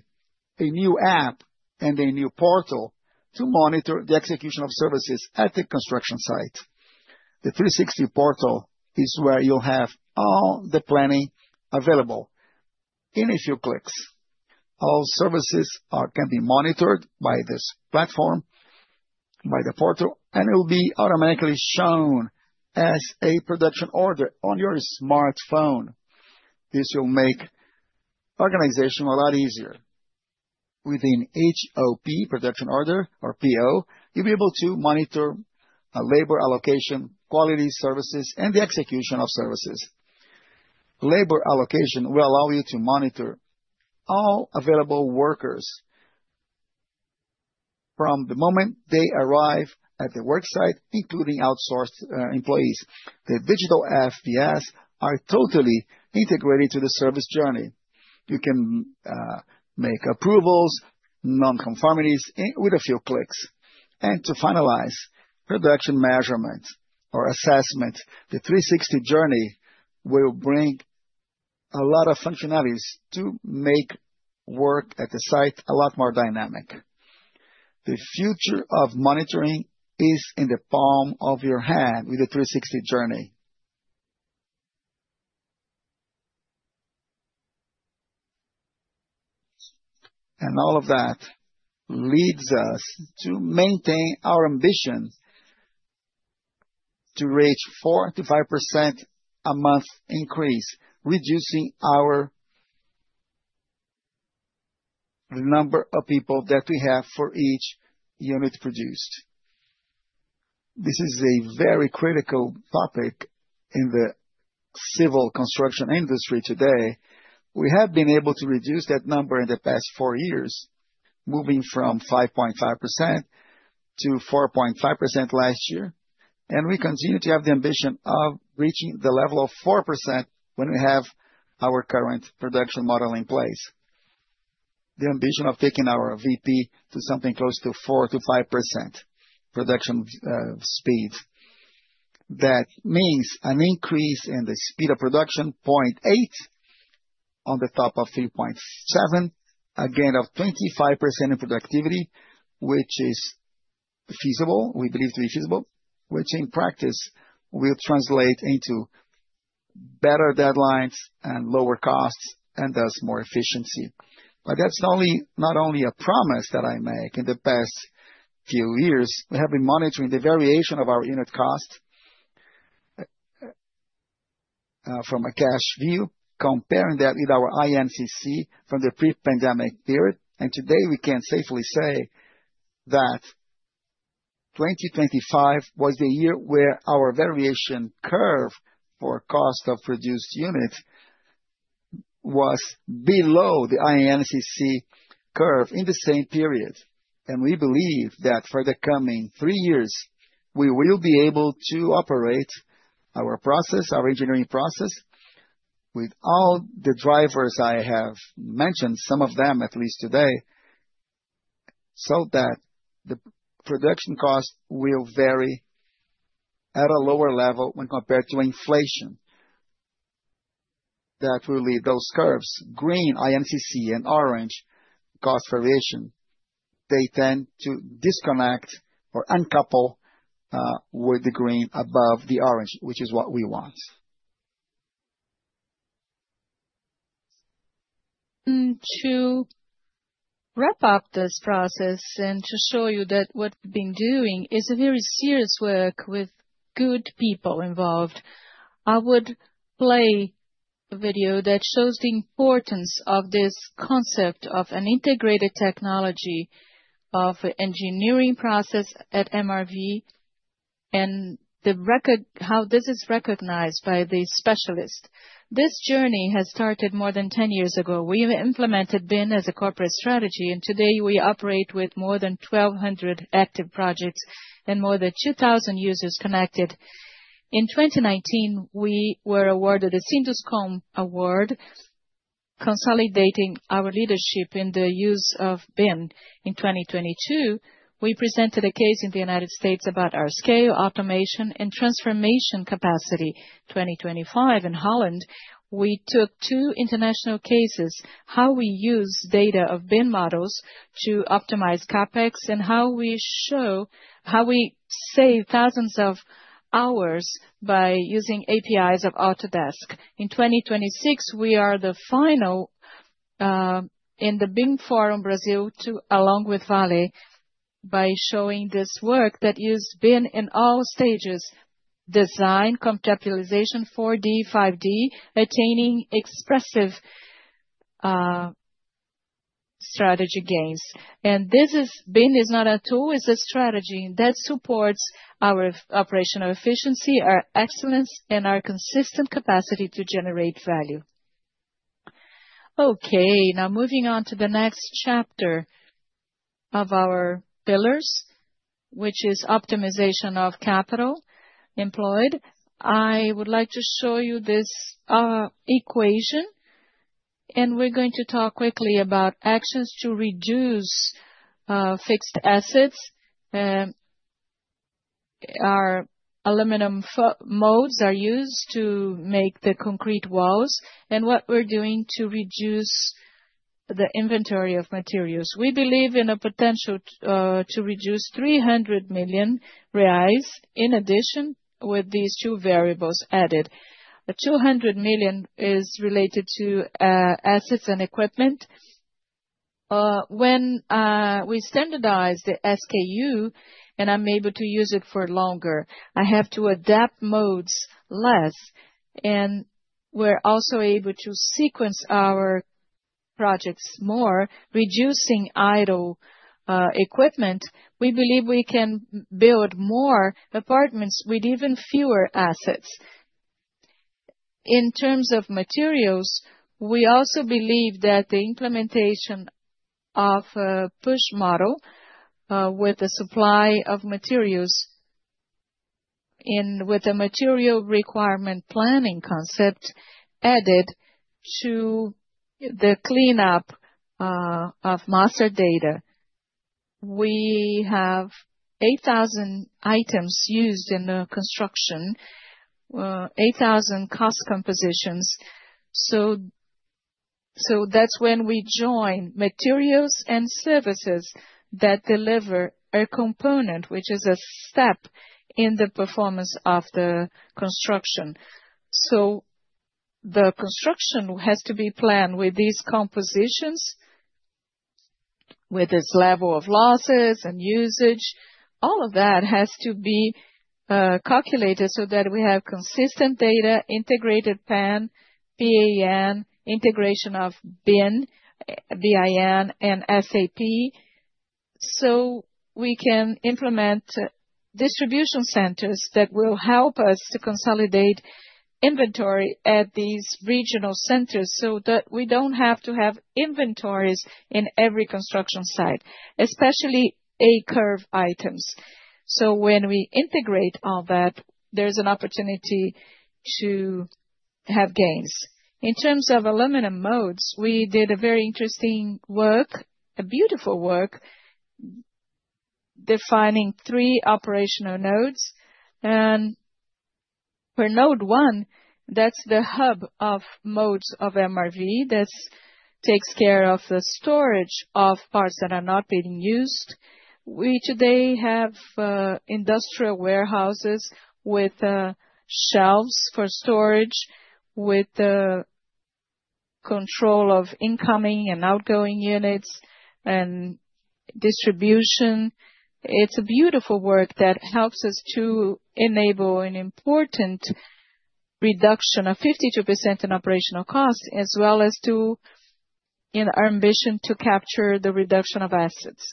A new app and a new portal to monitor the execution of services at the construction site. The three sixty portal is where you'll have all the planning available. In a few clicks, all services can be monitored by this platform, by the portal, and it will be automatically shown as a production order on your smartphone. This will make organization a lot easier. Within HOP production order or PO, you'll be able to monitor labor allocation, quality services, and the execution of services. Labor allocation will allow you to monitor all available workers from the moment they arrive at the work site, including outsourced employees. The digital FVS are totally integrated to the service journey. You can make approvals, non-conformities with a few clicks. To finalize production measurement or assessment, the three sixty journey will bring a lot of functionalities to make work at the site a lot more dynamic. The future of monitoring is in the palm of your hand with the three sixty journey. All of that leads us to maintain our ambition to reach 4%-5% a month increase, reducing our number of people that we have for each unit produced. This is a very critical topic in the civil construction industry today. We have been able to reduce that number in the past four years, moving from 5.5% to 4.5% last year. We continue to have the ambition of reaching the level of 4% when we have our current production model in place. The ambition of taking our VP to something close to 4%-5% production speed. That means an increase in the speed of production 0.8 on top of 3.7. Of 25% in productivity, which is feasible, we believe to be feasible, which in practice will translate into better deadlines and lower costs, and thus more efficiency. That's not only a promise that I make. In the past few years, we have been monitoring the variation of our unit costs from a cash view, comparing that with our INCC from the pre-pandemic period. Today, we can safely say that 2025 was the year where our variation curve for cost of produced unit was below the INCC curve in the same period. We believe that for the coming three years, we will be able to operate our process, our engineering process, with all the drivers I have mentioned, some of them at least today, so that the production costs will vary at a lower level when compared to inflation. That will leave those curves green, INCC, and orange, cost variation. They tend to disconnect or uncouple, with the green above the orange, which is what we want. To wrap up this process and to show you that what we've been doing is a very serious work with good people involved, I would play a video that shows the importance of this concept of an integrated technology of engineering process at MRV, and how this is recognized by the specialist. This journey has started more than 10 years ago. We've implemented BIM as a corporate strategy, and today we operate with more than 1,200 active projects and more than 2,000 users connected. In 2019, we were awarded a SindusCon award, consolidating our leadership in the use of BIM. In 2022, we presented a case in the United States about our scale, automation and transformation capacity. 2025 in Holland, we took two international cases, how we use data of BIM models to optimize CapEx, and how we save thousands of hours by using APIs of Autodesk. In 2026, we are the final in the BIM Forum Brasil to, along with Vale, by showing this work that use BIM in all stages. Design, conceptualization, 4D, 5D, attaining expressive strategy gains. BIM is not a tool, it's a strategy, and that supports our operational efficiency, our excellence, and our consistent capacity to generate value. Okay, now moving on to the next chapter of our pillars, which is optimization of capital employed. I would like to show you this equation, and we're going to talk quickly about actions to reduce fixed assets. Our aluminum form molds are used to make the concrete walls. What we're doing to reduce the inventory of materials. We believe in a potential to reduce 300 million reais in addition with these two variables added. 200 million is related to assets and equipment. When we standardize the SKU, and I'm able to use it for longer, I have to adapt modes less. We're also able to sequence our projects more, reducing idle equipment. We believe we can build more apartments with even fewer assets. In terms of materials, we also believe that the implementation of a push model with the supply of materials and with the material requirement planning concept added to the cleanup of master data. We have 8,000 items used in the construction, 8,000 cost compositions. That's when we join materials and services that deliver a component, which is a step in the performance of the construction. The construction has to be planned with these compositions, with this level of losses and usage. All of that has to be calculated so that we have consistent data, integrated PAN, P-A-N, integration of BIM, B-I-M, and SAP, so we can implement distribution centers that will help us to consolidate inventory at these regional centers so that we don't have to have inventories in every construction site, especially A curve items. When we integrate all that, there's an opportunity to have gains. In terms of aluminum molds, we did a very interesting work, a beautiful work defining three operational nodes. For node one, that's the hub of molds of MRV. That takes care of the storage of parts that are not being used. We today have industrial warehouses with shelves for storage, with the control of incoming and outgoing units and distribution. It's a beautiful work that helps us to enable an important reduction of 52% in operational costs, as well as to, in our ambition to capture the reduction of assets.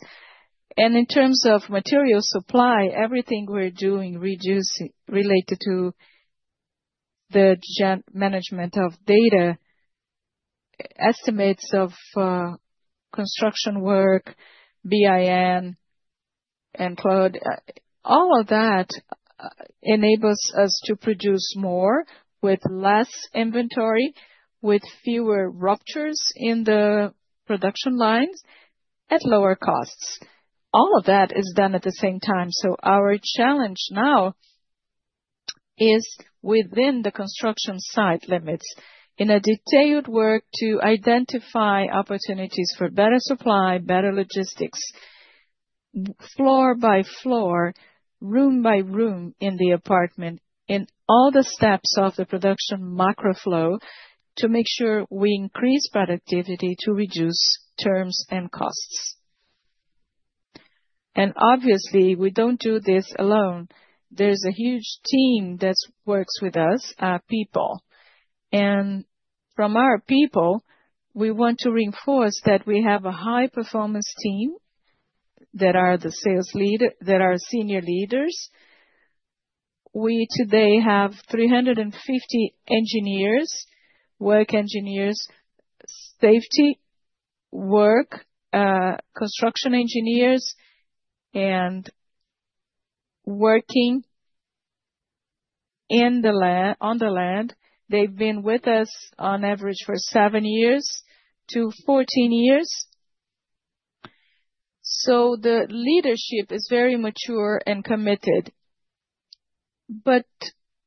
In terms of material supply, everything we're doing related to the general management of data, estimates of construction work, BIM, and cloud, all of that enables us to produce more with less inventory, with fewer ruptures in the production lines at lower costs. All of that is done at the same time. Our challenge now is within the construction site limits in a detailed work to identify opportunities for better supply, better logistics, floor by floor, room by room in the apartment, in all the steps of the production microflow to make sure we increase productivity to reduce terms and costs. And obviously, we don't do this alone. There's a huge team that works with us, our people. And from our people, we want to reinforce that we have a high-performance team that are senior leaders. We today have 350 engineers, work engineers, safety work, construction engineers and working on the land. They've been with us on average for seven years to 14 years. The leadership is very mature and committed.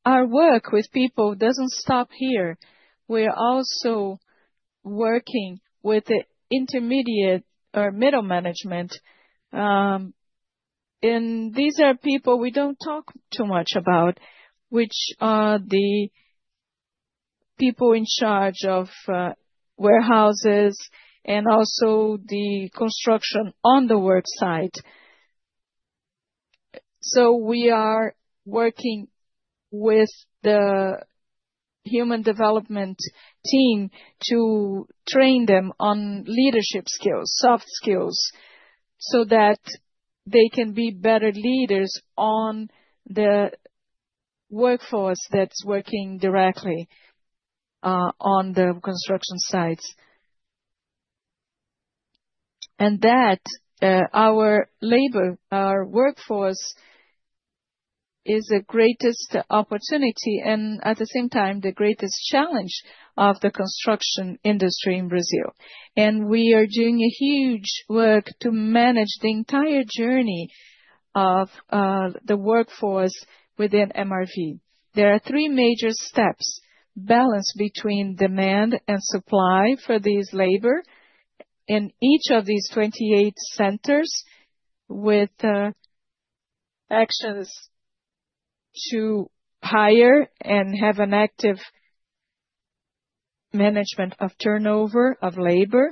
Our work with people doesn't stop here. We are also working with the intermediate or middle management. These are people we don't talk too much about, which are the people in charge of warehouses and also the construction on the work site. We are working with the human development team to train them on leadership skills, soft skills, so that they can be better leaders on the workforce that's working directly on the construction sites. That our labor, our workforce is the greatest opportunity and at the same time, the greatest challenge of the construction industry in Brazil. We are doing a huge work to manage the entire journey of the workforce within MRV. There are three major steps, balance between demand and supply for these labor in each of these 28 centers with actions to hire and have an active management of turnover of labor,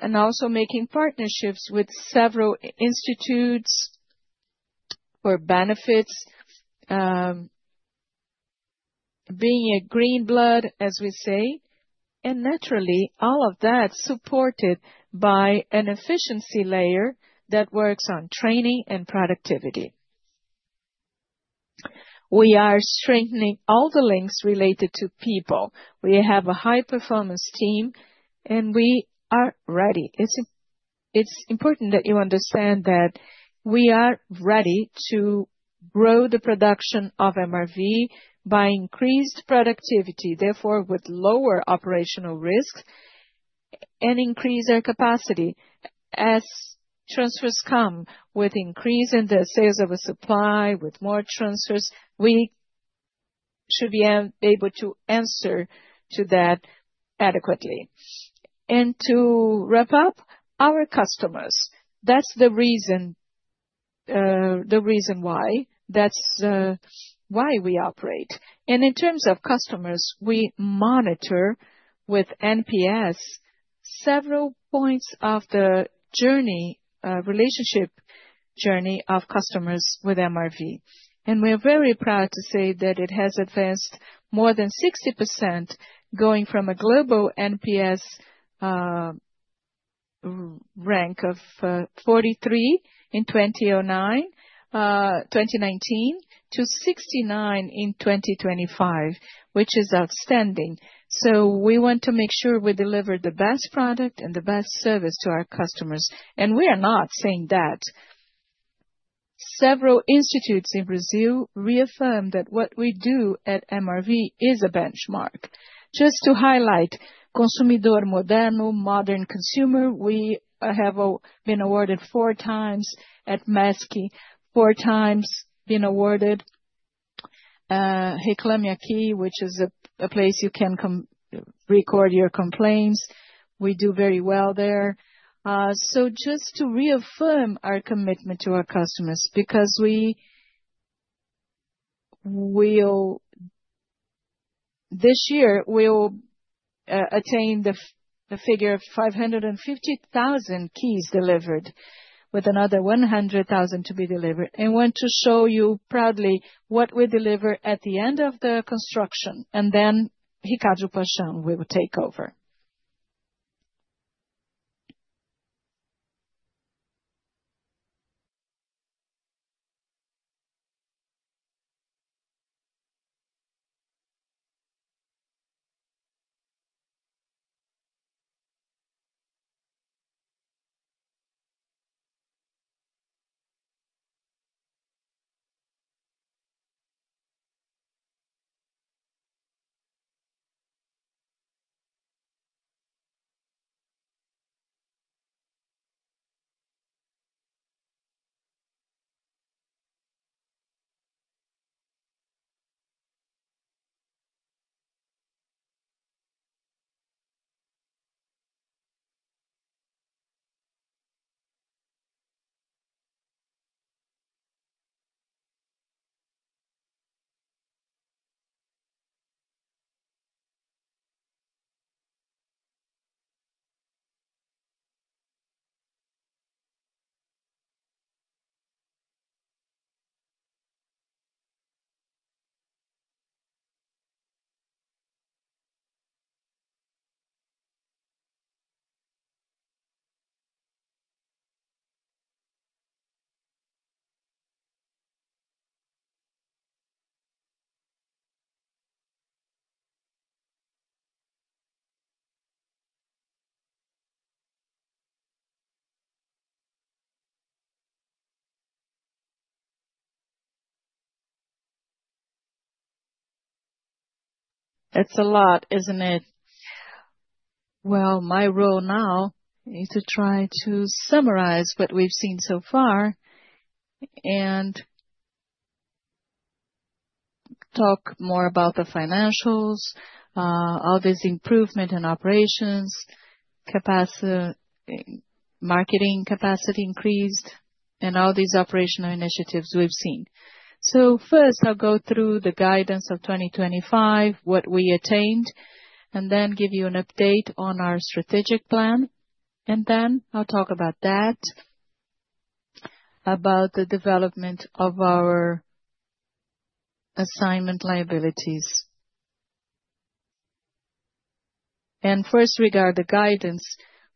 and also making partnerships with several institutes for benefits, being a green blood, as we say, and naturally, all of that supported by an efficiency layer that works on training and productivity. We are strengthening all the links related to people. We have a high-performance team, and we are ready. It's important that you understand that we are ready to grow the production of MRV by increased productivity, therefore with lower operational risks and increase our capacity. As transfers come with increase in the sales of a supply with more transfers, we should be able to answer to that adequately. To wrap up our customers, that's the reason why. That's why we operate. In terms of customers, we monitor with NPS several points of the journey, relationship journey of customers with MRV. We're very proud to say that it has advanced more than 60% going from a global NPS rank of 43 in 2019 to 69 in 2025, which is outstanding. We want to make sure we deliver the best product and the best service to our customers. We are not saying that. Several institutes in Brazil reaffirm that what we do at MRV is a benchmark. Just to highlight Consumidor Moderno, modern consumer, we have been awarded four times at MESC, four times been awarded. Reclame Aqui, which is a place you can record your complaints, we do very well there. Just to reaffirm our commitment to our customers, because this year we'll attain the figure of 550,000 keys delivered with another 100,000 to be delivered. Want to show you proudly what we deliver at the end of the construction. Then Ricardo Paixão will take over. It's a lot, isn't it? Well, my role now is to try to summarize what we've seen so far and talk more about the financials, all this improvement in operations, capacity, marketing capacity increased, and all these operational initiatives we've seen. First, I'll go through the guidance of 2025, what we attained, and then give you an update on our strategic plan. Then I'll talk about that, about the development of our assignment liabilities. Regarding the guidance,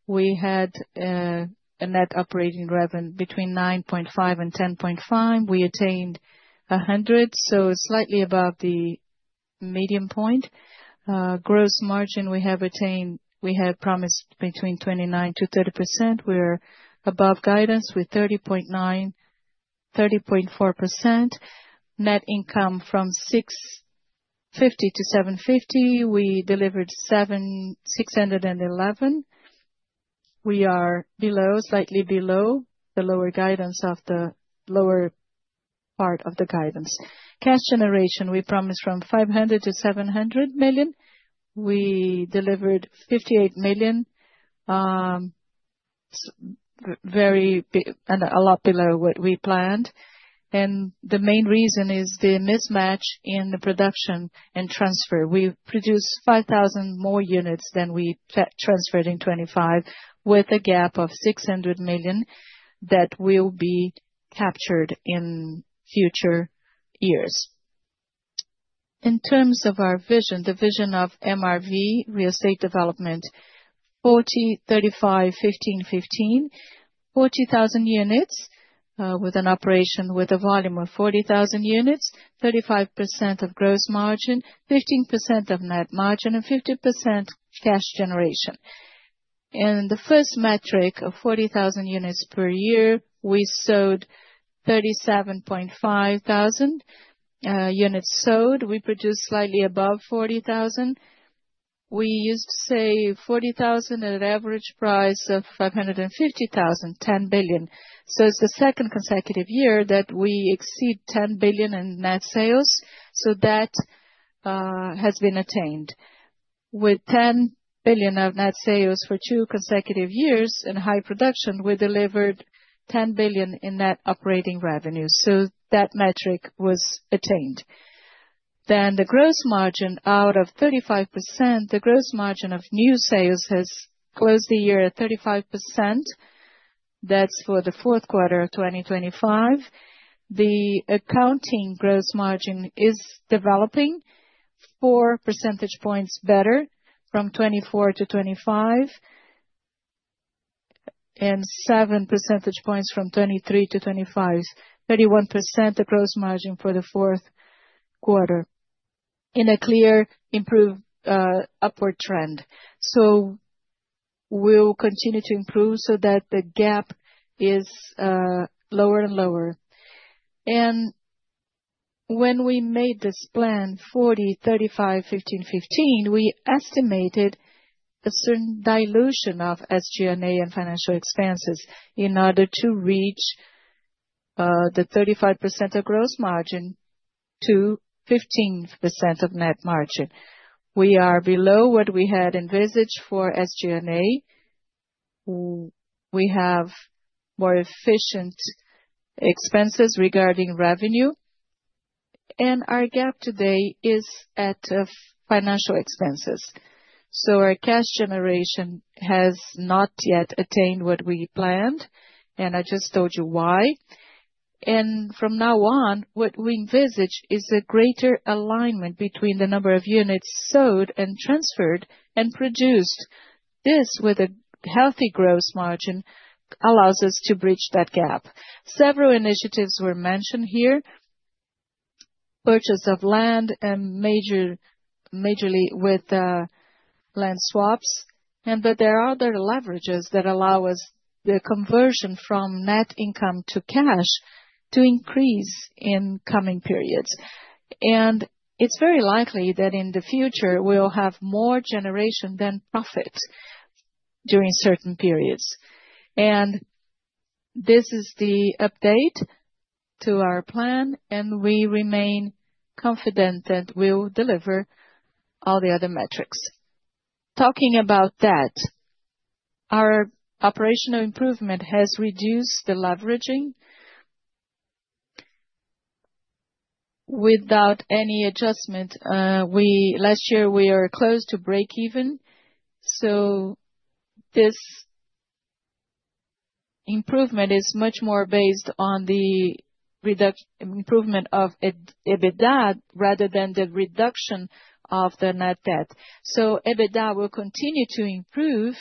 we had a net operating revenue between 9.5 billion and 10.5 billion. We attained 10, so slightly above the midpoint. Gross margin we had promised between 29%-30%. We're above guidance with 30.9%, 30.4%. Net income from 650 to 750, we delivered 611. We are below, slightly below the lower part of the guidance. Cash generation, we promised from 500 million to 700 million. We delivered 58 million, severely below what we planned. The main reason is the mismatch in the production and transfer. We produced 5,000 more units than we transferred in 2025, with a gap of 600 million that will be captured in future years. In terms of our vision, the vision of MRV real estate development, 40, 35, 15. 40,000 units, with an operation with a volume of 40,000 units, 35% of gross margin, 15% of net margin, and 15% cash generation. In the first metric of 40,000 units per year, we sold 37,500 units sold. We produced slightly above 40,000. We used to say 40,000 at an average price of 550,000, 10 billion. It's the second consecutive year that we exceed 10 billion in net sales. That has been attained. With 10 billion of net sales for two consecutive years in high production, we delivered 10 billion in net operating revenue, so that metric was attained. The gross margin out of 35%. The gross margin of new sales has closed the year at 35%. That's for the fourth quarter of 2025. The accounting gross margin is developing 4 percentage points better from 2024 to 2025. Seven percentage points from 2023 to 2025. 31% the gross margin for the fourth quarter in a clearly improved upward trend. We'll continue to improve so that the gap is lower and lower. When we made this plan 40-35-15-15, we estimated a certain dilution of SG&A and financial expenses in order to reach the 35% of gross margin to 15% of net margin. We are below what we had envisaged for SG&A. We have more efficient expenses regarding revenue, and our gap today is at financial expenses. Our cash generation has not yet attained what we planned, and I just told you why. From now on, what we envisage is a greater alignment between the number of units sold and transferred and produced. This with a healthy gross margin allows us to bridge that gap. Several initiatives were mentioned here. Purchase of land and majorly with land swaps, and that there are other leverages that allow us the conversion from net income to cash to increase in coming periods. It's very likely that in the future we'll have more generation than profits during certain periods. This is the update to our plan, and we remain confident that we'll deliver all the other metrics. Talking about that, our operational improvement has reduced the leveraging. Without any adjustment, last year we are close to breakeven. This improvement is much more based on the improvement of EBITDA rather than the reduction of the net debt. EBITDA will continue to improve,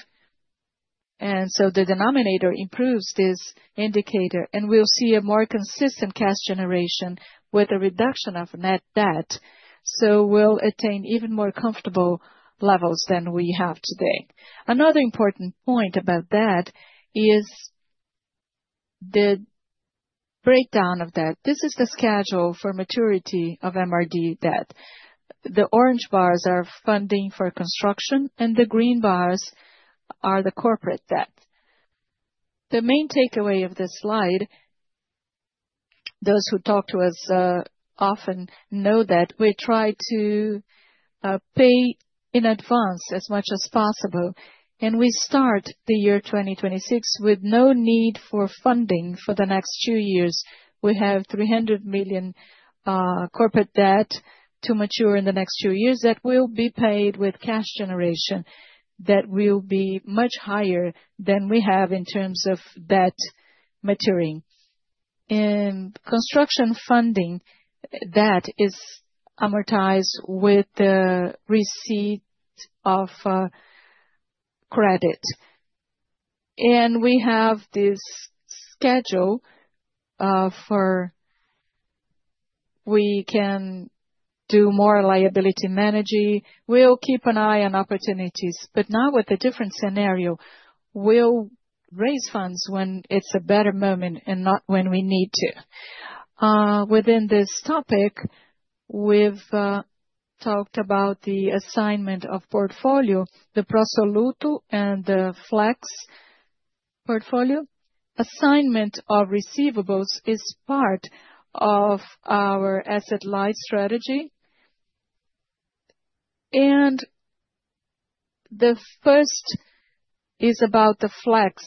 and so the denominator improves this indicator. We'll see a more consistent cash generation with a reduction of net debt. We'll attain even more comfortable levels than we have today. Another important point about that is the breakdown of debt. This is the schedule for maturity of MRV debt. The orange bars are funding for construction, and the green bars are the corporate debt. The main takeaway of this slide, those who talk to us often know that we try to pay in advance as much as possible. We start the year 2026 with no need for funding for the next two years. We have 300 million corporate debt to mature in the next two years. That will be paid with cash generation that will be much higher than we have in terms of debt maturing. Construction funding debt is amortized with the receipt of credit. We have this schedule we can do more liability managing. We'll keep an eye on opportunities, but now with a different scenario. We'll raise funds when it's a better moment and not when we need to. Within this topic, we've talked about the assignment of portfolio, the Pro Soluto and the Flex portfolio. Assignment of receivables is part of our asset light strategy. The first is about the Flex.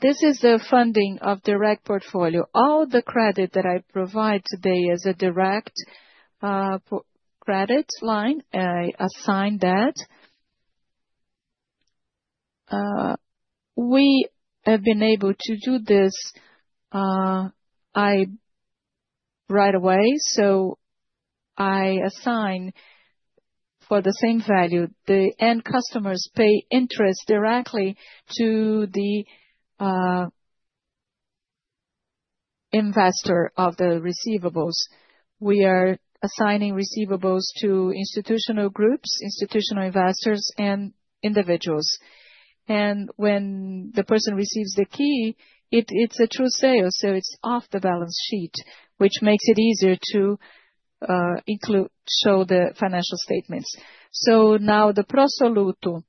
This is the funding of direct portfolio. All the credit that I provide today is a direct credit line. I assign that. We have been able to do this right away, so I assign for the same value. The end customers pay interest directly to the investor of the receivables. We are assigning receivables to institutional groups, institutional investors and individuals. When the person receives the key, it's a true sale, so it's off the balance sheet, which makes it easier to show the financial statements. Now the Pro Soluto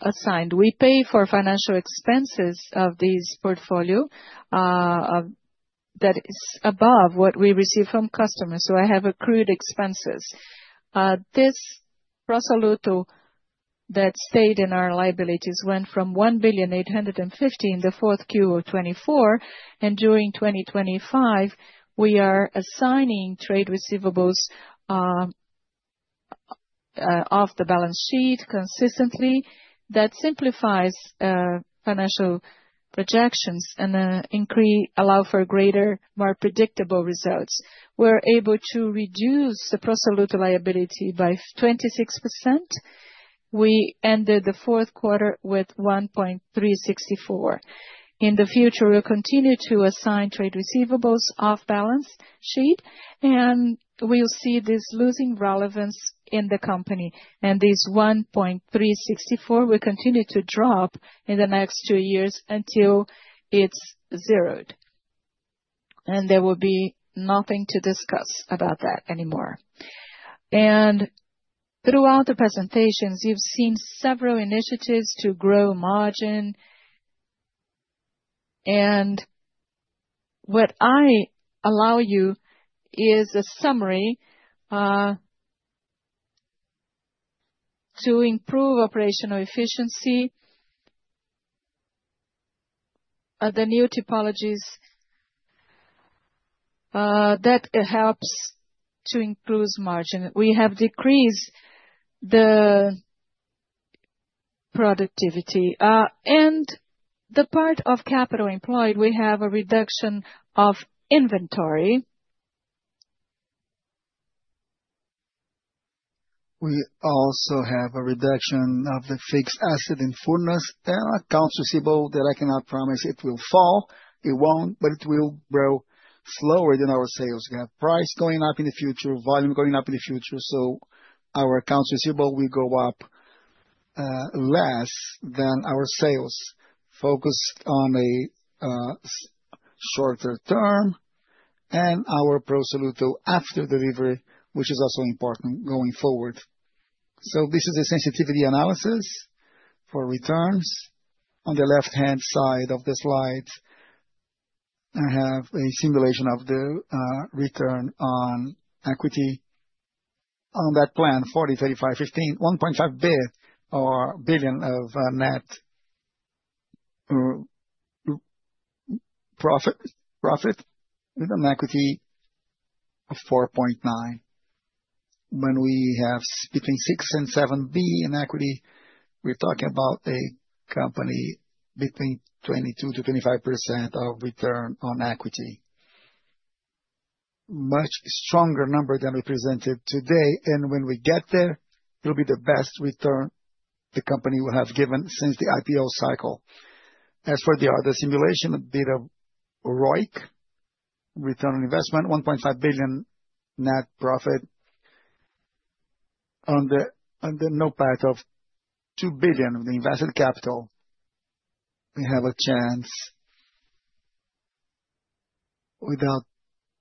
assigned. We pay for financial expenses of this portfolio that is above what we receive from customers. I have accrued expenses. This Pro Soluto that stayed in our liabilities went from 1.85 billion in the fourth Q of 2024. During 2025, we are assigning trade receivables off the balance sheet consistently. That simplifies financial projections and allow for greater, more predictable results. We're able to reduce the Pro Soluto liability by 26%. We ended the fourth quarter with 1.364 billion. In the future, we'll continue to assign trade receivables off balance sheet, and we'll see this losing relevance in the company. This 1.364 will continue to drop in the next two years until it's zeroed. There will be nothing to discuss about that anymore. Throughout the presentations, you've seen several initiatives to grow margin. What I allow you is a summary to improve operational efficiency. The new typologies that helps to improve margin. We have increased the productivity. The part of capital employed, we have a reduction of inventory. We also have a reduction of the fixed assets impairment. There are accounts receivable that I cannot promise it will fall. It won't, but it will grow slower than our sales. We have price going up in the future, volume going up in the future, so our accounts receivable will go up less than our sales. Focus on a shorter term and our Pro Soluto after delivery, which is also important going forward. This is a sensitivity analysis for returns. On the left-hand side of the slide, I have a simulation of the return on equity. On that plan, 40, 35, 15, 1.5 billion of net profit with an equity of 4.9 billion. When we have between 6 billion and 7 billion in equity, we're talking about a company between 22%-25% return on equity. Much stronger number than we presented today, and when we get there, it'll be the best return the company will have given since the IPO cycle. As for the other simulation bid of ROIC Return on Investment, 1.5 billion net profit. On the NOPAT of 2 billion of the invested capital, we have a chance, without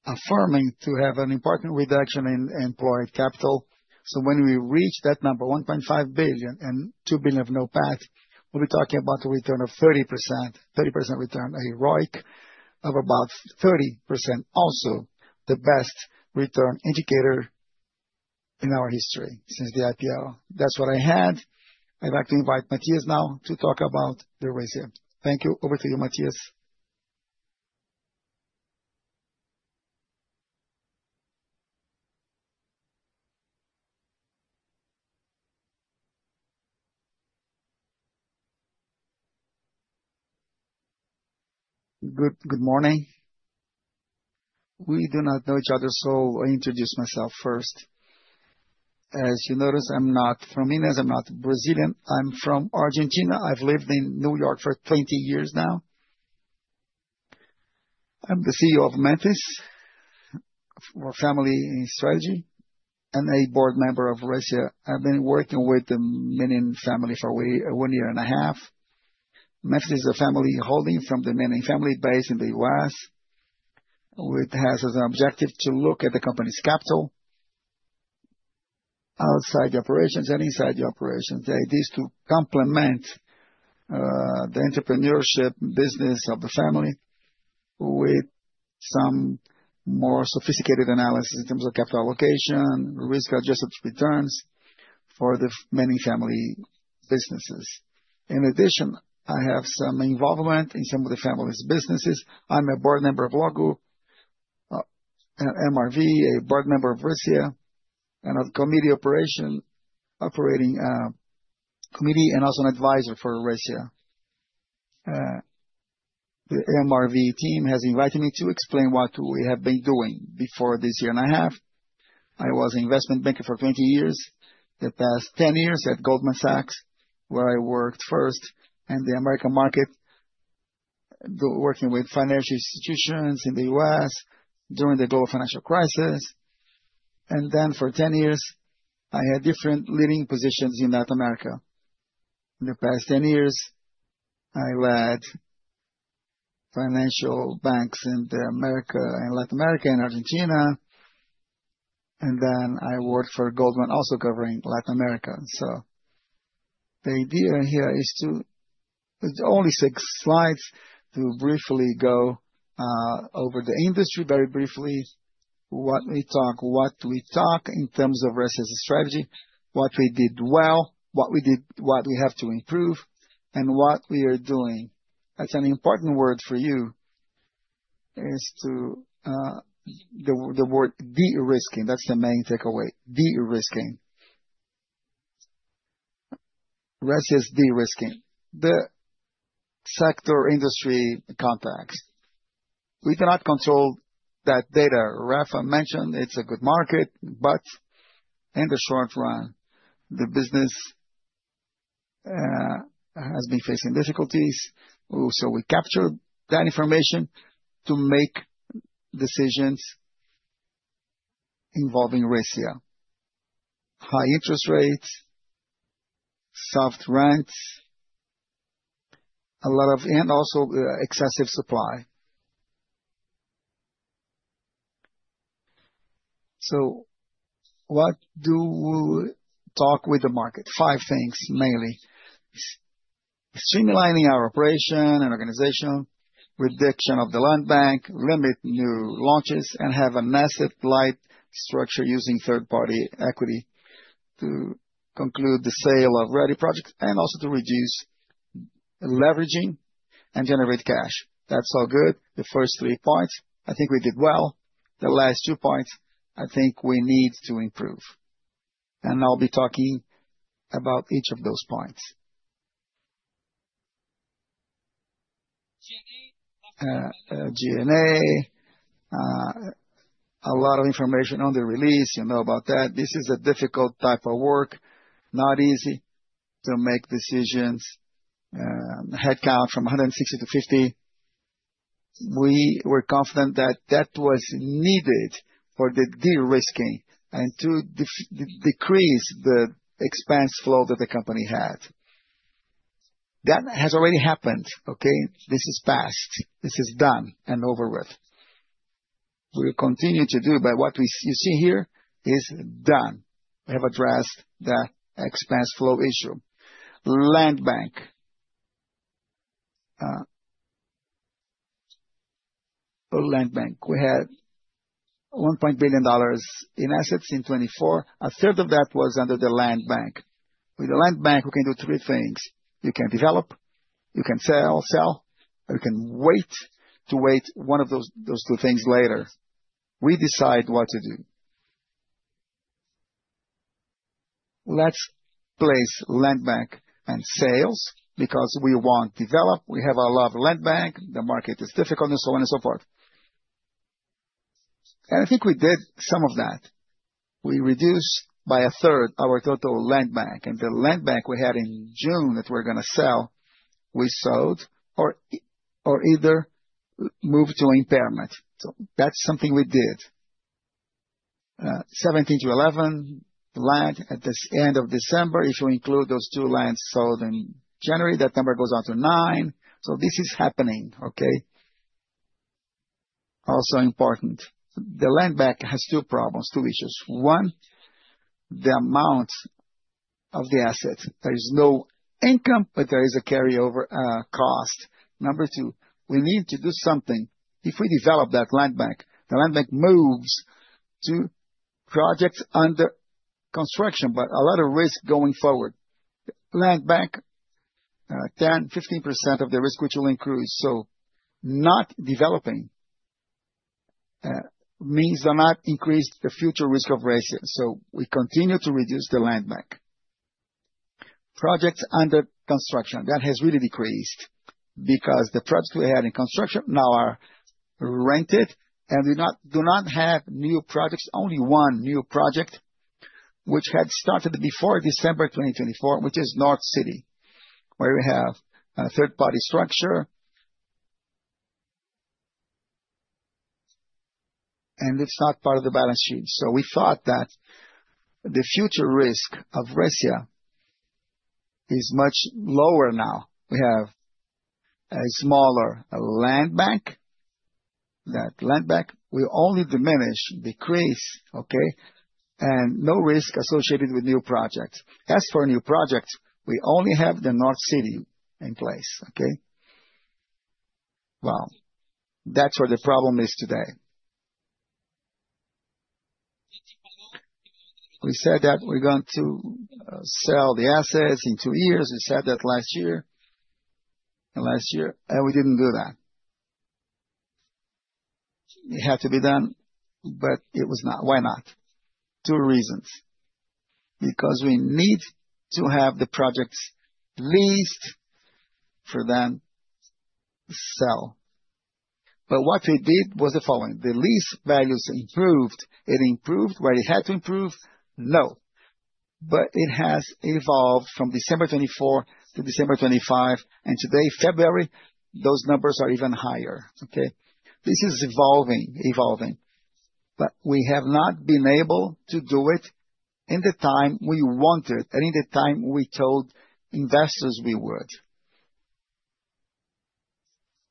affirming, to have an important reduction in employed capital. When we reach that number, 1.5 billion and 2 billion of NOPAT, we'll be talking about a return of 30%. 30% return ROIC of about 30%, also the best return indicator in our history since the IPO. That's what I had. I'd like to invite Matias now to talk about the Resia. Thank you. Over to you, Matias. Good morning. We do not know each other, so I introduce myself first. As you notice, I'm not from Minas. I'm not Brazilian. I'm from Argentina. I've lived in New York for 20 years now. I'm the CEO of Menin, for family and strategy, and a board member of Resia. I've been working with the Menin family for one year and a half. Menin is a family holding from the Menin family based in the US, which has as an objective to look at the company's capital outside the operations and inside the operations. The idea is to complement the entrepreneurship business of the family with some more sophisticated analysis in terms of capital allocation, risk-adjusted returns for the Menin family businesses. In addition, I have some involvement in some of the family's businesses. I'm a board member of Luggo, MRV, a board member of Resia, and an operating committee and also an advisor for Resia. The MRV team has invited me to explain what we have been doing before this year and a half. I was investment banker for 20 years. The past 10 years at Goldman Sachs, where I worked first in the American market, working with financial institutions in the U.S. during the global financial crisis. Then for 10 years, I had different leading positions in Latin America. In the past 10 years, I led financial banks in America, in Latin America and Argentina. Then I worked for Goldman, also covering Latin America. The idea here is to, with only six slides, to briefly go over the industry very briefly, what we talk in terms of MRV's strategy, what we did well, what we have to improve, and what we are doing. That's an important word for you, the word de-risking. That's the main takeaway. De-risking. Risk is de-risking. The sector industry contracts. We cannot control that data. Rafa mentioned it's a good market, but in the short run, the business has been facing difficulties. Also, we captured that information to make decisions involving Resia. High interest rates, soft rents, a lot of excessive supply. What do we talk with the market? Five things, mainly. Streamlining our operation and organization, reduction of the land bank, limit new launches, and have an asset-light structure using third-party equity to conclude the sale of ready projects and also to reduce leveraging and generate cash. That's all good. The first three points I think we did well. The last two points, I think we need to improve. I'll be talking about each of those points. G&A, a lot of information on the release, you know about that. This is a difficult type of work. Not easy to make decisions. Headcount from 160 to 50. We were confident that that was needed for the de-risking and to decrease the expense flow that the company had. That has already happened, okay? This is past, this is done and over with. We'll continue to do, but what you see here is done. We have addressed the expense flow issue. Land bank. Land bank. We had $1 billion in assets in 2024. A third of that was under the land bank. With the land bank, we can do three things, you can develop, you can sell, or you can wait to one of those two things later. We decide what to do. Let's place land bank and sales because we won't develop. We have a lot of land bank. The market is difficult and so on and so forth. I think we did some of that. We reduced by a third our total land bank, and the land bank we had in June that we're gonna sell, we sold or either moved to impairment. That's something we did. 17 to 11 land at the end of December. If you include those two lands sold in January, that number goes on to nine. This is happening, okay? Also important, the land bank has two problems, two issues. One, the amount of the assets. There is no income, but there is a carrying cost. Number two, we need to do something. If we develop that land bank, the land bank moves to projects under construction, but a lot of risk going forward. Land bank, 10, 15% of the risk, which will increase. Not developing means to not increase the future risk of ratio. We continue to reduce the land bank. Projects under construction. That has really decreased because the projects we had in construction now are rented and do not have new projects, only one new project which had started before December 2024, which is North City, where we have a third-party structure. It's not part of the balance sheet. We thought that the future risk of Resia is much lower now. We have a smaller land bank. That land bank will only diminish, decrease, okay? No risk associated with new projects. As for new projects, we only have the North City in place, okay? Well, that's where the problem is today. We said that we're going to sell the assets in two years. We said that last year, and last year, and we didn't do that. It had to be done, but it was not. Why not? Two reasons. We need to have the projects leased to then sell. What we did was the following. The lease values improved. It improved where it had to improve? No. It has evolved from December 2024 to December 2025. Today, February, those numbers are even higher, okay? This is evolving. We have not been able to do it in the time we wanted and in the time we told investors we would.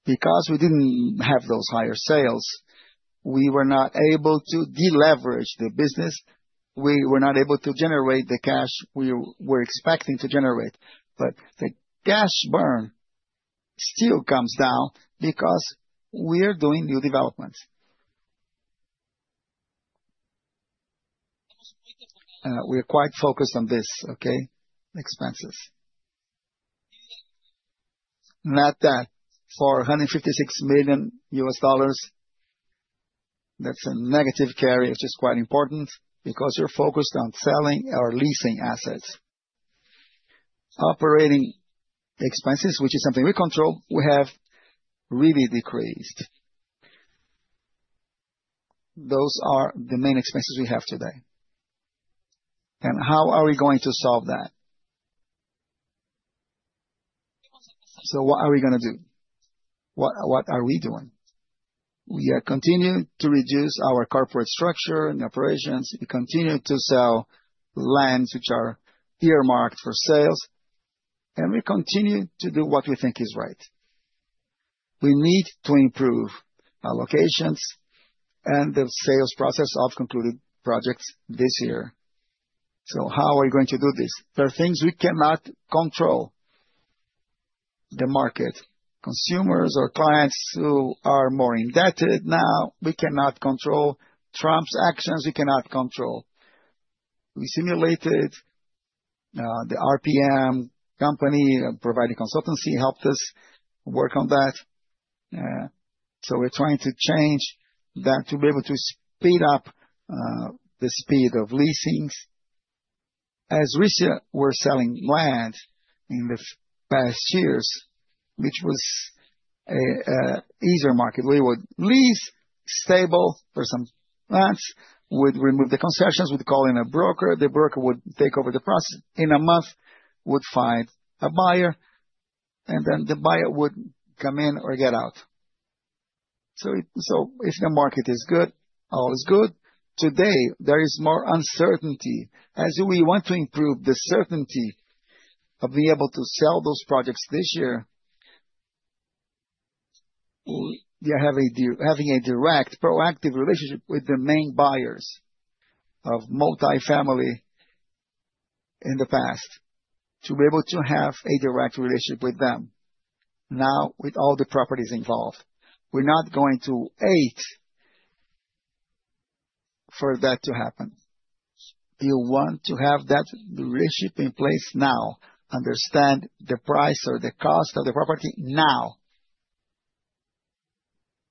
We didn't have those higher sales, we were not able to deleverage the business. We were not able to generate the cash we were expecting to generate. The cash burn still comes down because we're doing new developments. We are quite focused on this, okay? Expenses. Not that, $456 million, that's a negative carry, which is quite important because you're focused on selling or leasing assets. Operating expenses, which is something we control, we have really decreased. Those are the main expenses we have today. How are we going to solve that? What are we gonna do? What are we doing? We are continuing to reduce our corporate structure and operations. We continue to sell lands which are earmarked for sales, and we continue to do what we think is right. We need to improve allocations and the sales process of concluded projects this year. How are we going to do this? There are things we cannot control. The market. Consumers or clients who are more indebted now, we cannot control. Trump's actions, we cannot control. We simulated. The RPM Living providing consultancy helped us work on that. We're trying to change that to be able to speed up the speed of leasing. As we were selling land in the past years, which was an easier market. We would lease stable for some lands. We'd remove the concessions. We'd call in a broker. The broker would take over the process. In a month, we'd find a buyer, and then the buyer would come in or get out. If the market is good, all is good. Today, there is more uncertainty as we want to improve the certainty of being able to sell those projects this year. We are having a direct, proactive relationship with the main buyers of multifamily in the past, to be able to have a direct relationship with them now with all the properties involved. We're not going to wait for that to happen. We want to have that relationship in place now, understand the price or the cost of the property now,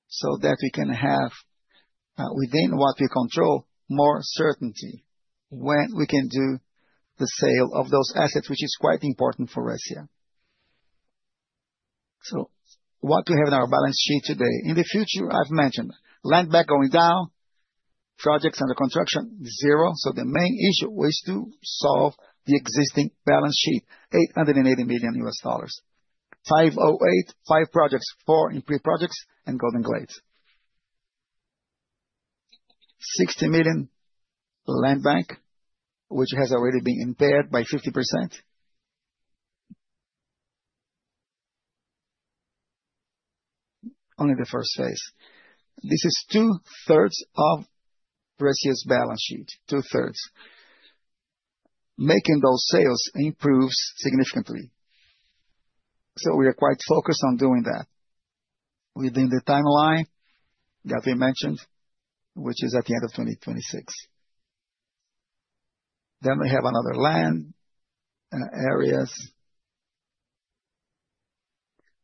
so that we can have, within what we control, more certainty when we can do the sale of those assets, which is quite important for us, yeah. What we have in our balance sheet today. In the future, I've mentioned land bank going down, projects under construction, 0. The main issue was to solve the existing balance sheet, $880 million. 508, 5 projects, 4 in pre-projects, and Golden Glades. $60 million land bank, which has already been impaired by 50%. Only the first phase. This is two-thirds of Resia's balance sheet. Making those sales improves significantly. We are quite focused on doing that within the timeline that we mentioned, which is at the end of 2026. We have another land areas.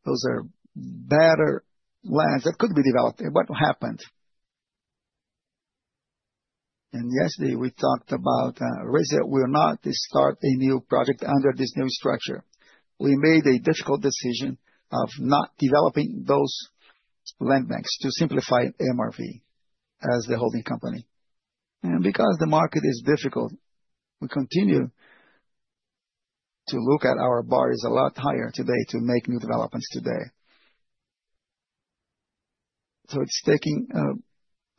Those are better lands that could be developed, but what happened? Yesterday, we talked about Resia will not start a new project under this new structure. We made a difficult decision of not developing those land banks to simplify MRV as the holding company. Because the market is difficult, we continue to look at our bar a lot higher today to make new developments today. It's taking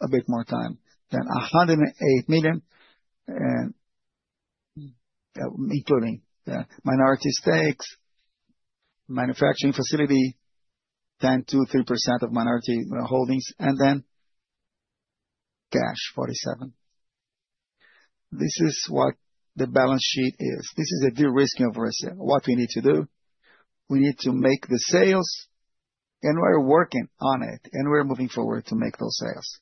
a bit more time. $108 million, including the minority stakes, manufacturing facility, 10%-13% of minority holdings, and then cash, $47. This is what the balance sheet is. This is a de-risking for Resia. What we need to do, we need to make the sales, and we're working on it, and we're moving forward to make those sales.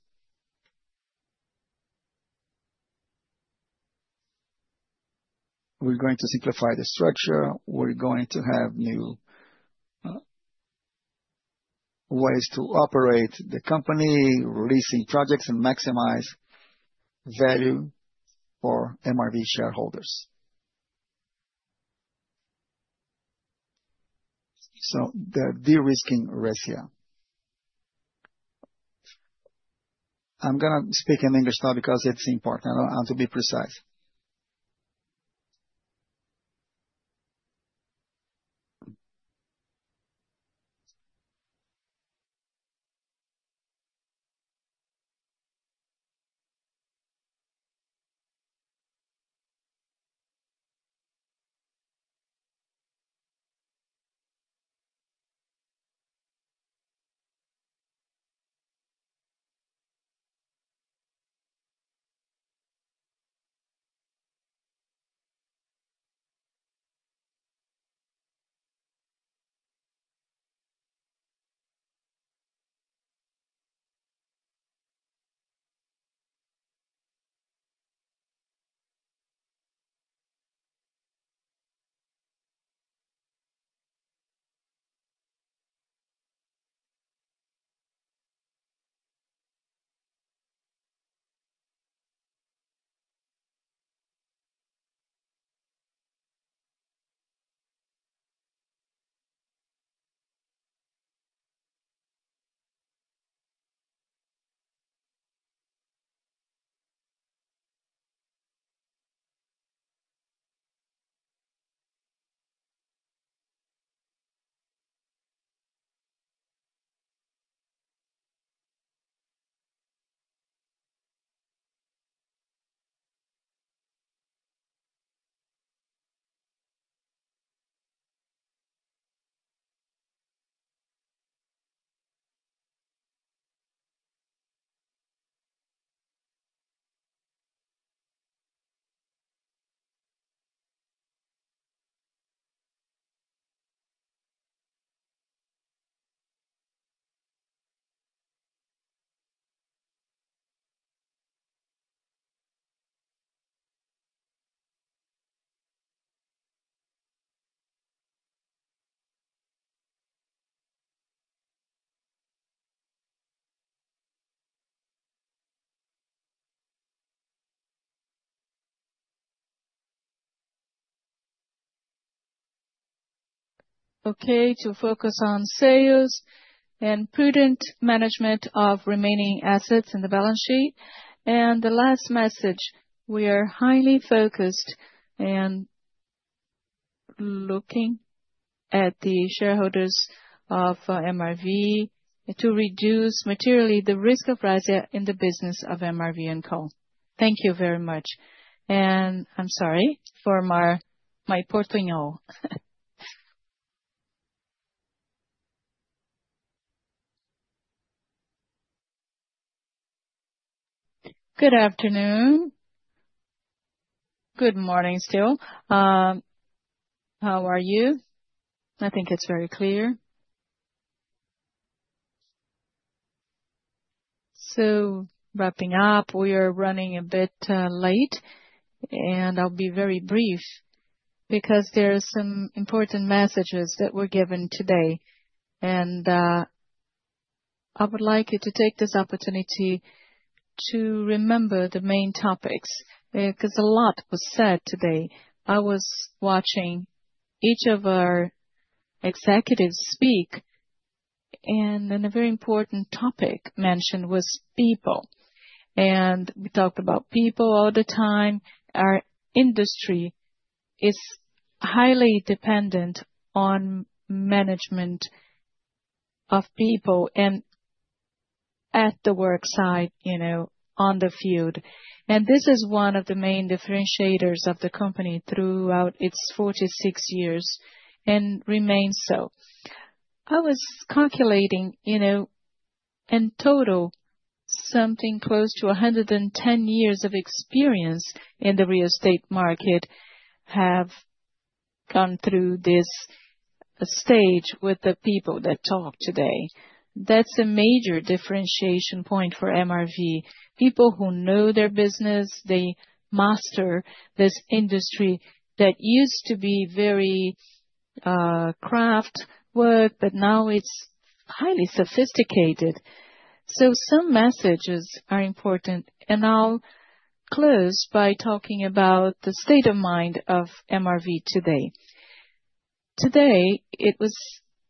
We're going to simplify the structure. We're going to have new ways to operate the company, releasing projects, and maximize value for MRV shareholders. The de-risking Resia. I'm gonna speak in English now because it's important, and to be precise. Okay to focus on sales and prudent management of remaining assets in the balance sheet. The last message, we are highly focused and looking at the shareholders of MRV to reduce materially the risk of Resia in the business of MRV&Co. Thank you very much. I'm sorry for my Portuñol. Good afternoon. Good morning still. How are you? I think it's very clear. Wrapping up, we are running a bit late, and I'll be very brief because there are some important messages that were given today. I would like you to take this opportunity to remember the main topics, 'cause a lot was said today. I was watching each of our executives speak, and then a very important topic mentioned was people. We talked about people all the time. Our industry is highly dependent on management of people and at the work site, you know, on the field. This is one of the main differentiators of the company throughout its 46 years and remains so. I was calculating, you know, in total, something close to 110 years of experience in the real estate market have gone through this stage with the people that talked today. That's a major differentiation point for MRV. People who know their business, they master this industry that used to be very, craft work, but now it's highly sophisticated. Some messages are important, and I'll close by talking about the state of mind of MRV today. Today, it was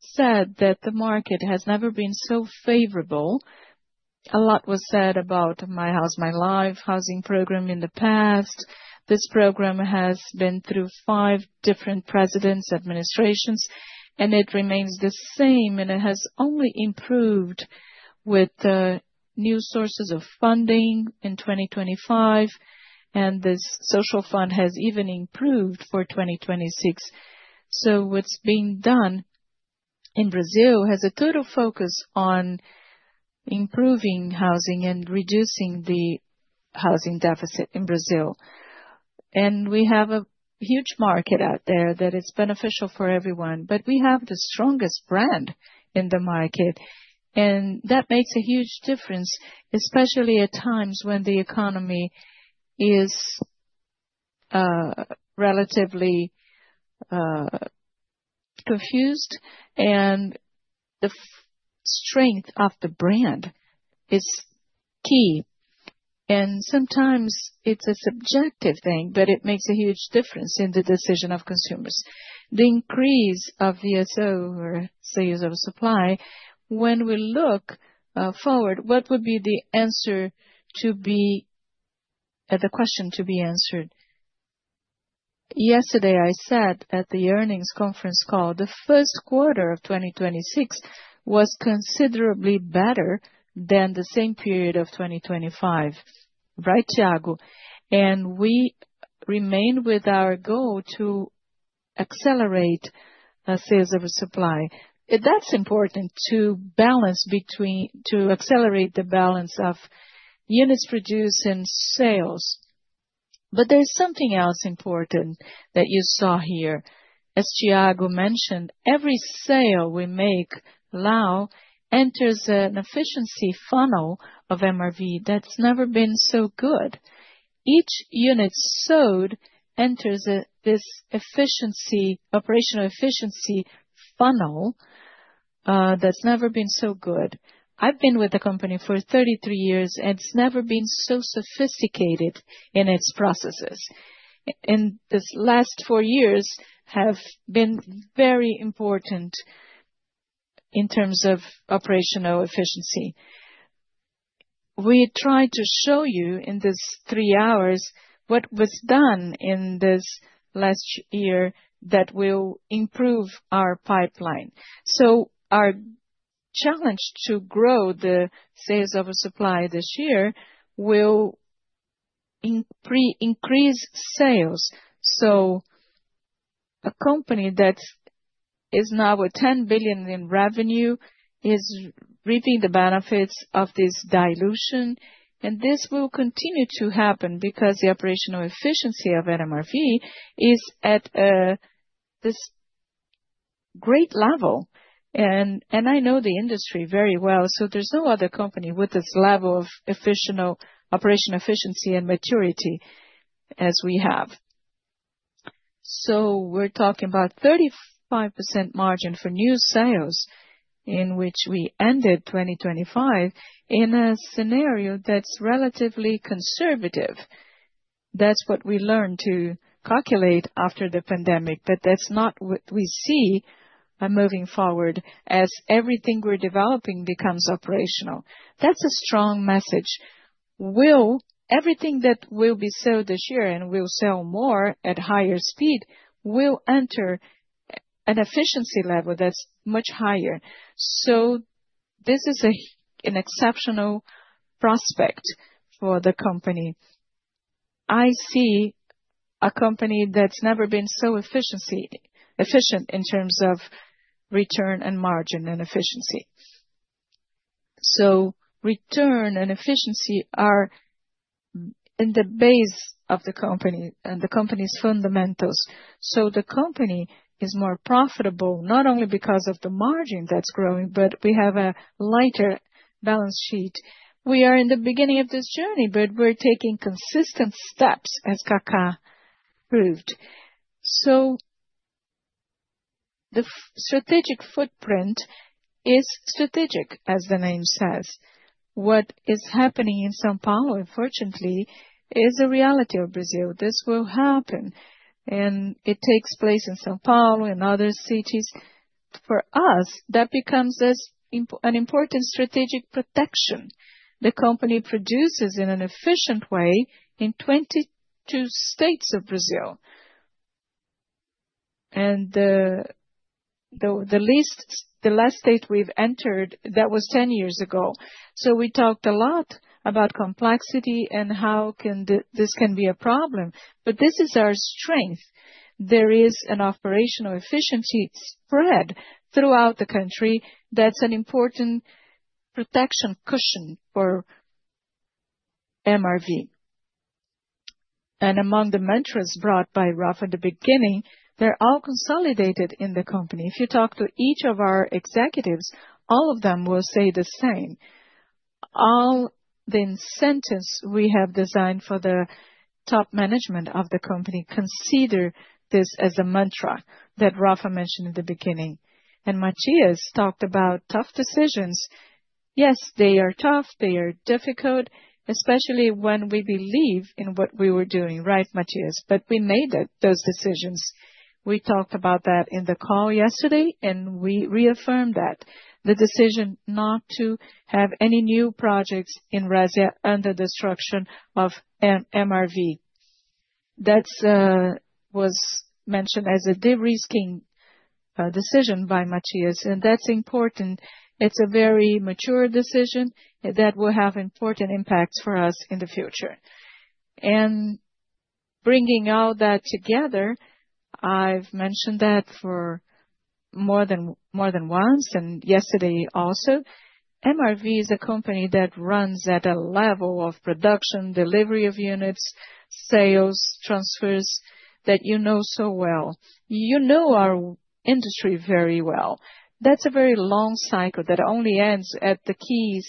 said that the market has never been so favorable. A lot was said about My House, My Life housing program in the past. This program has been through five different presidents' administrations, and it remains the same, and it has only improved with the new sources of funding in 2025, and this social fund has even improved for 2026. What's being done in Brazil has a total focus on improving housing and reducing the housing deficit in Brazil. We have a huge market out there that is beneficial for everyone. We have the strongest brand in the market, and that makes a huge difference, especially at times when the economy is relatively confused and the strength of the brand is key. Sometimes it's a subjective thing, but it makes a huge difference in the decision of consumers. The increase of the SO or sales over supply, when we look forward, what would be the question to be answered? Yesterday I said at the earnings conference call, the first quarter of 2026 was considerably better than the same period of 2025, right, Thiago? We remain with our goal to accelerate the sales over supply. That's important to accelerate the balance of units produced and sales. There's something else important that you saw here. As Thiago mentioned, every sale we make now enters an efficiency funnel of MRV that's never been so good. Each unit sold enters this efficiency, operational efficiency funnel, that's never been so good. I've been with the company for 33 years, and it's never been so sophisticated in its processes. These last four years have been very important in terms of operational efficiency. We tried to show you in these three hours what was done in this last year that will improve our pipeline. Our challenge to grow the sales over supply this year will increase sales. A company that is now at 10 billion in revenue is reaping the benefits of this dilution, and this will continue to happen because the operational efficiency of MRV is at this great level. I know the industry very well, so there's no other company with this level of operational efficiency and maturity as we have. We're talking about 35% margin for new sales in which we ended 2025 in a scenario that's relatively conservative. That's what we learned to calculate after the pandemic. That's not what we see, moving forward as everything we're developing becomes operational. That's a strong message. Everything that will be sold this year and will sell more at higher speed will enter an efficiency level that's much higher. This is an exceptional prospect for the company. I see a company that's never been so efficient in terms of return and margin and efficiency. Return and efficiency are in the base of the company and the company's fundamentals. The company is more profitable, not only because of the margin that's growing, but we have a lighter balance sheet. We are in the beginning of this journey, but we're taking consistent steps, as Kaká proved. The strategic footprint is strategic, as the name says. What is happening in São Paulo, unfortunately, is a reality of Brazil. This will happen, and it takes place in São Paulo and other cities. For us, that becomes an important strategic protection. The company produces in an efficient way in 22 states of Brazil. The last state we've entered, that was 10 years ago. We talked a lot about complexity and how this can be a problem, but this is our strength. There is an operational efficiency spread throughout the country that's an important protection cushion for MRV. Among the mantras brought by Rafa at the beginning, they're all consolidated in the company. If you talk to each of our executives, all of them will say the same. All the incentives we have designed for the top management of the company consider this as a mantra that Rafa mentioned at the beginning. Matias talked about tough decisions. Yes, they are tough. They are difficult, especially when we believe in what we were doing. Right, Matias? We made it, those decisions. We talked about that in the call yesterday, and we reaffirmed that. The decision not to have any new projects in Resia under the structure of MRV&Co. That was mentioned as a de-risking decision by Matias, and that's important. It's a very mature decision that will have important impacts for us in the future. Bringing all that together, I've mentioned that for more than once, and yesterday also. MRV is a company that runs at a level of production, delivery of units, sales, transfers that you know so well. You know our industry very well. That's a very long cycle that only ends at the key's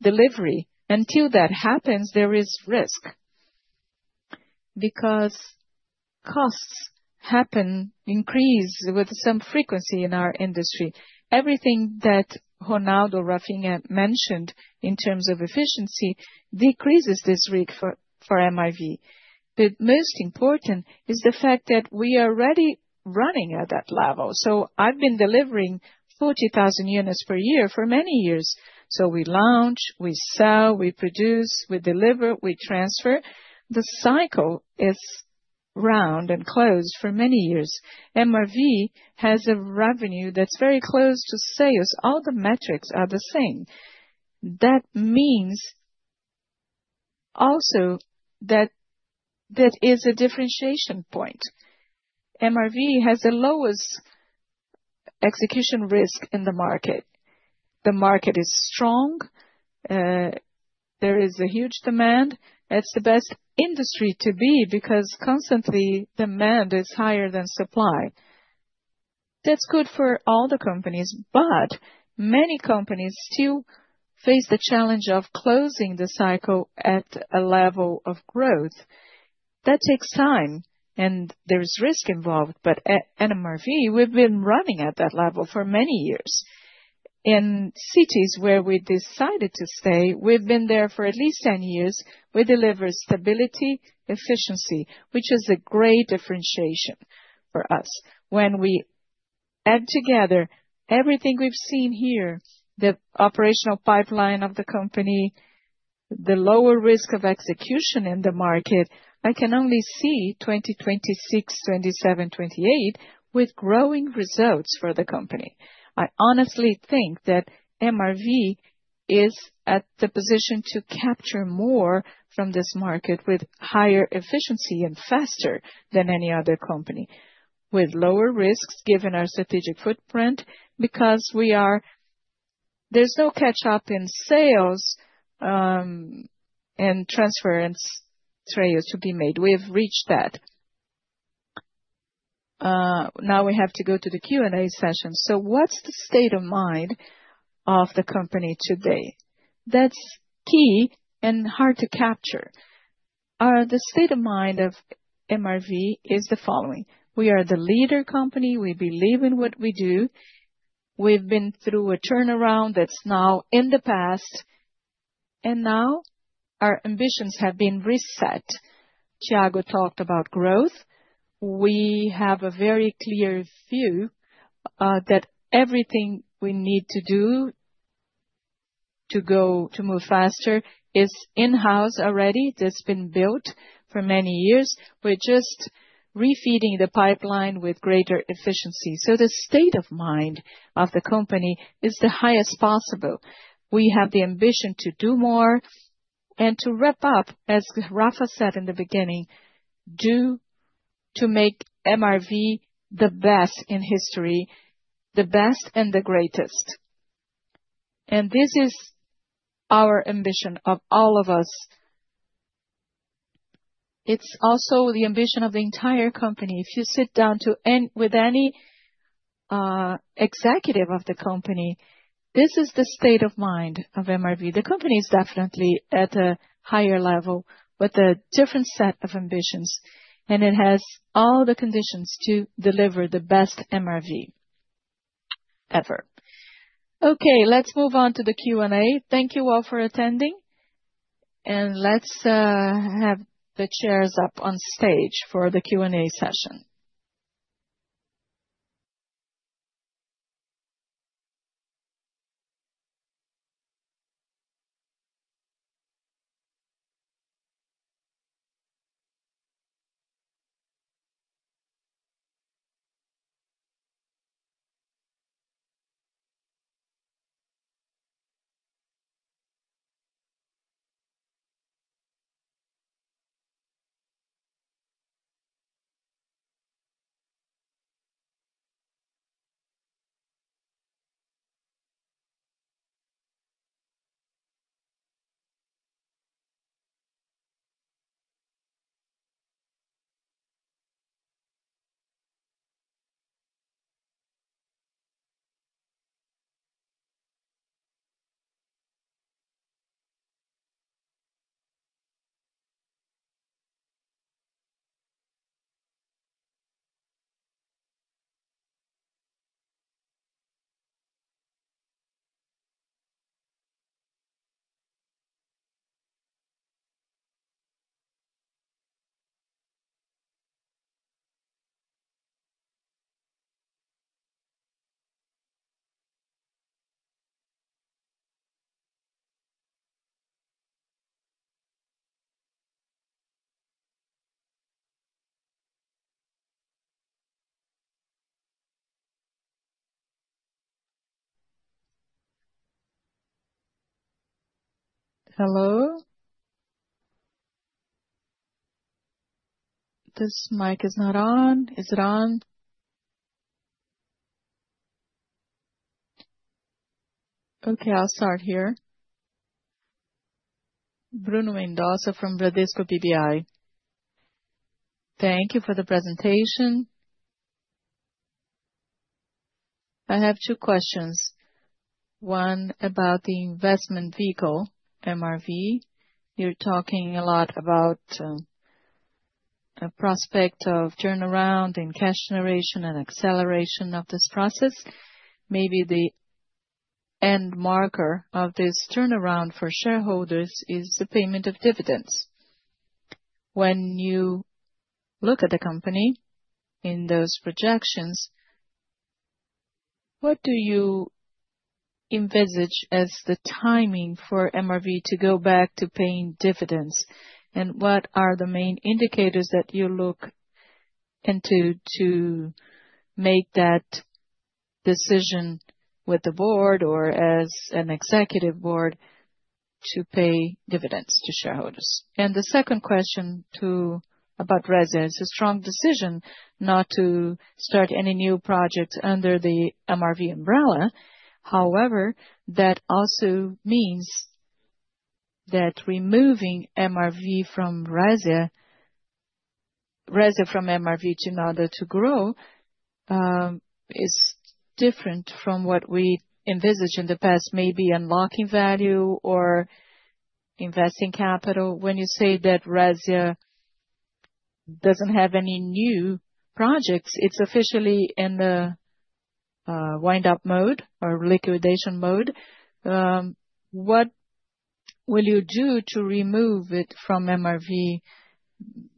delivery. Until that happens, there is risk because costs happen, increase with some frequency in our industry. Everything that Ronaldo Rafinha mentioned in terms of efficiency decreases this risk for MRV. The most important is the fact that we are already running at that level. I've been delivering 40,000 units per year for many years. We launch, we sell, we produce, we deliver, we transfer. The cycle is round and closed for many years. MRV has a revenue that's very close to sales. All the metrics are the same. That means also that is a differentiation point. MRV has the lowest execution risk in the market. The market is strong. There is a huge demand. That's the best industry to be because constantly demand is higher than supply. That's good for all the companies, but many companies still face the challenge of closing the cycle at a level of growth. That takes time and there's risk involved. At MRV, we've been running at that level for many years. In cities where we decided to stay, we've been there for at least 10 years. We deliver stability, efficiency, which is a great differentiation for us. When we add together everything we've seen here, the operational pipeline of the company, the lower risk of execution in the market, I can only see 2026, 2027, 2028 with growing results for the company. I honestly think that MRV is at the position to capture more from this market with higher efficiency and faster than any other company, with lower risks given our strategic footprint, because there is no catch up in sales, and transference trails to be made. We have reached that. Now we have to go to the Q&A session. What's the state of mind of the company today? That's key and hard to capture. The state of mind of MRV is the following: We are the leader company. We believe in what we do. We've been through a turnaround that's now in the past, and now our ambitions have been reset. Thiago talked about growth. We have a very clear view, that everything we need to do to move faster is in-house already. That's been built for many years. We're just refeeding the pipeline with greater efficiency. The state of mind of the company is the highest possible. We have the ambition to do more and to wrap up, as Rafa said in the beginning, to make MRV the best in history, the best and the greatest. This is our ambition of all of us. It's also the ambition of the entire company. If you sit down with any executive of the company, this is the state of mind of MRV. The company is definitely at a higher level with a different set of ambitions, and it has all the conditions to deliver the best MRV ever. Okay, let's move on to the Q&A. Thank you all for attending. Let's have the chairs up on stage for the Q&A session. Hello? This mic is not on. Is it on? Okay, I'll start here. Bruno Mendonça from Bradesco BBI. Thank you for the presentation. I have two questions. One, about the investment vehicle, MRV. You're talking a lot about a prospect of turnaround in cash generation and acceleration of this process. Maybe the end marker of this turnaround for shareholders is the payment of dividends. When you look at the company in those projections. What do you envisage as the timing for MRV to go back to paying dividends, and what are the main indicators that you look into to make that decision with the board or as an executive board to pay dividends to shareholders? The second question about Resia. It's a strong decision not to start any new projects under the MRV umbrella. However, that also means that removing Resia from MRV in order to grow is different from what we envisioned in the past, maybe unlocking value or investing capital. When you say that Resia doesn't have any new projects, it's officially in the wind-up mode or liquidation mode. What will you do to remove it from MRV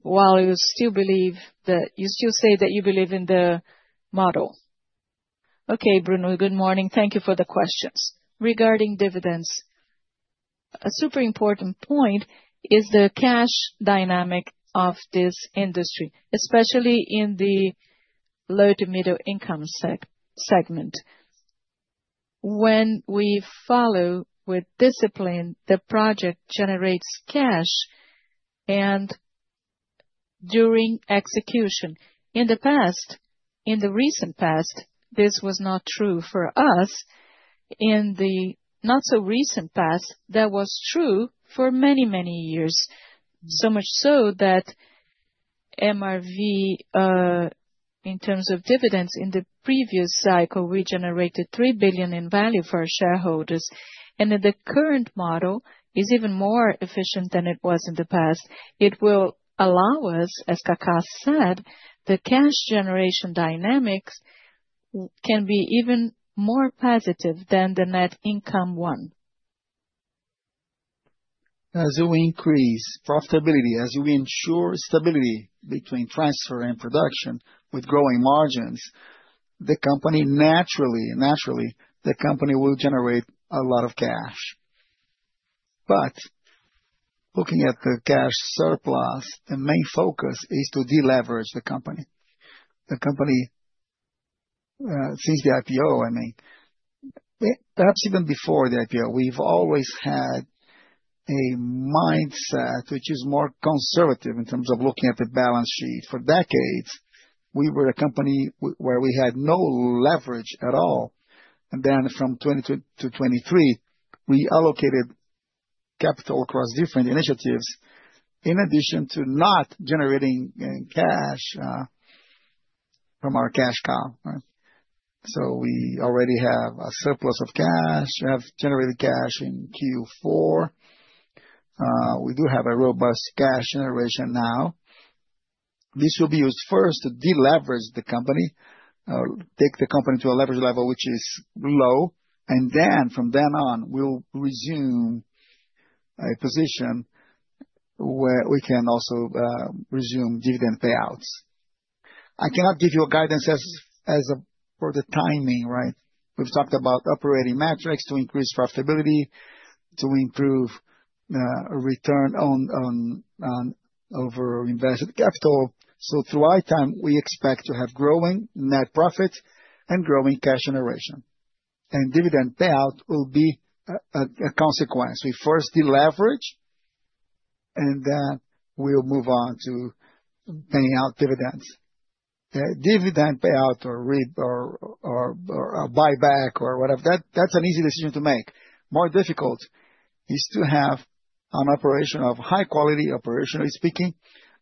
while you still believe that. You still say that you believe in the model. Okay, Bruno, good morning. Thank you for the questions. Regarding dividends, a super important point is the cash dynamic of this industry, especially in the low to middle income segment. When we follow with discipline, the project generates cash during execution. In the past, in the recent past, this was not true for us. In the not so recent past, that was true for many, many years. So much so that MRV, in terms of dividends in the previous cycle, we generated 3 billion in value for our shareholders. The current model is even more efficient than it was in the past. It will allow us, as Kaká said, the cash generation dynamics can be even more positive than the net income one. As we increase profitability, as we ensure stability between transfer and production with growing margins, the company naturally, the company will generate a lot of cash. Looking at the cash surplus, the main focus is to deleverage the company. The company, since the IPO, I mean, perhaps even before the IPO, we've always had a mindset which is more conservative in terms of looking at the balance sheet. For decades, we were a company where we had no leverage at all. From 2020 to 2023, we allocated capital across different initiatives, in addition to not generating any cash from our cash cow, right? We already have a surplus of cash. We have generated cash in Q4. We do have a robust cash generation now. This will be used first to deleverage the company, take the company to a leverage level which is low, and then from then on, we'll resume a position where we can also resume dividend payouts. I cannot give you guidance for the timing, right? We've talked about operating metrics to increase profitability, to improve return on invested capital. Through them, we expect to have growing net profit and growing cash generation. Dividend payout will be a consequence. We first deleverage, and then we'll move on to paying out dividends. Dividend payout or a buyback or whatever, that's an easy decision to make. More difficult is to have an operation of high quality, operationally speaking,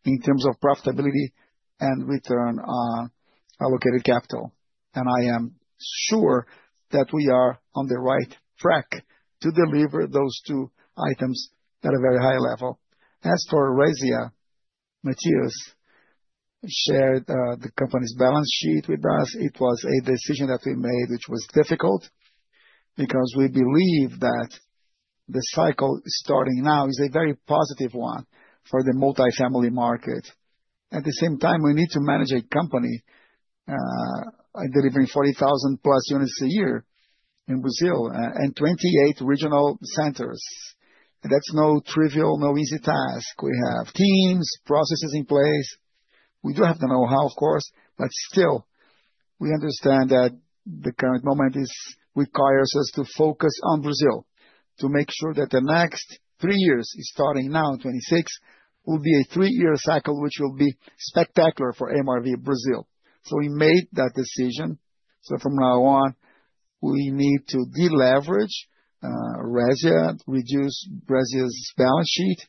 in terms of profitability and return on invested capital. I am sure that we are on the right track to deliver those two items at a very high level. As for Resia, Matias shared the company's balance sheet with us. It was a decision that we made which was difficult because we believe that the cycle starting now is a very positive one for the multifamily market. At the same time, we need to manage a company delivering 40,000+ units a year in Brazil and 28 regional centers. That's no trivial, easy task. We have teams, processes in place. We do have the know-how, of course, but still, we understand that the current moment requires us to focus on Brazil to make sure that the next three years is starting now, in 2026, will be a three-year cycle, which will be spectacular for MRV Brazil. We made that decision. From now on, we need to deleverage Resia, reduce Resia's balance sheet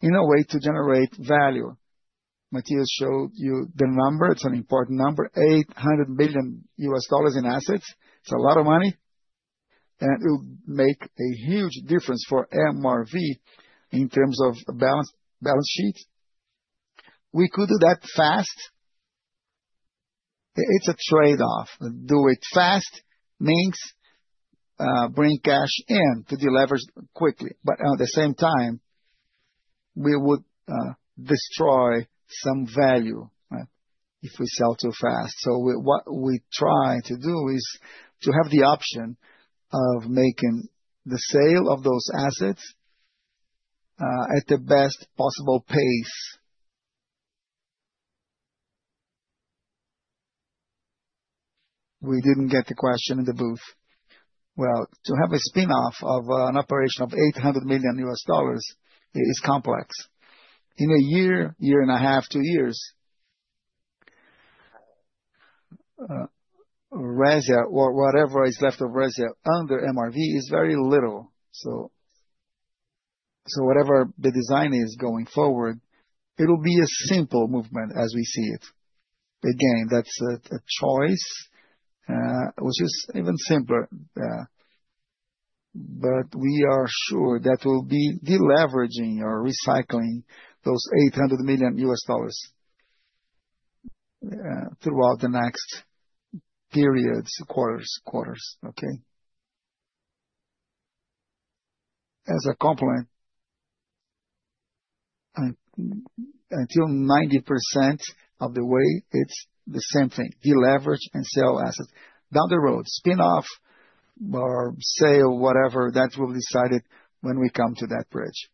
in a way to generate value. Matias showed you the number. It's an important number, $800 million in assets. It's a lot of money, and it will make a huge difference for MRV in terms of balance sheet. We could do that fast. It's a trade-off. Do it fast means bring cash in to deleverage quickly, but at the same time, we would destroy some value, right? If we sell too fast. What we try to do is to have the option of making the sale of those assets at the best possible pace. We didn't get the question in the booth. Well, to have a spin-off of an operation of $800 million is complex. In a year, a year and a half, two years, Resia or whatever is left of Resia under MRV is very little. Whatever the design is going forward, it'll be a simple movement as we see it. Again, that's a choice which is even simpler, but we are sure that we'll be de-leveraging or recycling those $800 million throughout the next periods, quarters. Okay. As a complement, until 90% of the way, it's the same thing, de-leverage and sell assets. Down the road, spin-off or sale, whatever, that will be decided when we come to that bridge.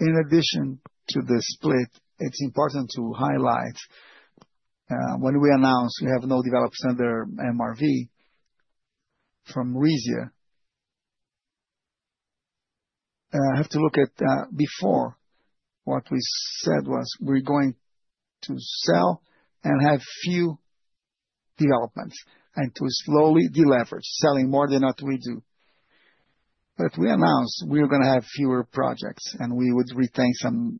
In addition to the split, it's important to highlight, when we announce we have no developments under MRV from Resia. I have to look at, before, what we said was we're going to sell and have few developments and to slowly de-leverage, selling more than what we do. We announced we're gonna have fewer projects and we would retain some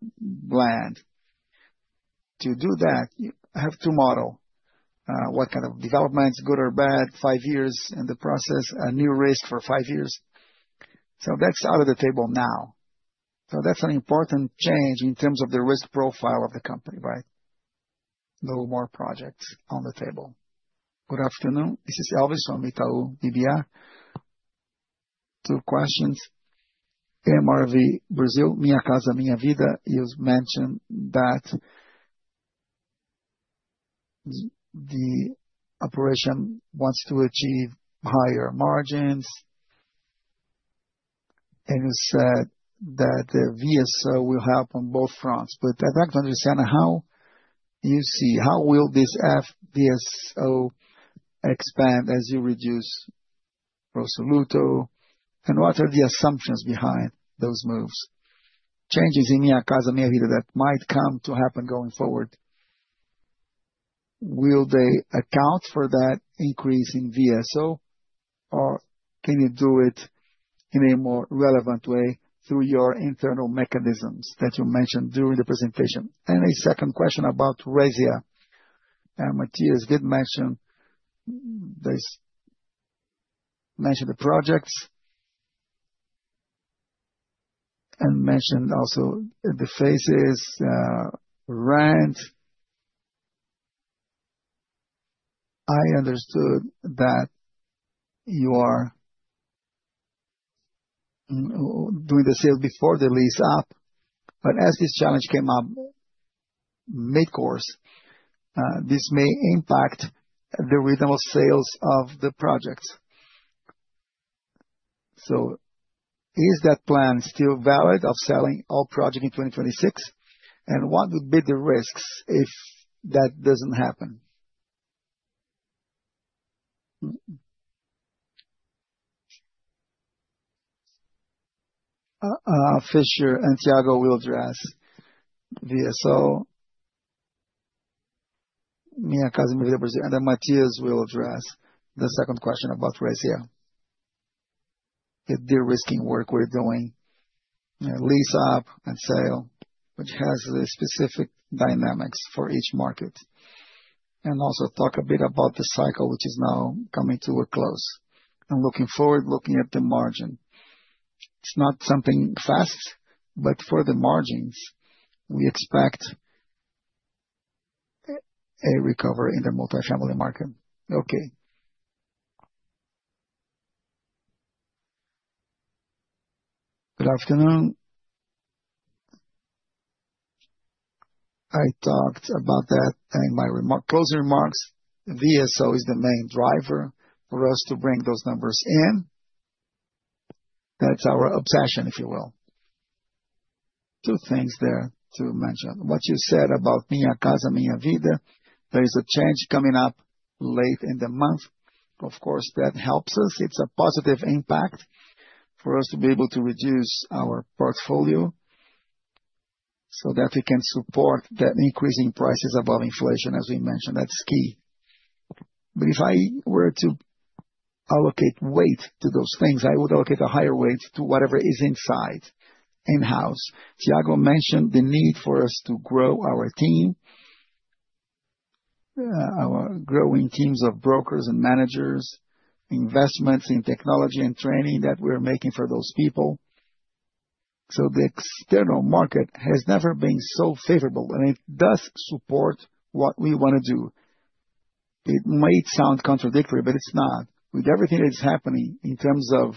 land. To do that, you have to model what kind of developments, good or bad, five years in the process, a new risk for five years. That's out of the table now. That's an important change in terms of the risk profile of the company, right? No more projects on the table. Good afternoon. This is Elvis from Itaú BBA. Two questions. MRV Brazil, Minha Casa, Minha Vida, you've mentioned that the operation wants to achieve higher margins. You said that the VSO will help on both fronts. I'd like to understand how you see, how will this VSO expand as you reduce Pro Soluto, and what are the assumptions behind those moves? Changes in Minha Casa, Minha Vida that might come to happen going forward, will they account for that increase in VSO or can you do it in a more relevant way through your internal mechanisms that you mentioned during the presentation? A second question about Resia. Matias did mention the projects and mentioned also the phases, rent. I understood that you are doing the sale before the lease up, but as this challenge came up mid-course, this may impact the rhythm of sales of the projects. Is that plan still valid of selling all project in 2026? What would be the risks if that doesn't happen? Fischer and Thiago will address VSO, Minha Casa Minha Vida Brazil, and then Matias will address the second question about Resia. The de-risking work we're doing, lease up and sale, which has the specific dynamics for each market. Also talk a bit about the cycle, which is now coming to a close and looking forward, looking at the margin. It's not something fast, but for the margins, we expect a recovery in the multi-family market. Okay. Good afternoon. I talked about that in my closing remarks. VSO is the main driver for us to bring those numbers in. That's our obsession, if you will. Two things there to mention. What you said about Minha Casa Minha Vida, there is a change coming up late in the month. Of course, that helps us. It's a positive impact for us to be able to reduce our portfolio so that we can support the increase in prices above inflation, as we mentioned, that's key. If I were to allocate weight to those things, I would allocate a higher weight to whatever is inside, in-house. Thiago mentioned the need for us to grow our team, our growing teams of brokers and managers, investments in technology and training that we're making for those people. The external market has never been so favorable, and it does support what we wanna do. It might sound contradictory, but it's not. With everything that's happening in terms of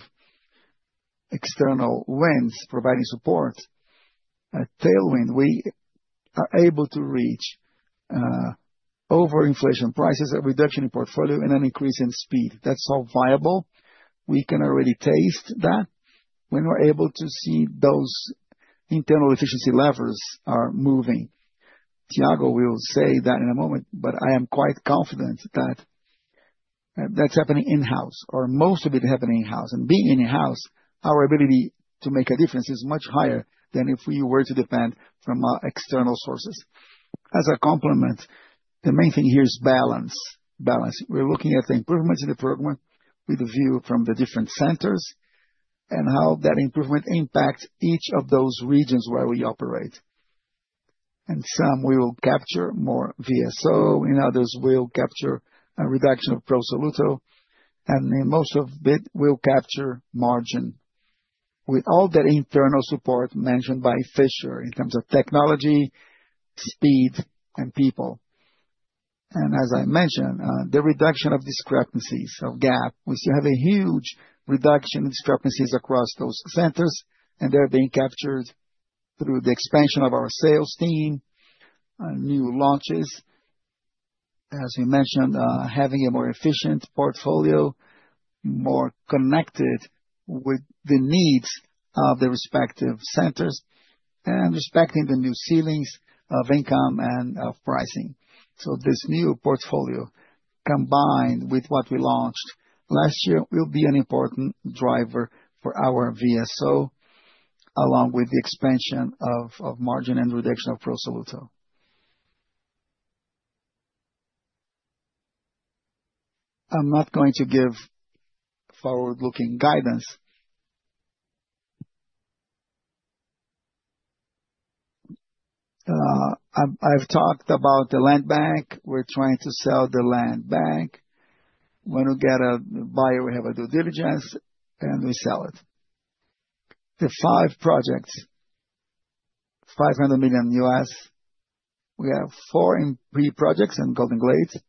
external winds providing support, a tailwind, we are able to reach overinflation prices, a reduction in portfolio, and an increase in speed. That's all viable. We can already taste that when we're able to see those internal efficiency levers are moving. Thiago will say that in a moment, but I am quite confident that that's happening in-house or most of it happening in-house, and being in-house, our ability to make a difference is much higher than if we were to depend on our external sources. As a complement, the main thing here is balance. Balance. We're looking at the improvements in the program with a view from the different centers and how that improvement impacts each of those regions where we operate. In some, we will capture more VSO. In others, we'll capture a reduction of Pro Soluto, and in most of it, we'll capture margin. With all that internal support mentioned by Fischer in terms of technology, speed, and people. As I mentioned, the reduction of discrepancies or gap, we still have a huge reduction in discrepancies across those centers, and they're being captured through the expansion of our sales team, new launches. As we mentioned, having a more efficient portfolio, more connected with the needs of the respective centers and respecting the new ceilings of income and of pricing. This new portfolio, combined with what we launched last year, will be an important driver for our VSO, along with the expansion of margin and reduction of Pro Soluto. I'm not going to give forward-looking guidance. I've talked about the land bank. We're trying to sell the land bank. When we get a buyer, we have a due diligence, and we sell it. The five projects, $500 million, we have four in pre-projects in Golden Glades.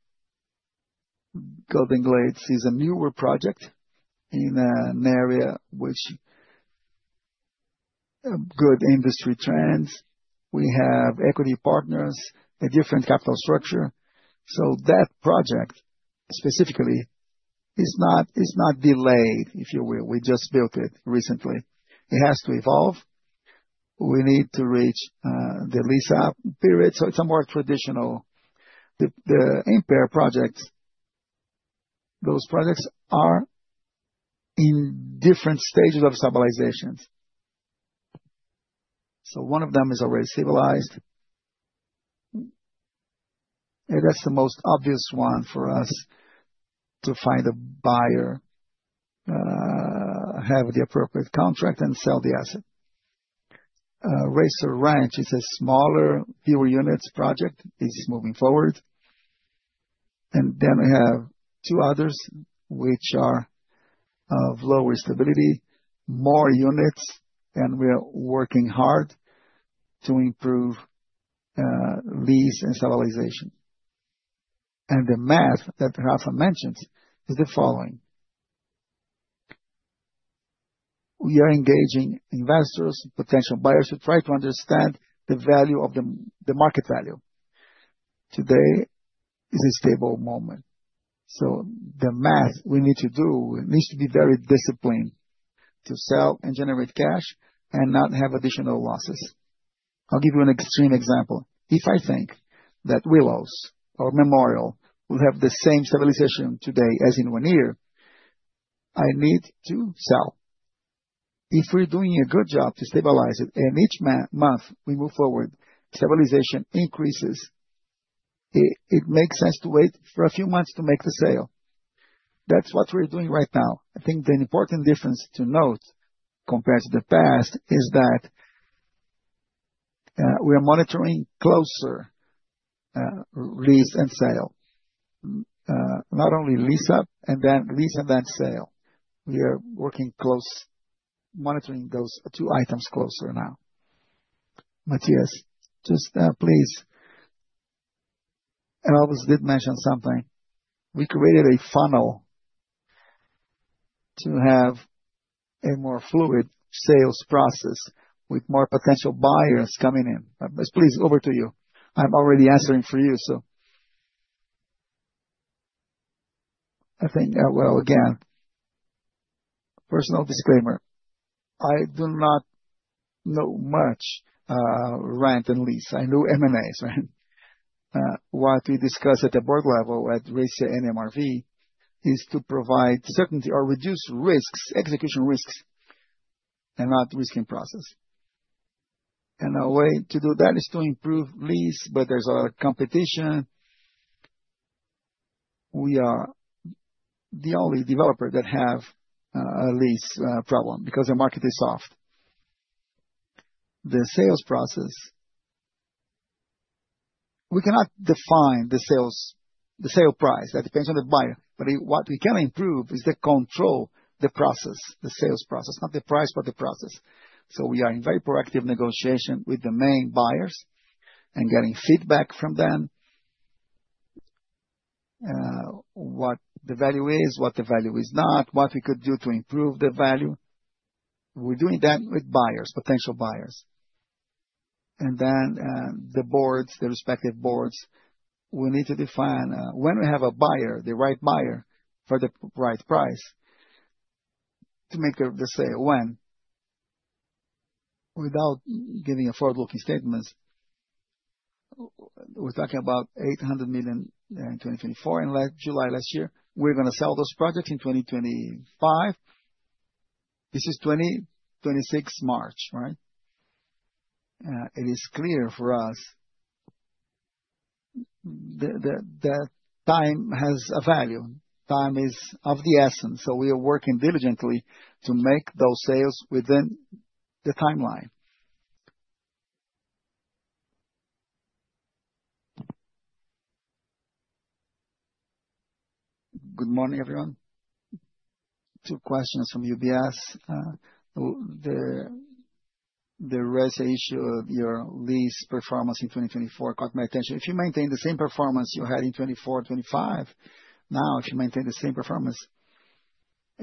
Golden Glades is a newer project in an area which good industry trends. We have equity partners, a different capital structure. That project specifically is not delayed, if you will. We just built it recently. It has to evolve. We need to reach the lease-up period, so it's a more traditional. The impaired projects, those projects are in different stages of stabilization. One of them is already stabilized. That's the most obvious one for us to find a buyer, have the appropriate contract and sell the asset. Rayzor Ranch is a smaller, fewer units project. This is moving forward. Then we have two others which are of lower stability, more units, and we are working hard to improve lease-up and stabilization. The math that Rafa mentioned is the following. We are engaging investors and potential buyers to try to understand the value of the market value. Today is a stable moment, so the math we need to do, it needs to be very disciplined to sell and generate cash and not have additional losses. I'll give you an extreme example. If I think that Resia Willows or Resia Memorial will have the same stabilization today as in one year, I need to sell. If we're doing a good job to stabilize it, and each month we move forward, stabilization increases, it makes sense to wait for a few months to make the sale. That's what we're doing right now. I think the important difference to note compared to the past is that we are monitoring closer, lease and sale. Not only lease up and then sale. We are working closely monitoring those two items closer now. Matias, just please. I also did mention something. We created a funnel to have a more fluid sales process with more potential buyers coming in. Please, over to you. I'm already answering for you, so. I think, well, again, personal disclaimer, I do not know much, rent and lease. I know M&As, right? What we discussed at the board level at Resia and MRV is to provide certainty or reduce risks, execution risks, and not risk in process. Our way to do that is to improve lease, but there's a competition. We are the only developer that have a lease problem because the market is soft. The sales process. We cannot define the sale price. That depends on the buyer. What we can improve is the control, the process, the sales process. Not the price, but the process. We are in very proactive negotiation with the main buyers and getting feedback from them. What the value is, what the value is not, what we could do to improve the value. We're doing that with buyers, potential buyers. Then, the boards, the respective boards, we need to define, when we have a buyer, the right buyer for the right price to make the sale when. Without giving forward-looking statements, we're talking about 800 million in 2024 in last July last year. We're gonna sell those projects in 2025. This is March 2026, right? It is clear for us that time has a value. Time is of the essence, so we are working diligently to make those sales within the timeline. Good morning, everyone. Two questions from UBS. The Resia issue of your lease performance in 2024 caught my attention. If you maintain the same performance you had in 2024, in 2025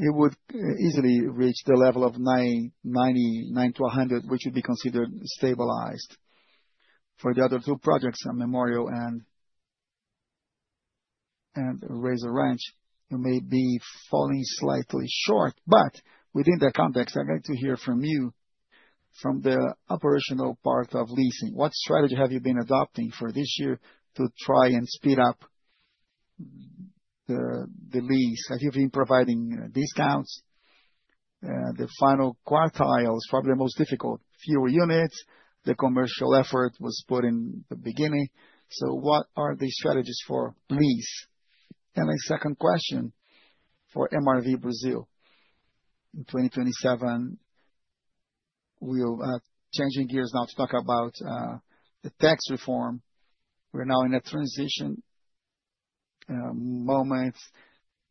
it would easily reach the level of 99 to 100, which would be considered stabilized. For the other two projects, Memorial and Rayzor Ranch, you may be falling slightly short. Within that context, I'd like to hear from the operational part of leasing. What strategy have you been adopting for this year to try and speed up the lease? Have you been providing discounts? The final quartile is probably the most difficult. Fewer units, the commercial effort was put in the beginning. What are the strategies for lease? My second question for MRV Brazil. In 2027, we're changing gears now to talk about the tax reform. We're now in a transition moment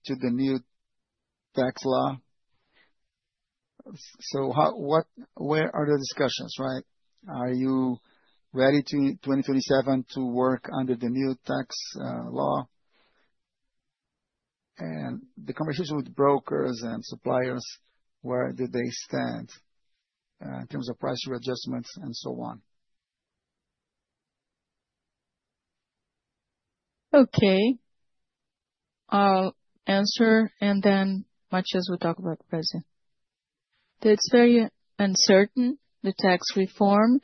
to the new tax law. So where are the discussions, right? Are you ready to 2027 to work under the new tax law? The conversation with brokers and suppliers, where do they stand in terms of price adjustments and so on? Okay. I'll answer and then Matias will talk about the present. That's very uncertain, the tax reform.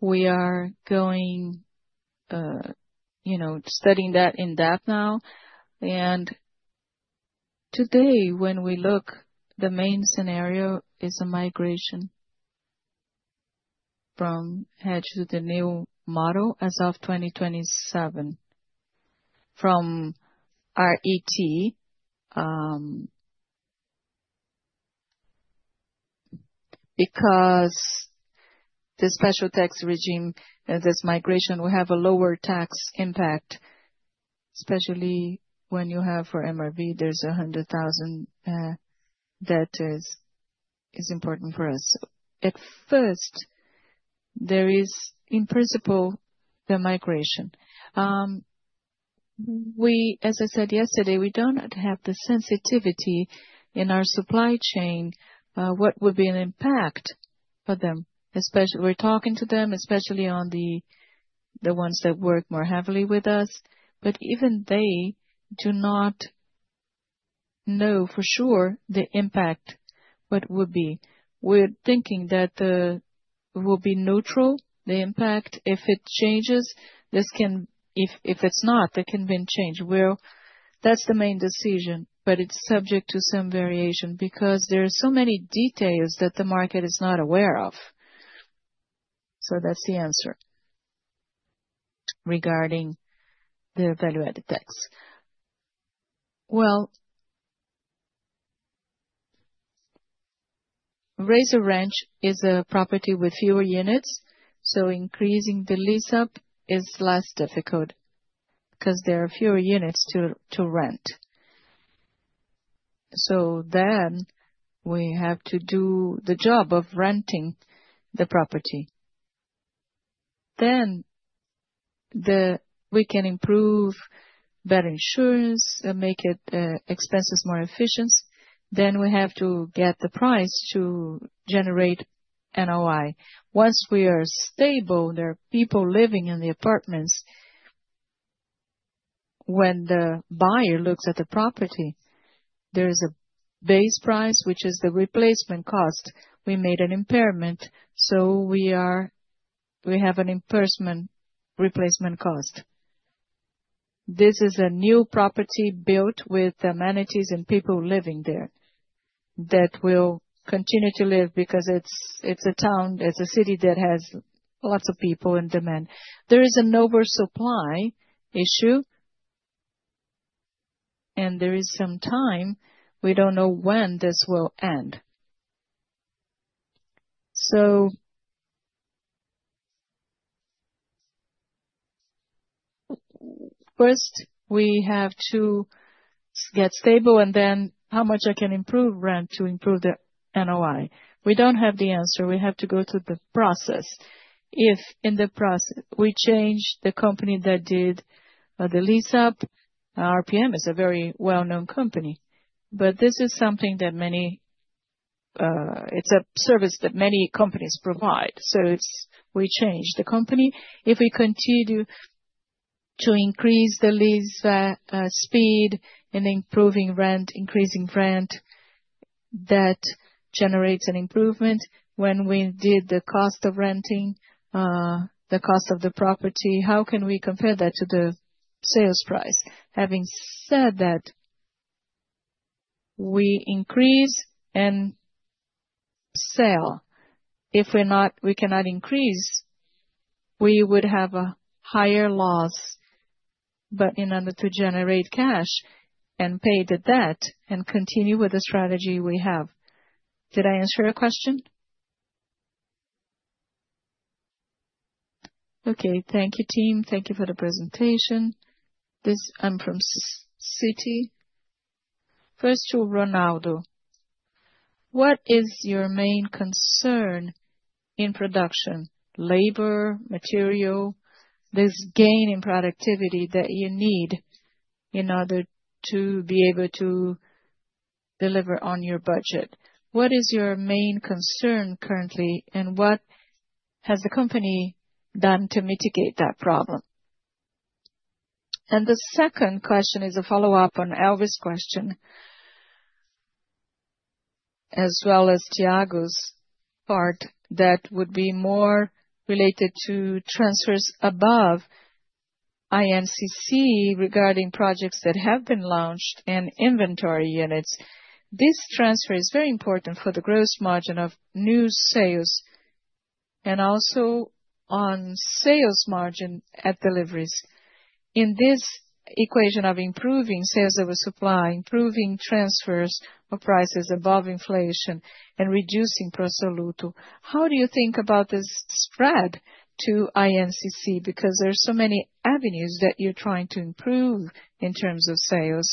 We are going, you know, studying that in depth now. Today, when we look, the main scenario is a migration from RET to the new model as of 2027 from RET, because the special tax regime and this migration will have a lower tax impact, especially when you have for MRV, there's 100,000 that is important for us. At first, there is, in principle, the migration. As I said yesterday, we do not have the sensitivity in our supply chain, what would be an impact for them. Especially, we're talking to them, especially on the ones that work more heavily with us. But even they do not know for sure the impact, what would be. We're thinking that it will be neutral, the impact, if it changes. If it's not, that can then change. That's the main decision, but it's subject to some variation because there are so many details that the market is not aware of. That's the answer regarding the value-added tax. Well, Rayzor Ranch is a property with fewer units, so increasing the lease-up is less difficult because there are fewer units to rent. We have to do the job of renting the property. We can improve better insurance and make expenses more efficient. We have to get the price to generate NOI. Once we are stable, there are people living in the apartments. When the buyer looks at the property, there is a base price, which is the replacement cost. We made an impairment, so we have an impairment replacement cost. This is a new property built with amenities and people living there that will continue to live because it's a town, it's a city that has lots of people and demand. There is an oversupply issue and there is some time. We don't know when this will end. First, we have to get stable and then how much I can improve rent to improve the NOI. We don't have the answer. We have to go through the process. If in the process we change the company that did the lease-up, RPM is a very well-known company. But this is something that many. It's a service that many companies provide. It's, we change the company. If we continue to increase the lease-up speed and improving rent, increasing rent, that generates an improvement. When we did the cost of renting, the cost of the property, how can we compare that to the sales price? Having said that, we increase and sell. If we're not, we cannot increase, we would have a higher loss. In order to generate cash and pay the debt and continue with the strategy we have. Did I answer your question? Okay, thank you, team. Thank you for the presentation. This. I'm from Citi. First to Ronaldo. What is your main concern in production? Labor, material? This gain in productivity that you need in order to be able to deliver on your budget. What is your main concern currently, and what has the company done to mitigate that problem? The second question is a follow-up on Elvis' question, as well as Thiago's part that would be more related to transfers above INCC regarding projects that have been launched and inventory units. This transfer is very important for the gross margin of new sales and also on sales margin at deliveries. In this equation of improving sales over supply, improving transfers of prices above inflation and reducing Pro Soluto, how do you think about this spread to INCC? Because there are so many avenues that you're trying to improve in terms of sales,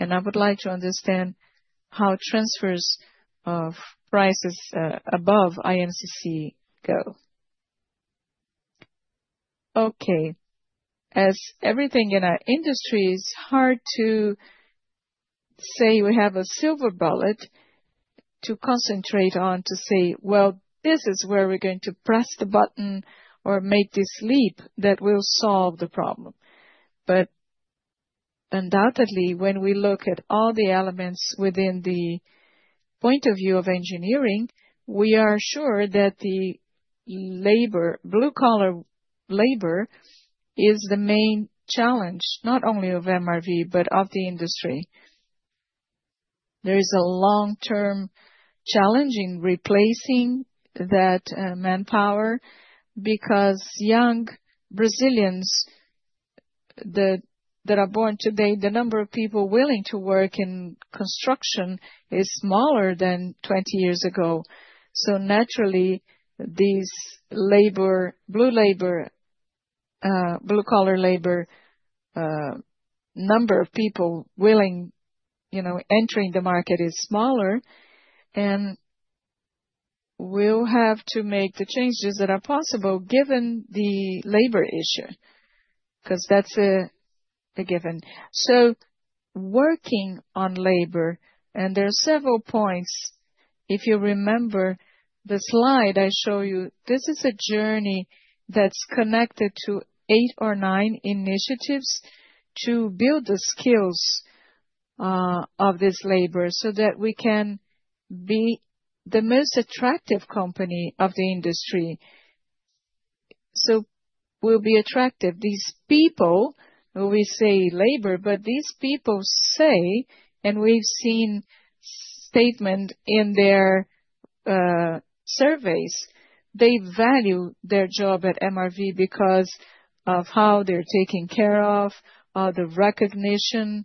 and I would like to understand how transfers of prices above INCC go. Okay. As everything in our industry is hard to say, we have a silver bullet to concentrate on to say, "Well, this is where we're going to press the button or make this leap that will solve the problem." Undoubtedly, when we look at all the elements within the point of view of engineering, we are sure that the labor, blue-collar labor is the main challenge, not only of MRV, but of the industry. There is a long-term challenge in replacing that manpower because young Brazilians that are born today, the number of people willing to work in construction is smaller than 20 years ago. Naturally, the blue-collar labor number of people willing, you know, entering the market is smaller, and we'll have to make the changes that are possible given the labor issue, 'cause that's a given. Working on labor, and there are several points. If you remember the slide I show you, this is a journey that's connected to eight or nine initiatives to build the skills of this labor so that we can be the most attractive company of the industry. We'll be attractive. These people, we say labor, but these people say, and we've seen statement in their surveys, they value their job at MRV because of how they're taken care of, the recognition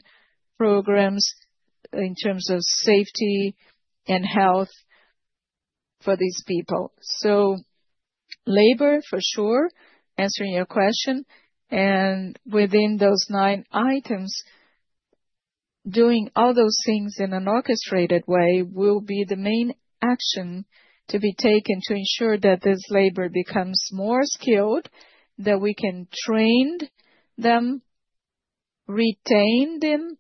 programs in terms of safety and health for these people. Labor, for sure, answering your question, and within those nine items, doing all those things in an orchestrated way will be the main action to be taken to ensure that this labor becomes more skilled, that we can train them, retain them,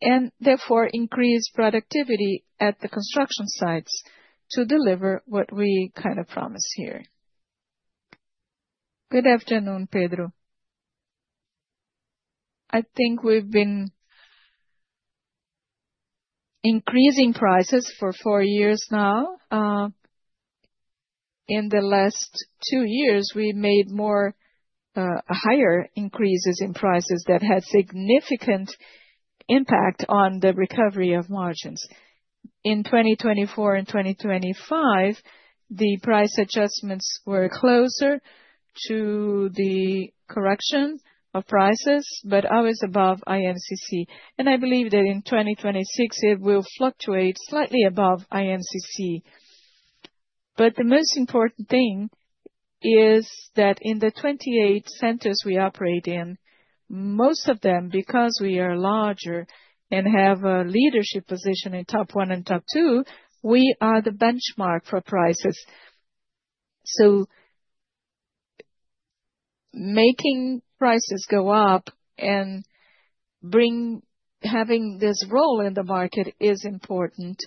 and therefore increase productivity at the construction sites to deliver what we kind of promise here. Good afternoon, Pedro. I think we've been increasing prices for four years now. In the last two years, we made more, higher increases in prices that had significant impact on the recovery of margins. In 2024 and 2025, the price adjustments were closer to the correction of prices, but always above INCC. I believe that in 2026, it will fluctuate slightly above INCC. The most important thing is that in the 28 centers we operate in, most of them, because we are larger and have a leadership position in top one and top two, we are the benchmark for prices. Making prices go up and having this role in the market is important.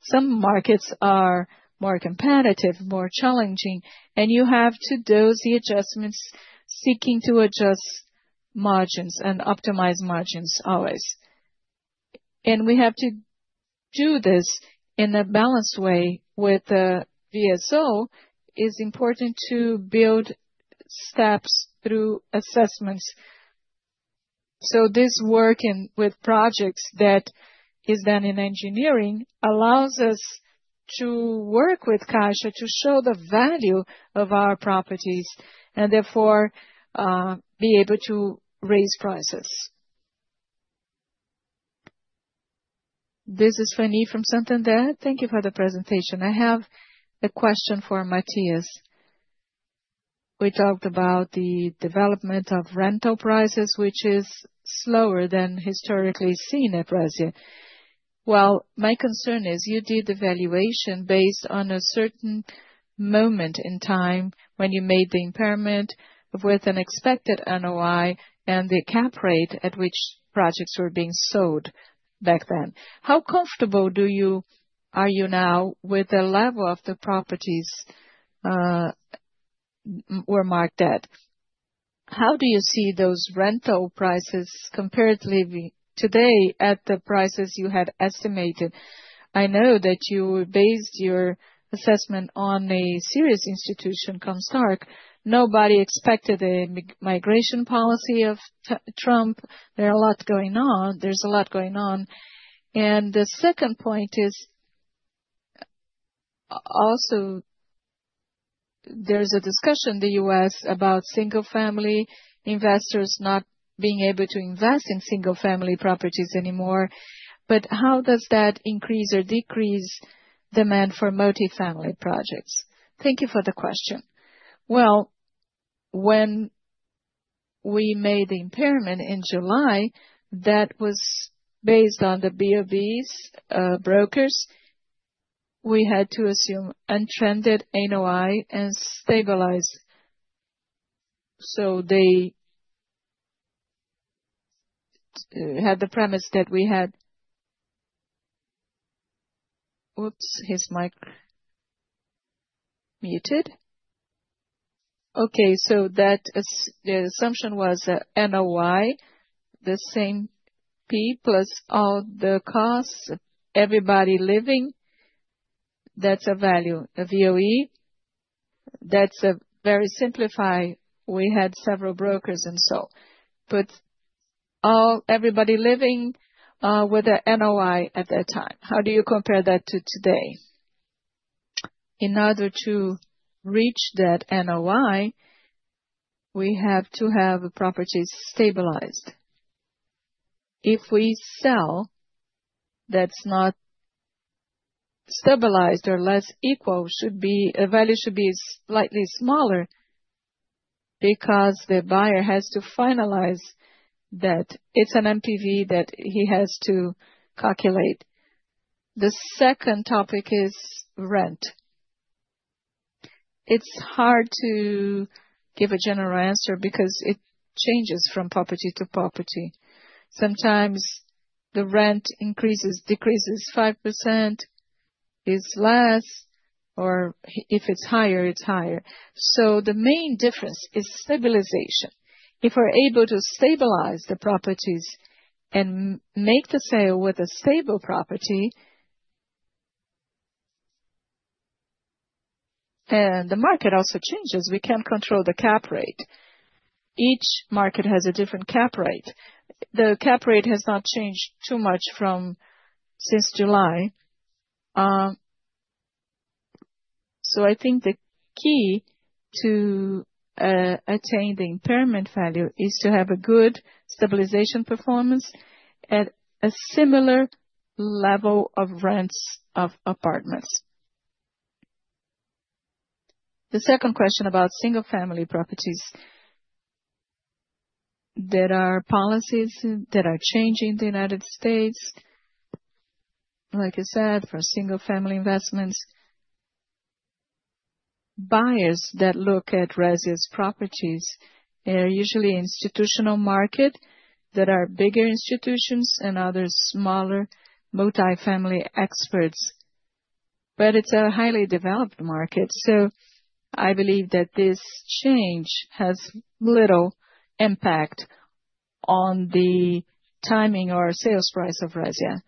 Some markets are more competitive, more challenging, and you have to do the adjustments, seeking to adjust margins and optimize margins always. We have to do this in a balanced way with VSO. It is important to build steps through assessments. This work with projects that is done in engineering allows us to work with cash to show the value of our properties and therefore be able to raise prices. This is Fanny from Santander. Thank you for the presentation. I have a question for Matias. We talked about the development of rental prices, which is slower than historically seen at Resia. Well, my concern is you did the valuation based on a certain moment in time when you made the impairment with an expected NOI and the cap rate at which projects were being sold back then. How comfortable are you now with the level of the properties were marked at? How do you see those rental prices comparatively today at the prices you had estimated? I know that you based your assessment on a serious institution, CoStar. Nobody expected the migration policy of Trump. There are a lot going on. There's a lot going on. The second point is, also there's a discussion in the U.S. about single-family investors not being able to invest in single-family properties anymore. How does that increase or decrease demand for multifamily projects? Thank you for the question. When we made the impairment in July, that was based on the BOVs, brokers. We had to assume untrended NOI and stabilize. They had the premise that the assumption was NOI, the same cap plus all the costs, everybody living. That's a value, a BOV. That's very simplified. We had several brokers and so. Everybody living with an NOI at that time. How do you compare that to today? In order to reach that NOI, we have to have the properties stabilized. If we sell, that's not stabilized or less equal, should be a value should be slightly smaller because the buyer has to finalize that it's a BOV that he has to calculate. The second topic is rent. It's hard to give a general answer because it changes from property to property. Sometimes the rent increases, decreases 5%, is less, or if it's higher, it's higher. The main difference is stabilization. If we're able to stabilize the properties and make the sale with a stable property. The market also changes. We can't control the cap rate. Each market has a different cap rate. The cap rate has not changed too much since July. I think the key to attain the impairment value is to have a good stabilization performance at a similar level of rents of apartments. The second question about single-family properties. There are policies that are changing in the United States, like I said, for single-family investments. Buyers that look at Resia's properties are usually institutional market that are bigger institutions and other smaller multifamily experts. It's a highly developed market, so I believe that this change has little impact on the timing or sales price of Resia.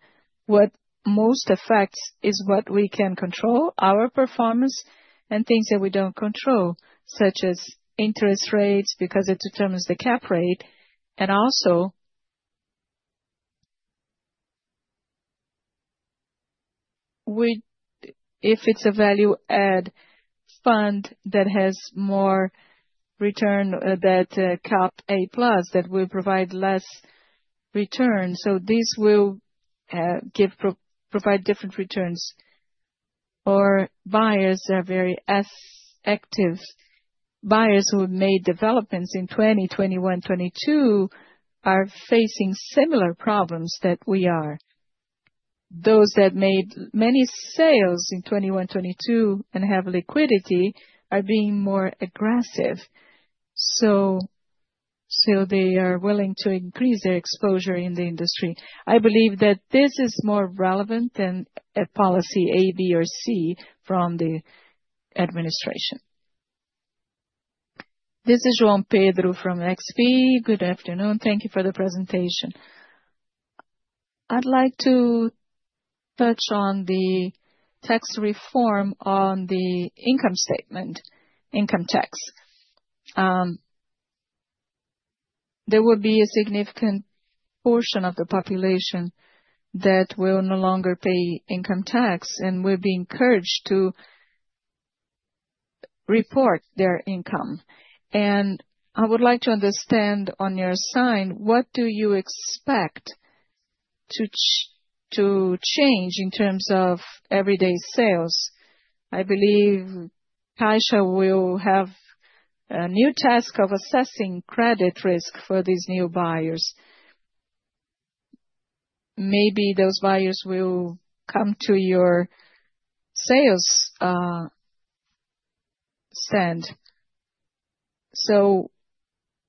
What most affects is what we can control, our performance, and things that we don't control, such as interest rates, because it determines the cap rate. If it's a value-add fund that has more return than capped A-plus that will provide less return. This will provide different returns. Our buyers are very active. Buyers who have made developments in 2020, 2021, 2022 are facing similar problems that we are. Those that made many sales in 2021, 2022 and have liquidity are being more aggressive. They are willing to increase their exposure in the industry. I believe that this is more relevant than a policy A, B or C from the administration. This is João Pedro from XP. Good afternoon. Thank you for the presentation. I'd like to touch on the tax reform on the income statement, income tax. There will be a significant portion of the population that will no longer pay income tax and will be encouraged to report their income. I would like to understand on your side, what do you expect to change in terms of everyday sales? I believe Caixa will have a new task of assessing credit risk for these new buyers. Maybe those buyers will come to your sales stand.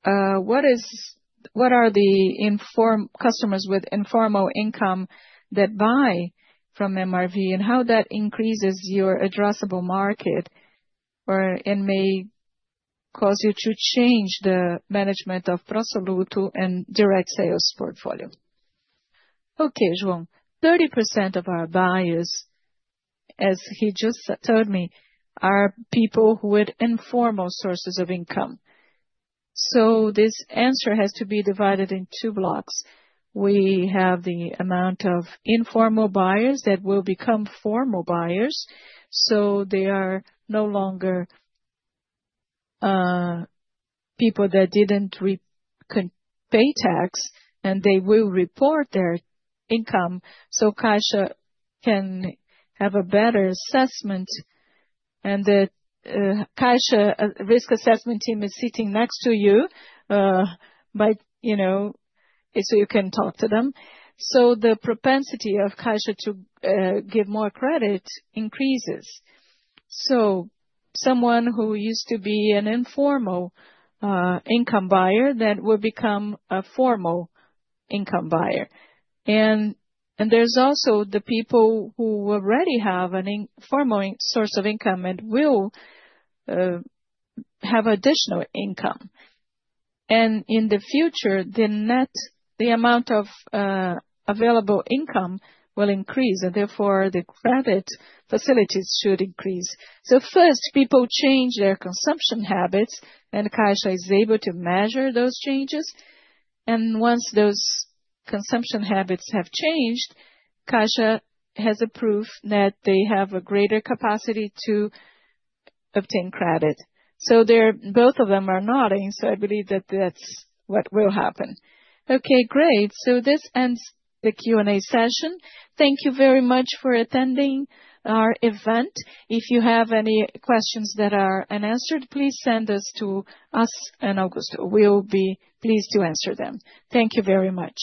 What are the customers with informal income that buy from MRV and how that increases your addressable market or it may cause you to change the management of Pro Soluto and direct sales portfolio. Okay, João. 30% of our buyers, as he just told me, are people with informal sources of income. This answer has to be divided in two blocks. We have the amount of informal buyers that will become formal buyers, so they are no longer people that could pay tax and they will report their income, so Caixa can have a better assessment. The Caixa risk assessment team is sitting next to you, but you know, so you can talk to them. The propensity of Caixa to give more credit increases. Someone who used to be an informal income buyer then will become a formal income buyer. There's also the people who already have an informal source of income and will have additional income. In the future, the amount of available income will increase and therefore the credit facilities should increase. First, people change their consumption habits and Caixa is able to measure those changes. Once those consumption habits have changed, Caixa has a proof that they have a greater capacity to obtain credit. They're both nodding, so I believe that that's what will happen. Okay, great. This ends the Q&A session. Thank you very much for attending our event. If you have any questions that are unanswered, please send those to us and Augusto. We'll be pleased to answer them. Thank you very much.